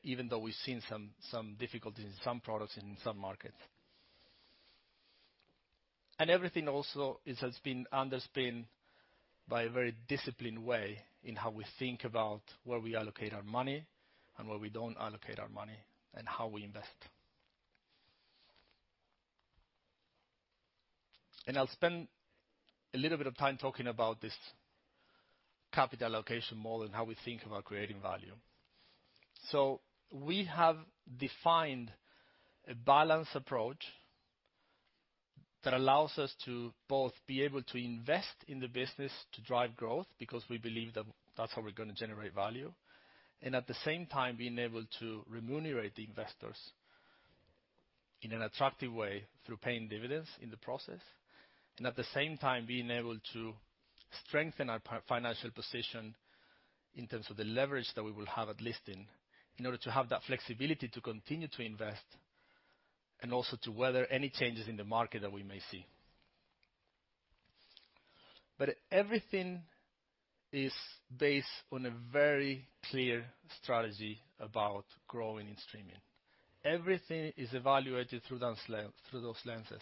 even though we've seen some difficulties in some products in some markets. Everything also has been underpinned by a very disciplined way in how we think about where we allocate our money and where we don't allocate our money, and how we invest. I'll spend a little bit of time talking about this capital allocation model and how we think about creating value. We have defined a balanced approach that allows us to both be able to invest in the business to drive growth, because we believe that's how we're going to generate value. At the same time, being able to remunerate the investors in an attractive way through paying dividends in the process. At the same time, being able to strengthen our financial position in terms of the leverage that we will have at listing in order to have that flexibility to continue to invest and also to weather any changes in the market that we may see. Everything is based on a very clear strategy about growing in streaming. Everything is evaluated through those lenses.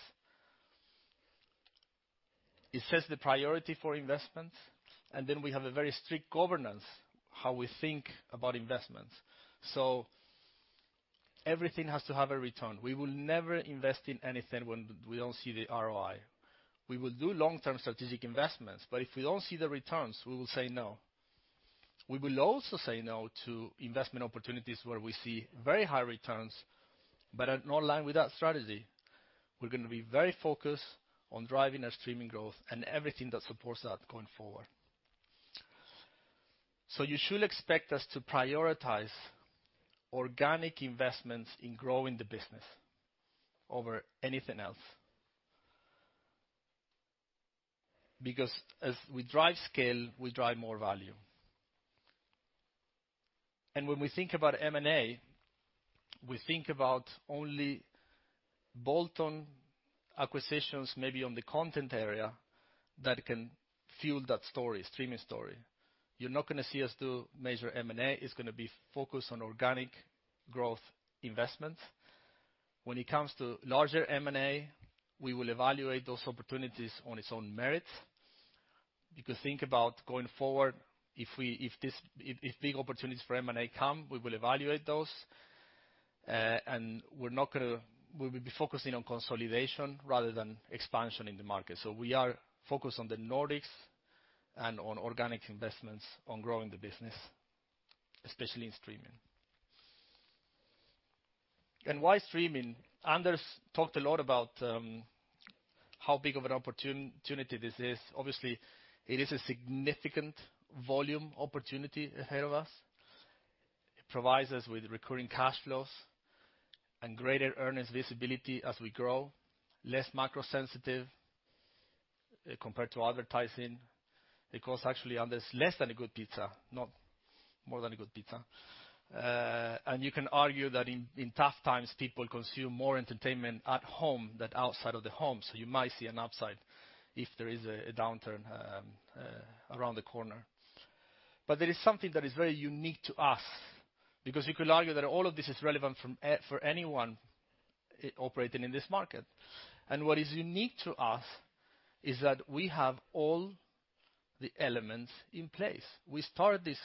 It sets the priority for investments. We have a very strict governance how we think about investments. Everything has to have a return. We will never invest in anything when we don't see the ROI. We will do long-term strategic investments. If we don't see the returns, we will say no. We will also say no to investment opportunities where we see very high returns but are not in line with that strategy. We're going to be very focused on driving our streaming growth and everything that supports that going forward. You should expect us to prioritize organic investments in growing the business over anything else. As we drive scale, we drive more value. When we think about M&A, we think about only bolt-on acquisitions, maybe on the content area that can fuel that story, streaming story. You're not going to see us do major M&A. It's going to be focused on organic growth investments. When it comes to larger M&A, we will evaluate those opportunities on its own merits. Think about going forward, if big opportunities for M&A come, we will evaluate those. We will be focusing on consolidation rather than expansion in the market. We are focused on the Nordics and on organic investments on growing the business, especially in streaming. Why streaming? Anders talked a lot about how big of an opportunity this is. Obviously, it is a significant volume opportunity ahead of us. It provides us with recurring cash flows and greater earnings visibility as we grow, less macro sensitive compared to advertising. It costs actually, Anders, less than a good pizza, not more than a good pizza. You can argue that in tough times, people consume more entertainment at home than outside of the home. You might see an upside if there is a downturn around the corner. There is something that is very unique to us, because you could argue that all of this is relevant for anyone operating in this market. What is unique to us is that we have all the elements in place. We started this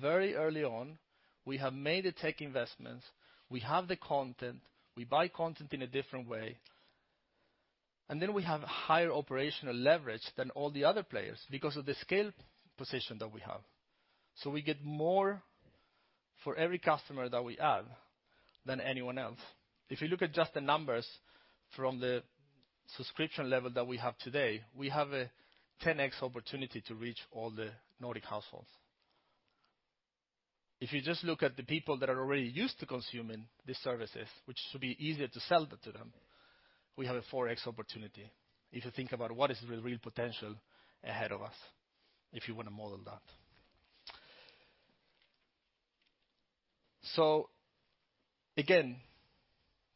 very early on. We have made the tech investments. We have the content. We buy content in a different way. We have higher operational leverage than all the other players because of the scale position that we have. We get more for every customer that we add than anyone else. If you look at just the numbers from the subscription level that we have today, we have a 10x opportunity to reach all the Nordic households. If you just look at the people that are already used to consuming these services, which should be easier to sell to them, we have a 4x opportunity. If you think about what is the real potential ahead of us, if you want to model that.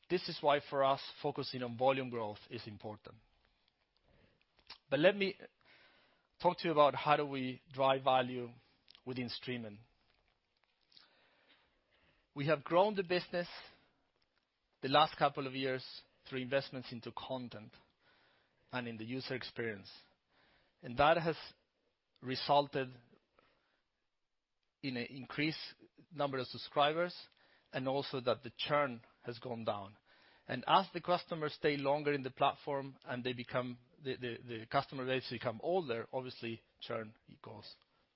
This is why for us, focusing on volume growth is important. Let me talk to you about how do we drive value within streaming. We have grown the business the last couple of years through investments into content and in the user experience. That has resulted in an increased number of subscribers and also that the churn has gone down. As the customers stay longer in the platform and the customer base become older, obviously churn goes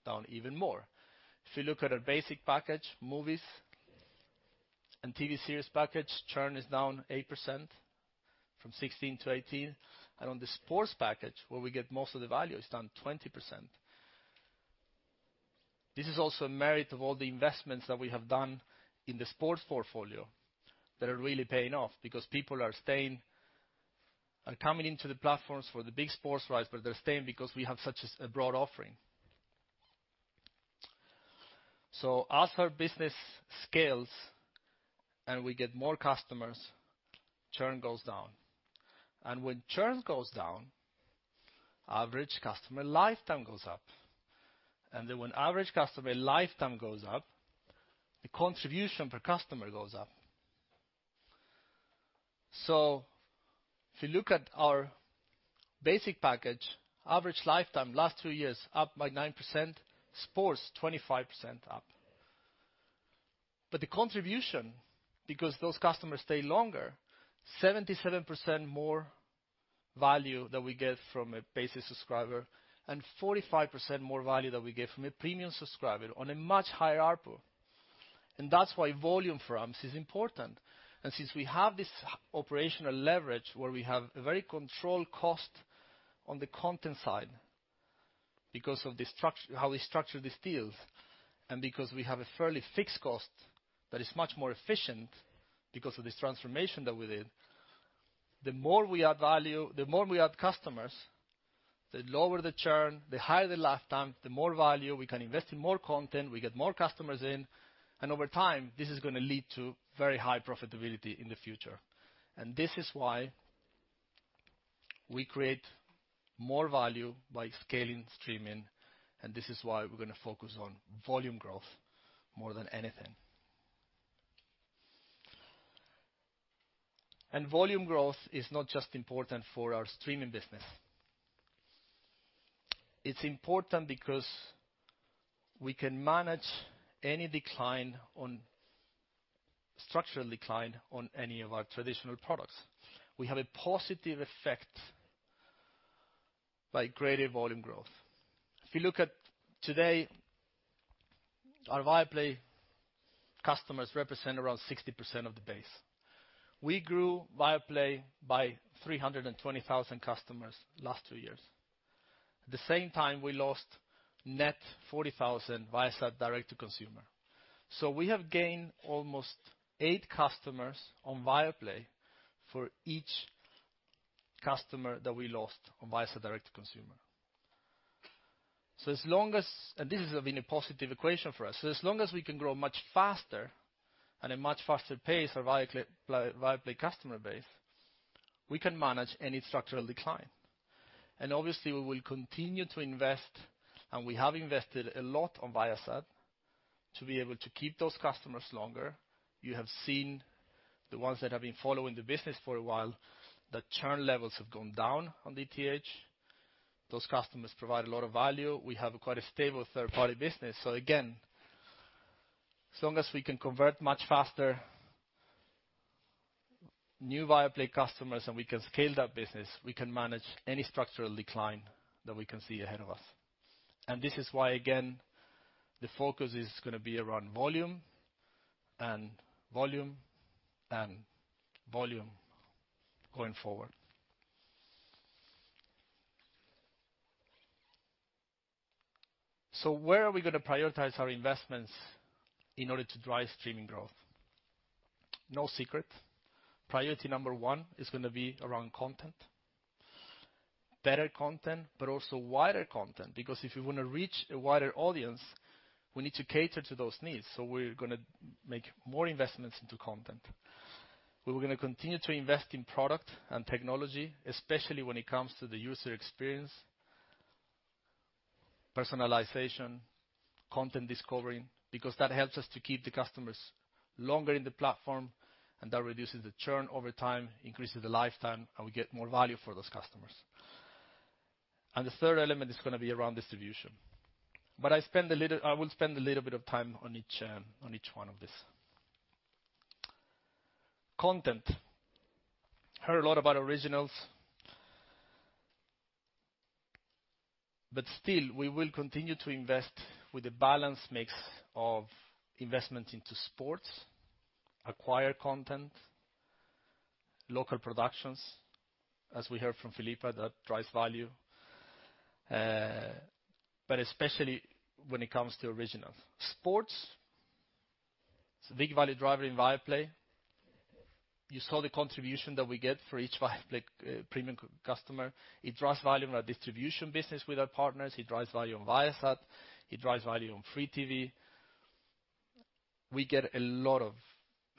down even more. If you look at our basic package, movies and TV series package, churn is down 8% from 16 to 18. On the sports package, where we get most of the value, it is down 20%. This is also a merit of all the investments that we have done in the sports portfolio that are really paying off, because people are coming into the platforms for the big sports rights, but they are staying because we have such a broad offering. As our business scales and we get more customers, churn goes down. When churn goes down, average customer lifetime goes up. When average customer lifetime goes up, the contribution per customer goes up. If you look at our basic package, average lifetime, last two years, up by 9%, sports 25% up. The contribution, because those customers stay longer, 77% more value that we get from a basic subscriber and 45% more value that we get from a premium subscriber on a much higher ARPU. That is why volume for us is important. Since we have this operational leverage where we have a very controlled cost on the content side, because of how we structure these deals, because we have a fairly fixed cost that is much more efficient because of this transformation that we did, the more we add customers, the lower the churn, the higher the lifetime, the more value. We can invest in more content, we get more customers in, over time, this is going to lead to very high profitability in the future. This is why we create more value by scaling streaming, this is why we're going to focus on volume growth more than anything. Volume growth is not just important for our streaming business. It is important because we can manage any structural decline on any of our traditional products. We have a positive effect by greater volume growth. If you look at today, our Viaplay customers represent around 60% of the base. We grew Viaplay by 320,000 customers last 2 years. At the same time, we lost net 40,000 Viasat direct to consumer. We have gained almost eight customers on Viaplay for each customer that we lost on Viasat direct to consumer. This has been a positive equation for us. As long as we can grow much faster and a much faster pace our Viaplay customer base, we can manage any structural decline. Obviously, we will continue to invest, and we have invested a lot on Viasat to be able to keep those customers longer. You have seen, the ones that have been following the business for a while, that churn levels have gone down on DTH. Those customers provide a lot of value. We have quite a stable third-party business. Again, as long as we can convert much faster new Viaplay customers and we can scale that business, we can manage any structural decline that we can see ahead of us. This is why, again, the focus is going to be around volume and volume and volume going forward. Where are we going to prioritize our investments in order to drive streaming growth? No secret. Priority number 1 is going to be around content. Better content, also wider content, because if we want to reach a wider audience, we need to cater to those needs. We're going to make more investments into content. We're going to continue to invest in product and technology, especially when it comes to the user experience, personalization, content discovery, because that helps us to keep the customers longer in the platform, and that reduces the churn over time, increases the lifetime, and we get more value for those customers. The third element is going to be around distribution. I will spend a little bit of time on each one of these. Content. Heard a lot about originals. Still, we will continue to invest with a balanced mix of investment into sports, acquire content Local productions, as we heard from Filippa, that drives value, but especially when it comes to originals. Sports, it's a big value driver in Viaplay. You saw the contribution that we get for each Viaplay premium customer. It drives value in our distribution business with our partners. It drives value on Viasat. It drives value on free TV. We get a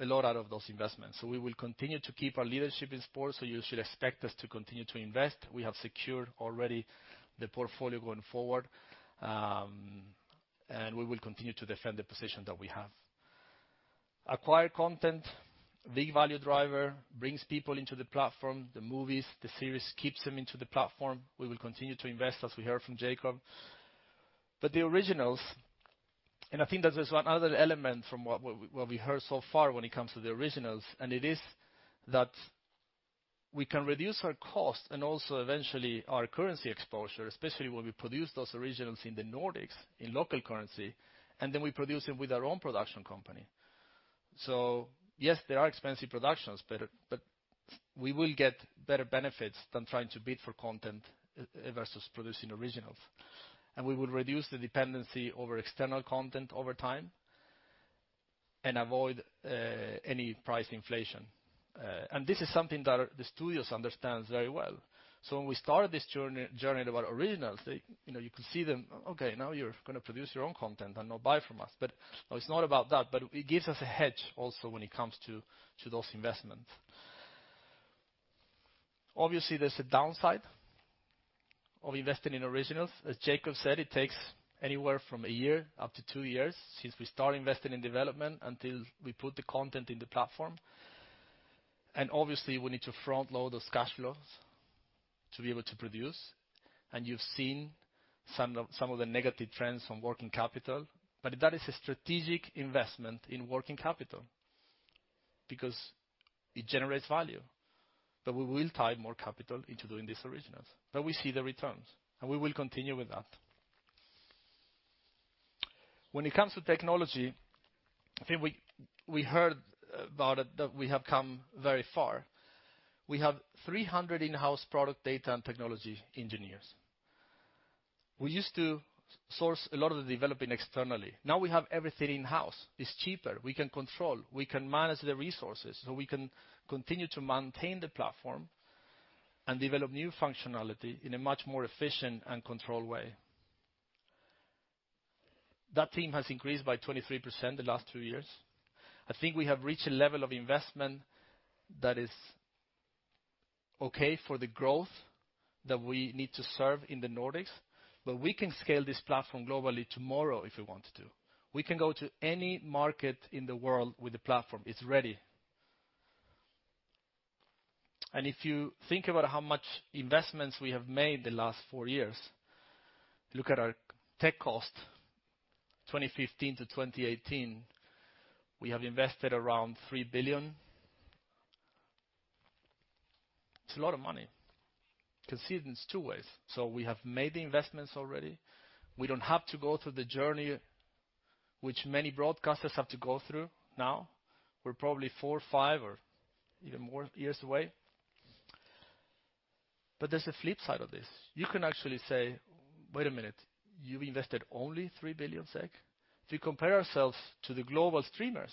lot out of those investments. We will continue to keep our leadership in sports, so you should expect us to continue to invest. We have secured already the portfolio going forward, and we will continue to defend the position that we have. Acquired content, big value driver, brings people into the platform, the movies, the series, keeps them into the platform. We will continue to invest, as we heard from Jakob. The originals, I think that there's one other element from what we heard so far when it comes to the originals, it is that we can reduce our cost and also eventually our currency exposure, especially when we produce those originals in the Nordics in local currency, then we produce them with our own production company. Yes, they are expensive productions, but we will get better benefits than trying to bid for content versus producing originals. We will reduce the dependency over external content over time and avoid any price inflation. This is something that the studios understands very well. When we started this journey about originals, you can see them, "Okay, now you're going to produce your own content and not buy from us." No, it's not about that, but it gives us a hedge also when it comes to those investments. Obviously, there's a downside of investing in originals. As Jakob said, it takes anywhere from one year up to two years since we start investing in development until we put the content in the platform. Obviously, we need to front-load those cash flows to be able to produce. You've seen some of the negative trends from working capital, but that is a strategic investment in working capital because it generates value that we will tie more capital into doing these originals. We see the returns, and we will continue with that. When it comes to technology, I think we heard about it, that we have come very far. We have 300 in-house product data and technology engineers. We used to source a lot of the developing externally. Now we have everything in-house. It's cheaper. We can control. We can manage the resources, so we can continue to maintain the platform and develop new functionality in a much more efficient and controlled way. That team has increased by 23% the last two years. I think we have reached a level of investment that is okay for the growth that we need to serve in the Nordics, but we can scale this platform globally tomorrow if we wanted to. We can go to any market in the world with the platform. It's ready. If you think about how much investments we have made the last four years, look at our tech cost, 2015 to 2018, we have invested around 3 billion. It's a lot of money. You can see it in two ways. We have made the investments already. We don't have to go through the journey which many broadcasters have to go through now. We're probably four, five, or even more years away. There's a flip side of this. You can actually say, "Wait a minute, you've invested only 3 billion SEK?" If you compare ourselves to the global streamers,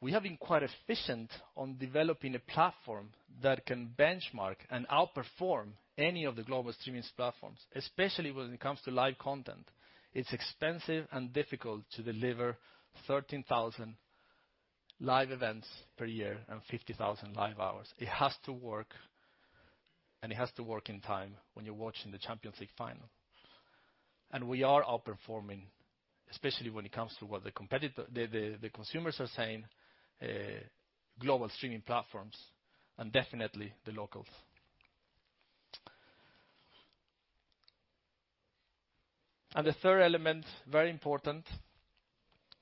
we have been quite efficient on developing a platform that can benchmark and outperform any of the global streaming platforms, especially when it comes to live content. It's expensive and difficult to deliver 13,000 live events per year and 50,000 live hours. It has to work, and it has to work in time when you're watching the Champions League final. We are outperforming, especially when it comes to what the consumers are saying, global streaming platforms, and definitely the locals. The third element, very important,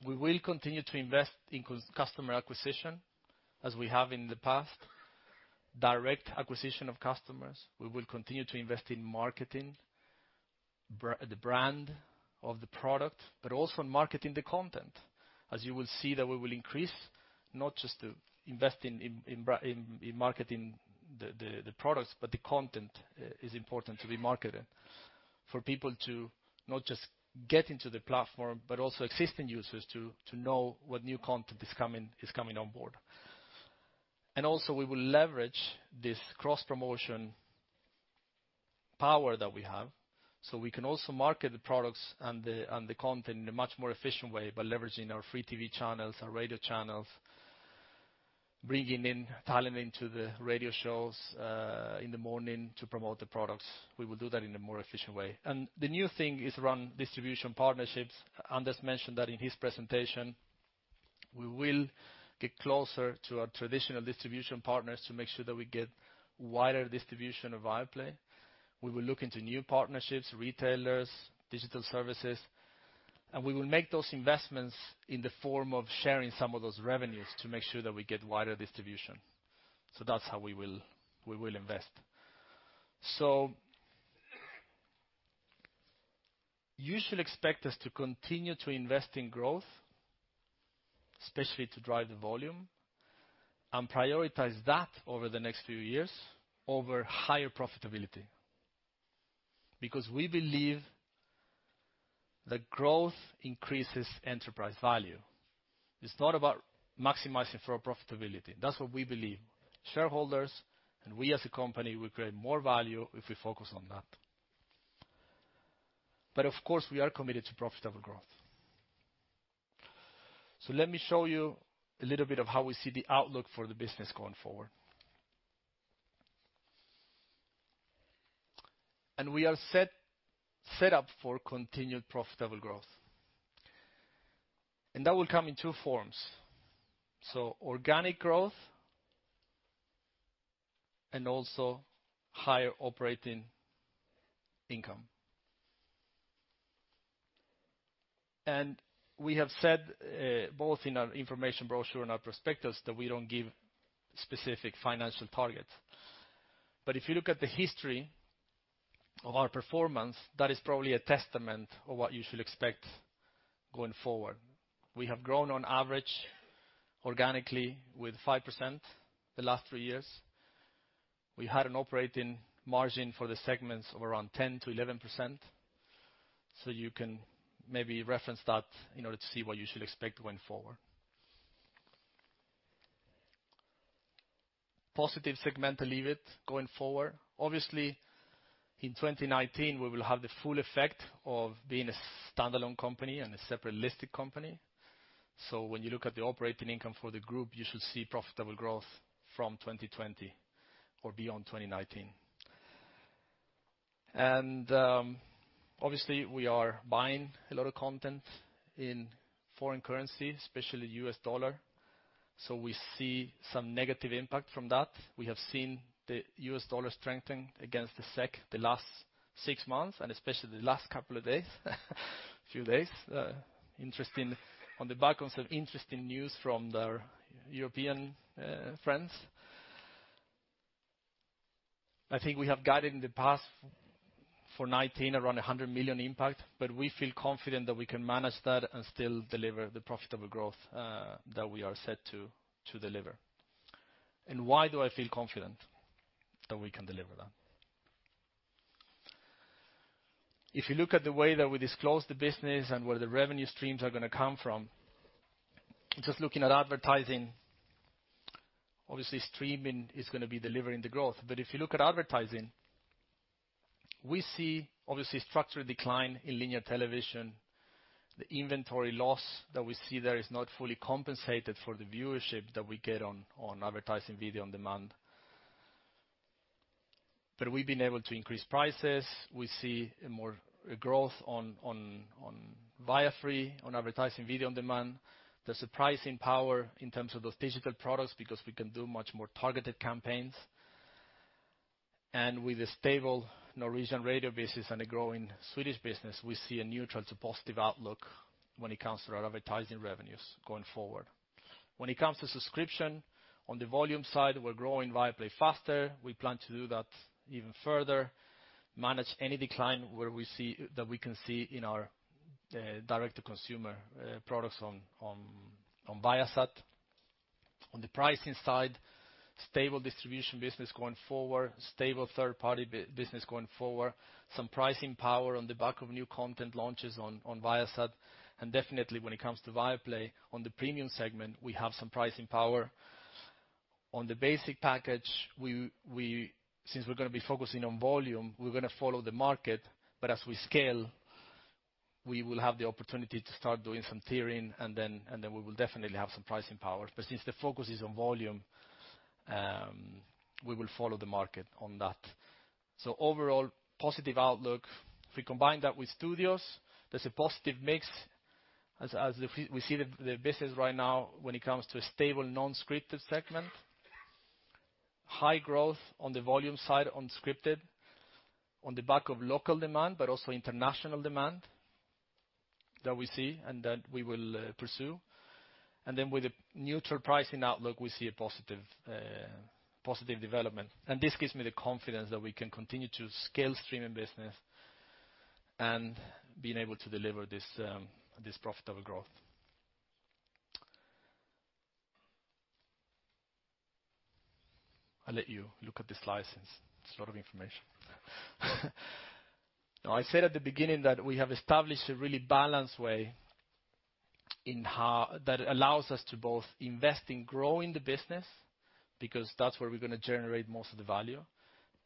we will continue to invest in customer acquisition as we have in the past, direct acquisition of customers. We will continue to invest in marketing, the brand of the product, but also in marketing the content. As you will see that we will increase not just investing in marketing the products, but the content is important to be marketed for people to not just get into the platform, but also existing users to know what new content is coming on board. Also, we will leverage this cross-promotion power that we have. We can also market the products and the content in a much more efficient way by leveraging our free TV channels, our radio channels, bringing in talent into the radio shows in the morning to promote the products. We will do that in a more efficient way. The new thing is around distribution partnerships. Anders mentioned that in his presentation. We will get closer to our traditional distribution partners to make sure that we get wider distribution of Viaplay. We will look into new partnerships, retailers, digital services, and we will make those investments in the form of sharing some of those revenues to make sure that we get wider distribution. That's how we will invest. You should expect us to continue to invest in growth, especially to drive the volume, and prioritize that over the next few years over higher profitability. Because we believe that growth increases enterprise value. It's not about maximizing for profitability. That's what we believe. Shareholders and we as a company, we create more value if we focus on that. Of course, we are committed to profitable growth. Let me show you a little bit of how we see the outlook for the business going forward. We are set up for continued profitable growth. That will come in two forms. Organic growth and also higher operating income. We have said, both in our information brochure and our prospectus, that we don't give specific financial targets. If you look at the history of our performance, that is probably a testament of what you should expect going forward. We have grown on average organically with 5% the last three years. We had an operating margin for the segments of around 10%-11%. You can maybe reference that in order to see what you should expect going forward. Positive segment [elevate] going forward. Obviously, in 2019, we will have the full effect of being a standalone company and a separate listed company. When you look at the operating income for the group, you should see profitable growth from 2020 or beyond 2019. Obviously we are buying a lot of content in foreign currency, especially US dollar. We see some negative impact from that. We have seen the US dollar strengthen against the SEK the last six months, and especially the last few days. On the back of some interesting news from their European friends. I think we have guided in the past for 2019 around 100 million impact. We feel confident that we can manage that and still deliver the profitable growth that we are set to deliver. Why do I feel confident that we can deliver that? If you look at the way that we disclose the business and where the revenue streams are going to come from, just looking at advertising, obviously streaming is going to be delivering the growth. If you look at advertising, we see obviously structural decline in linear television. The inventory loss that we see there is not fully compensated for the viewership that we get on advertising video on demand. We've been able to increase prices. We see more growth on Viafree on advertising video on demand. There's a pricing power in terms of those digital products because we can do much more targeted campaigns. With a stable Norwegian radio business and a growing Swedish business, we see a neutral to positive outlook when it comes to our advertising revenues going forward. When it comes to subscription, on the volume side, we're growing Viaplay faster. We plan to do that even further, manage any decline that we can see in our direct-to-consumer products on Viasat. On the pricing side, stable distribution business going forward, stable third-party business going forward. Some pricing power on the back of new content launches on Viasat. Definitely when it comes to Viaplay, on the premium segment, we have some pricing power. On the basic package, since we're going to be focusing on volume, we're going to follow the market. As we scale, we will have the opportunity to start doing some tiering and then we will definitely have some pricing power. Since the focus is on volume, we will follow the market on that. Overall, positive outlook. If we combine that with studios, there's a positive mix as we see the business right now when it comes to a stable non-scripted segment. High growth on the volume side on scripted, on the back of local demand, but also international demand that we see and that we will pursue. With a neutral pricing outlook, we see a positive development. This gives me the confidence that we can continue to scale streaming business and being able to deliver this profitable growth. I'll let you look at the slide since it's a lot of information. I said at the beginning that we have established a really balanced way that allows us to both invest in growing the business, because that's where we're going to generate most of the value.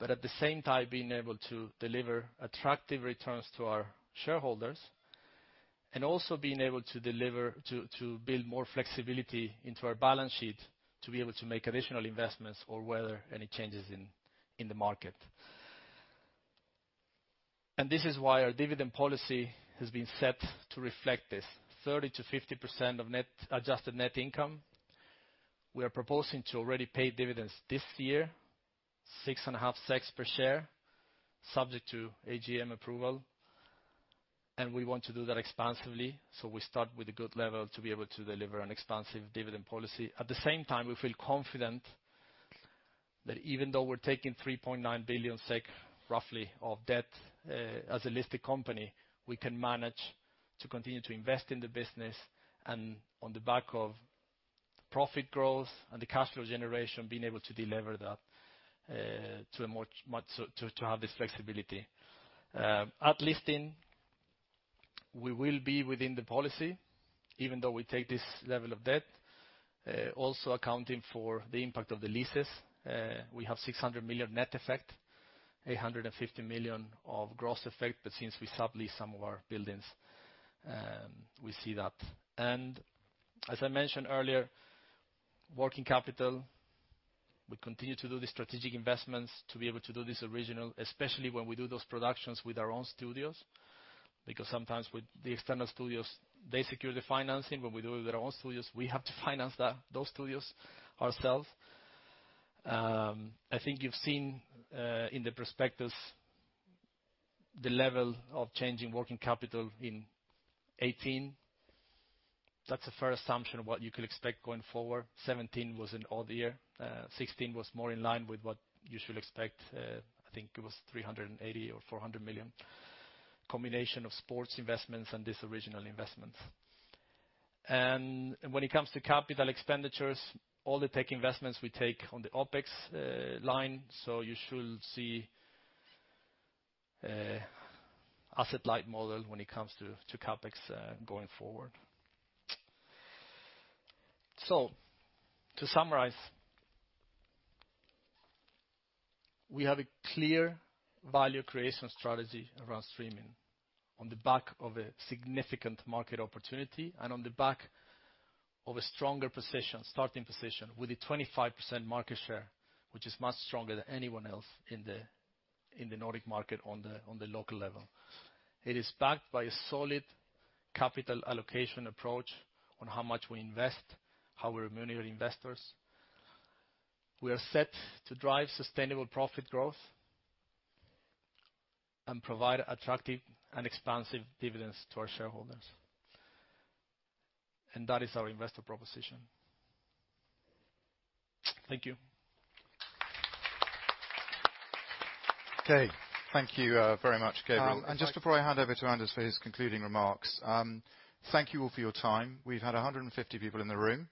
At the same time, being able to deliver attractive returns to our shareholders, also being able to build more flexibility into our balance sheet to be able to make additional investments or weather any changes in the market. This is why our dividend policy has been set to reflect this. 30%-50% of adjusted net income. We are proposing to already pay dividends this year, 6.5 per share, subject to AGM approval. We want to do that expansively. We start with a good level to be able to deliver an expansive dividend policy. At the same time, we feel confident even though we're taking 3.9 billion SEK, roughly, of debt as a listed company, we can manage to continue to invest in the business, and on the back of profit growth and the cash flow generation, being able to deliver that to have this flexibility. At listing, we will be within the policy, even though we take this level of debt. Also accounting for the impact of the leases. We have 600 million net effect, 850 million of gross effect. Since we sublease some of our buildings, we see that. As I mentioned earlier, working capital, we continue to do the strategic investments to be able to do this original, especially when we do those productions with our own studios. Sometimes with the external studios, they secure the financing. When we do it with our own studios, we have to finance those studios ourselves. I think you've seen, in the prospectus, the level of change in working capital in 2018. That's a fair assumption of what you could expect going forward. 2017 was an odd year. 2016 was more in line with what you should expect. I think it was 380 million or 400 million. Combination of sports investments and these original investments. When it comes to capital expenditures, all the tech investments we take on the OpEx line. You should see asset-light model when it comes to CapEx going forward. To summarize, we have a clear value creation strategy around streaming on the back of a significant market opportunity and on the back of a stronger starting position with a 25% market share, which is much stronger than anyone else in the Nordic market on the local level. It is backed by a solid capital allocation approach on how much we invest, how we remunerate investors. We are set to drive sustainable profit growth and provide attractive and expansive dividends to our shareholders. That is our investor proposition. Thank you. Okay. Thank you very much, Gabriel. Just before I hand over to Anders for his concluding remarks, thank you all for your time. We've had 150 people in the room.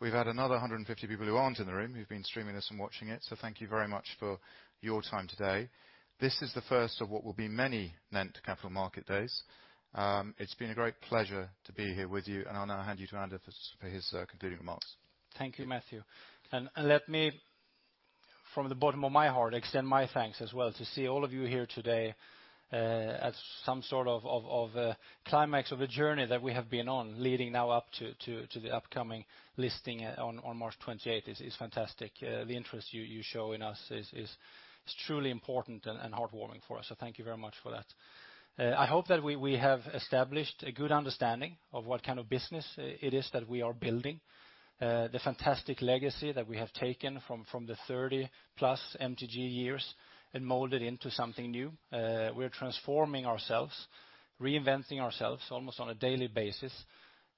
We've had another 150 people who aren't in the room, who've been streaming this and watching it. Thank you very much for your time today. This is the first of what will be many NENT capital market days. It's been a great pleasure to be here with you, and I'll now hand you to Anders for his concluding remarks. Thank you, Matthew. Let me, from the bottom of my heart, extend my thanks as well. To see all of you here today, at some sort of climax of a journey that we have been on, leading now up to the upcoming listing on March 28th is fantastic. The interest you show in us is truly important and heartwarming for us, so thank you very much for that. I hope that we have established a good understanding of what kind of business it is that we are building. The fantastic legacy that we have taken from the 30-plus MTG years and molded into something new. We're transforming ourselves, reinventing ourselves, almost on a daily basis.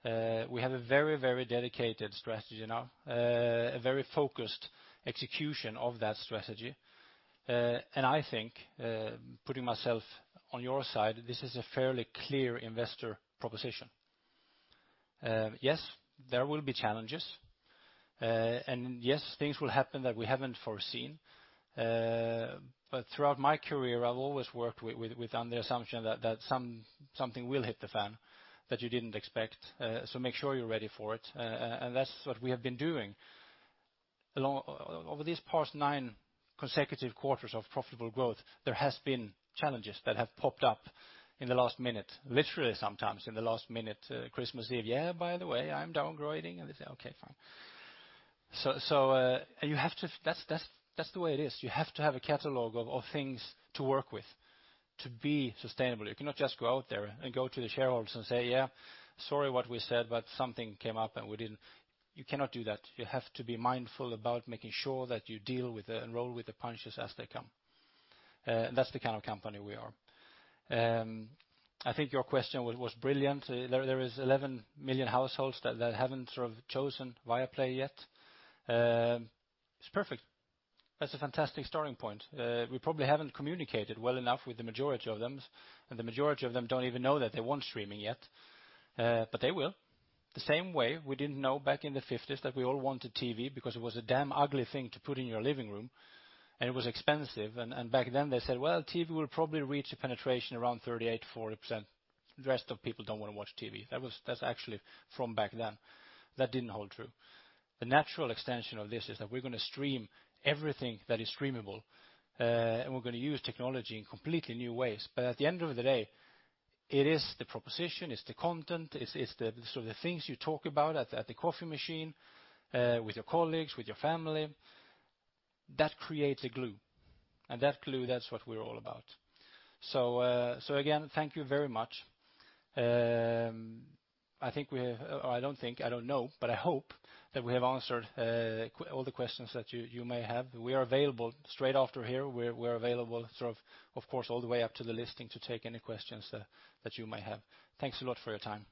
We have a very dedicated strategy now, a very focused execution of that strategy. I think, putting myself on your side, this is a fairly clear investor proposition. Yes, there will be challenges. Yes, things will happen that we haven't foreseen. Throughout my career, I've always worked with under the assumption that something will hit the fan that you didn't expect. Make sure you're ready for it. That's what we have been doing. Over these past nine consecutive quarters of profitable growth, there has been challenges that have popped up in the last minute, literally sometimes in the last minute, Christmas Eve. "Yeah, by the way, I'm downgrading." They say, "Okay, fine." That's the way it is. You have to have a catalog of things to work with to be sustainable. You cannot just go out there and go to the shareholders and say, "Yeah, sorry what we said, but something came up and we didn't." You cannot do that. You have to be mindful about making sure that you deal with and roll with the punches as they come. That's the kind of company we are. I think your question was brilliant. There is 11 million households that haven't chosen Viaplay yet. It's perfect. That's a fantastic starting point. We probably haven't communicated well enough with the majority of them, and the majority of them don't even know that they want streaming yet. They will. The same way we didn't know back in the '50s that we all wanted TV because it was a damn ugly thing to put in your living room, and it was expensive. Back then they said, "Well, TV will probably reach a penetration around 38%-40%. The rest of people don't want to watch TV." That's actually from back then. That didn't hold true. The natural extension of this is that we're going to stream everything that is streamable, and we're going to use technology in completely new ways. At the end of the day, it is the proposition, it's the content, it's the sort of things you talk about at the coffee machine, with your colleagues, with your family. That creates a glue. That glue, that's what we're all about. Again, thank you very much. I don't know, but I hope that we have answered all the questions that you may have. We are available straight after here. We're available all the way up to the listing to take any questions that you may have. Thanks a lot for your time.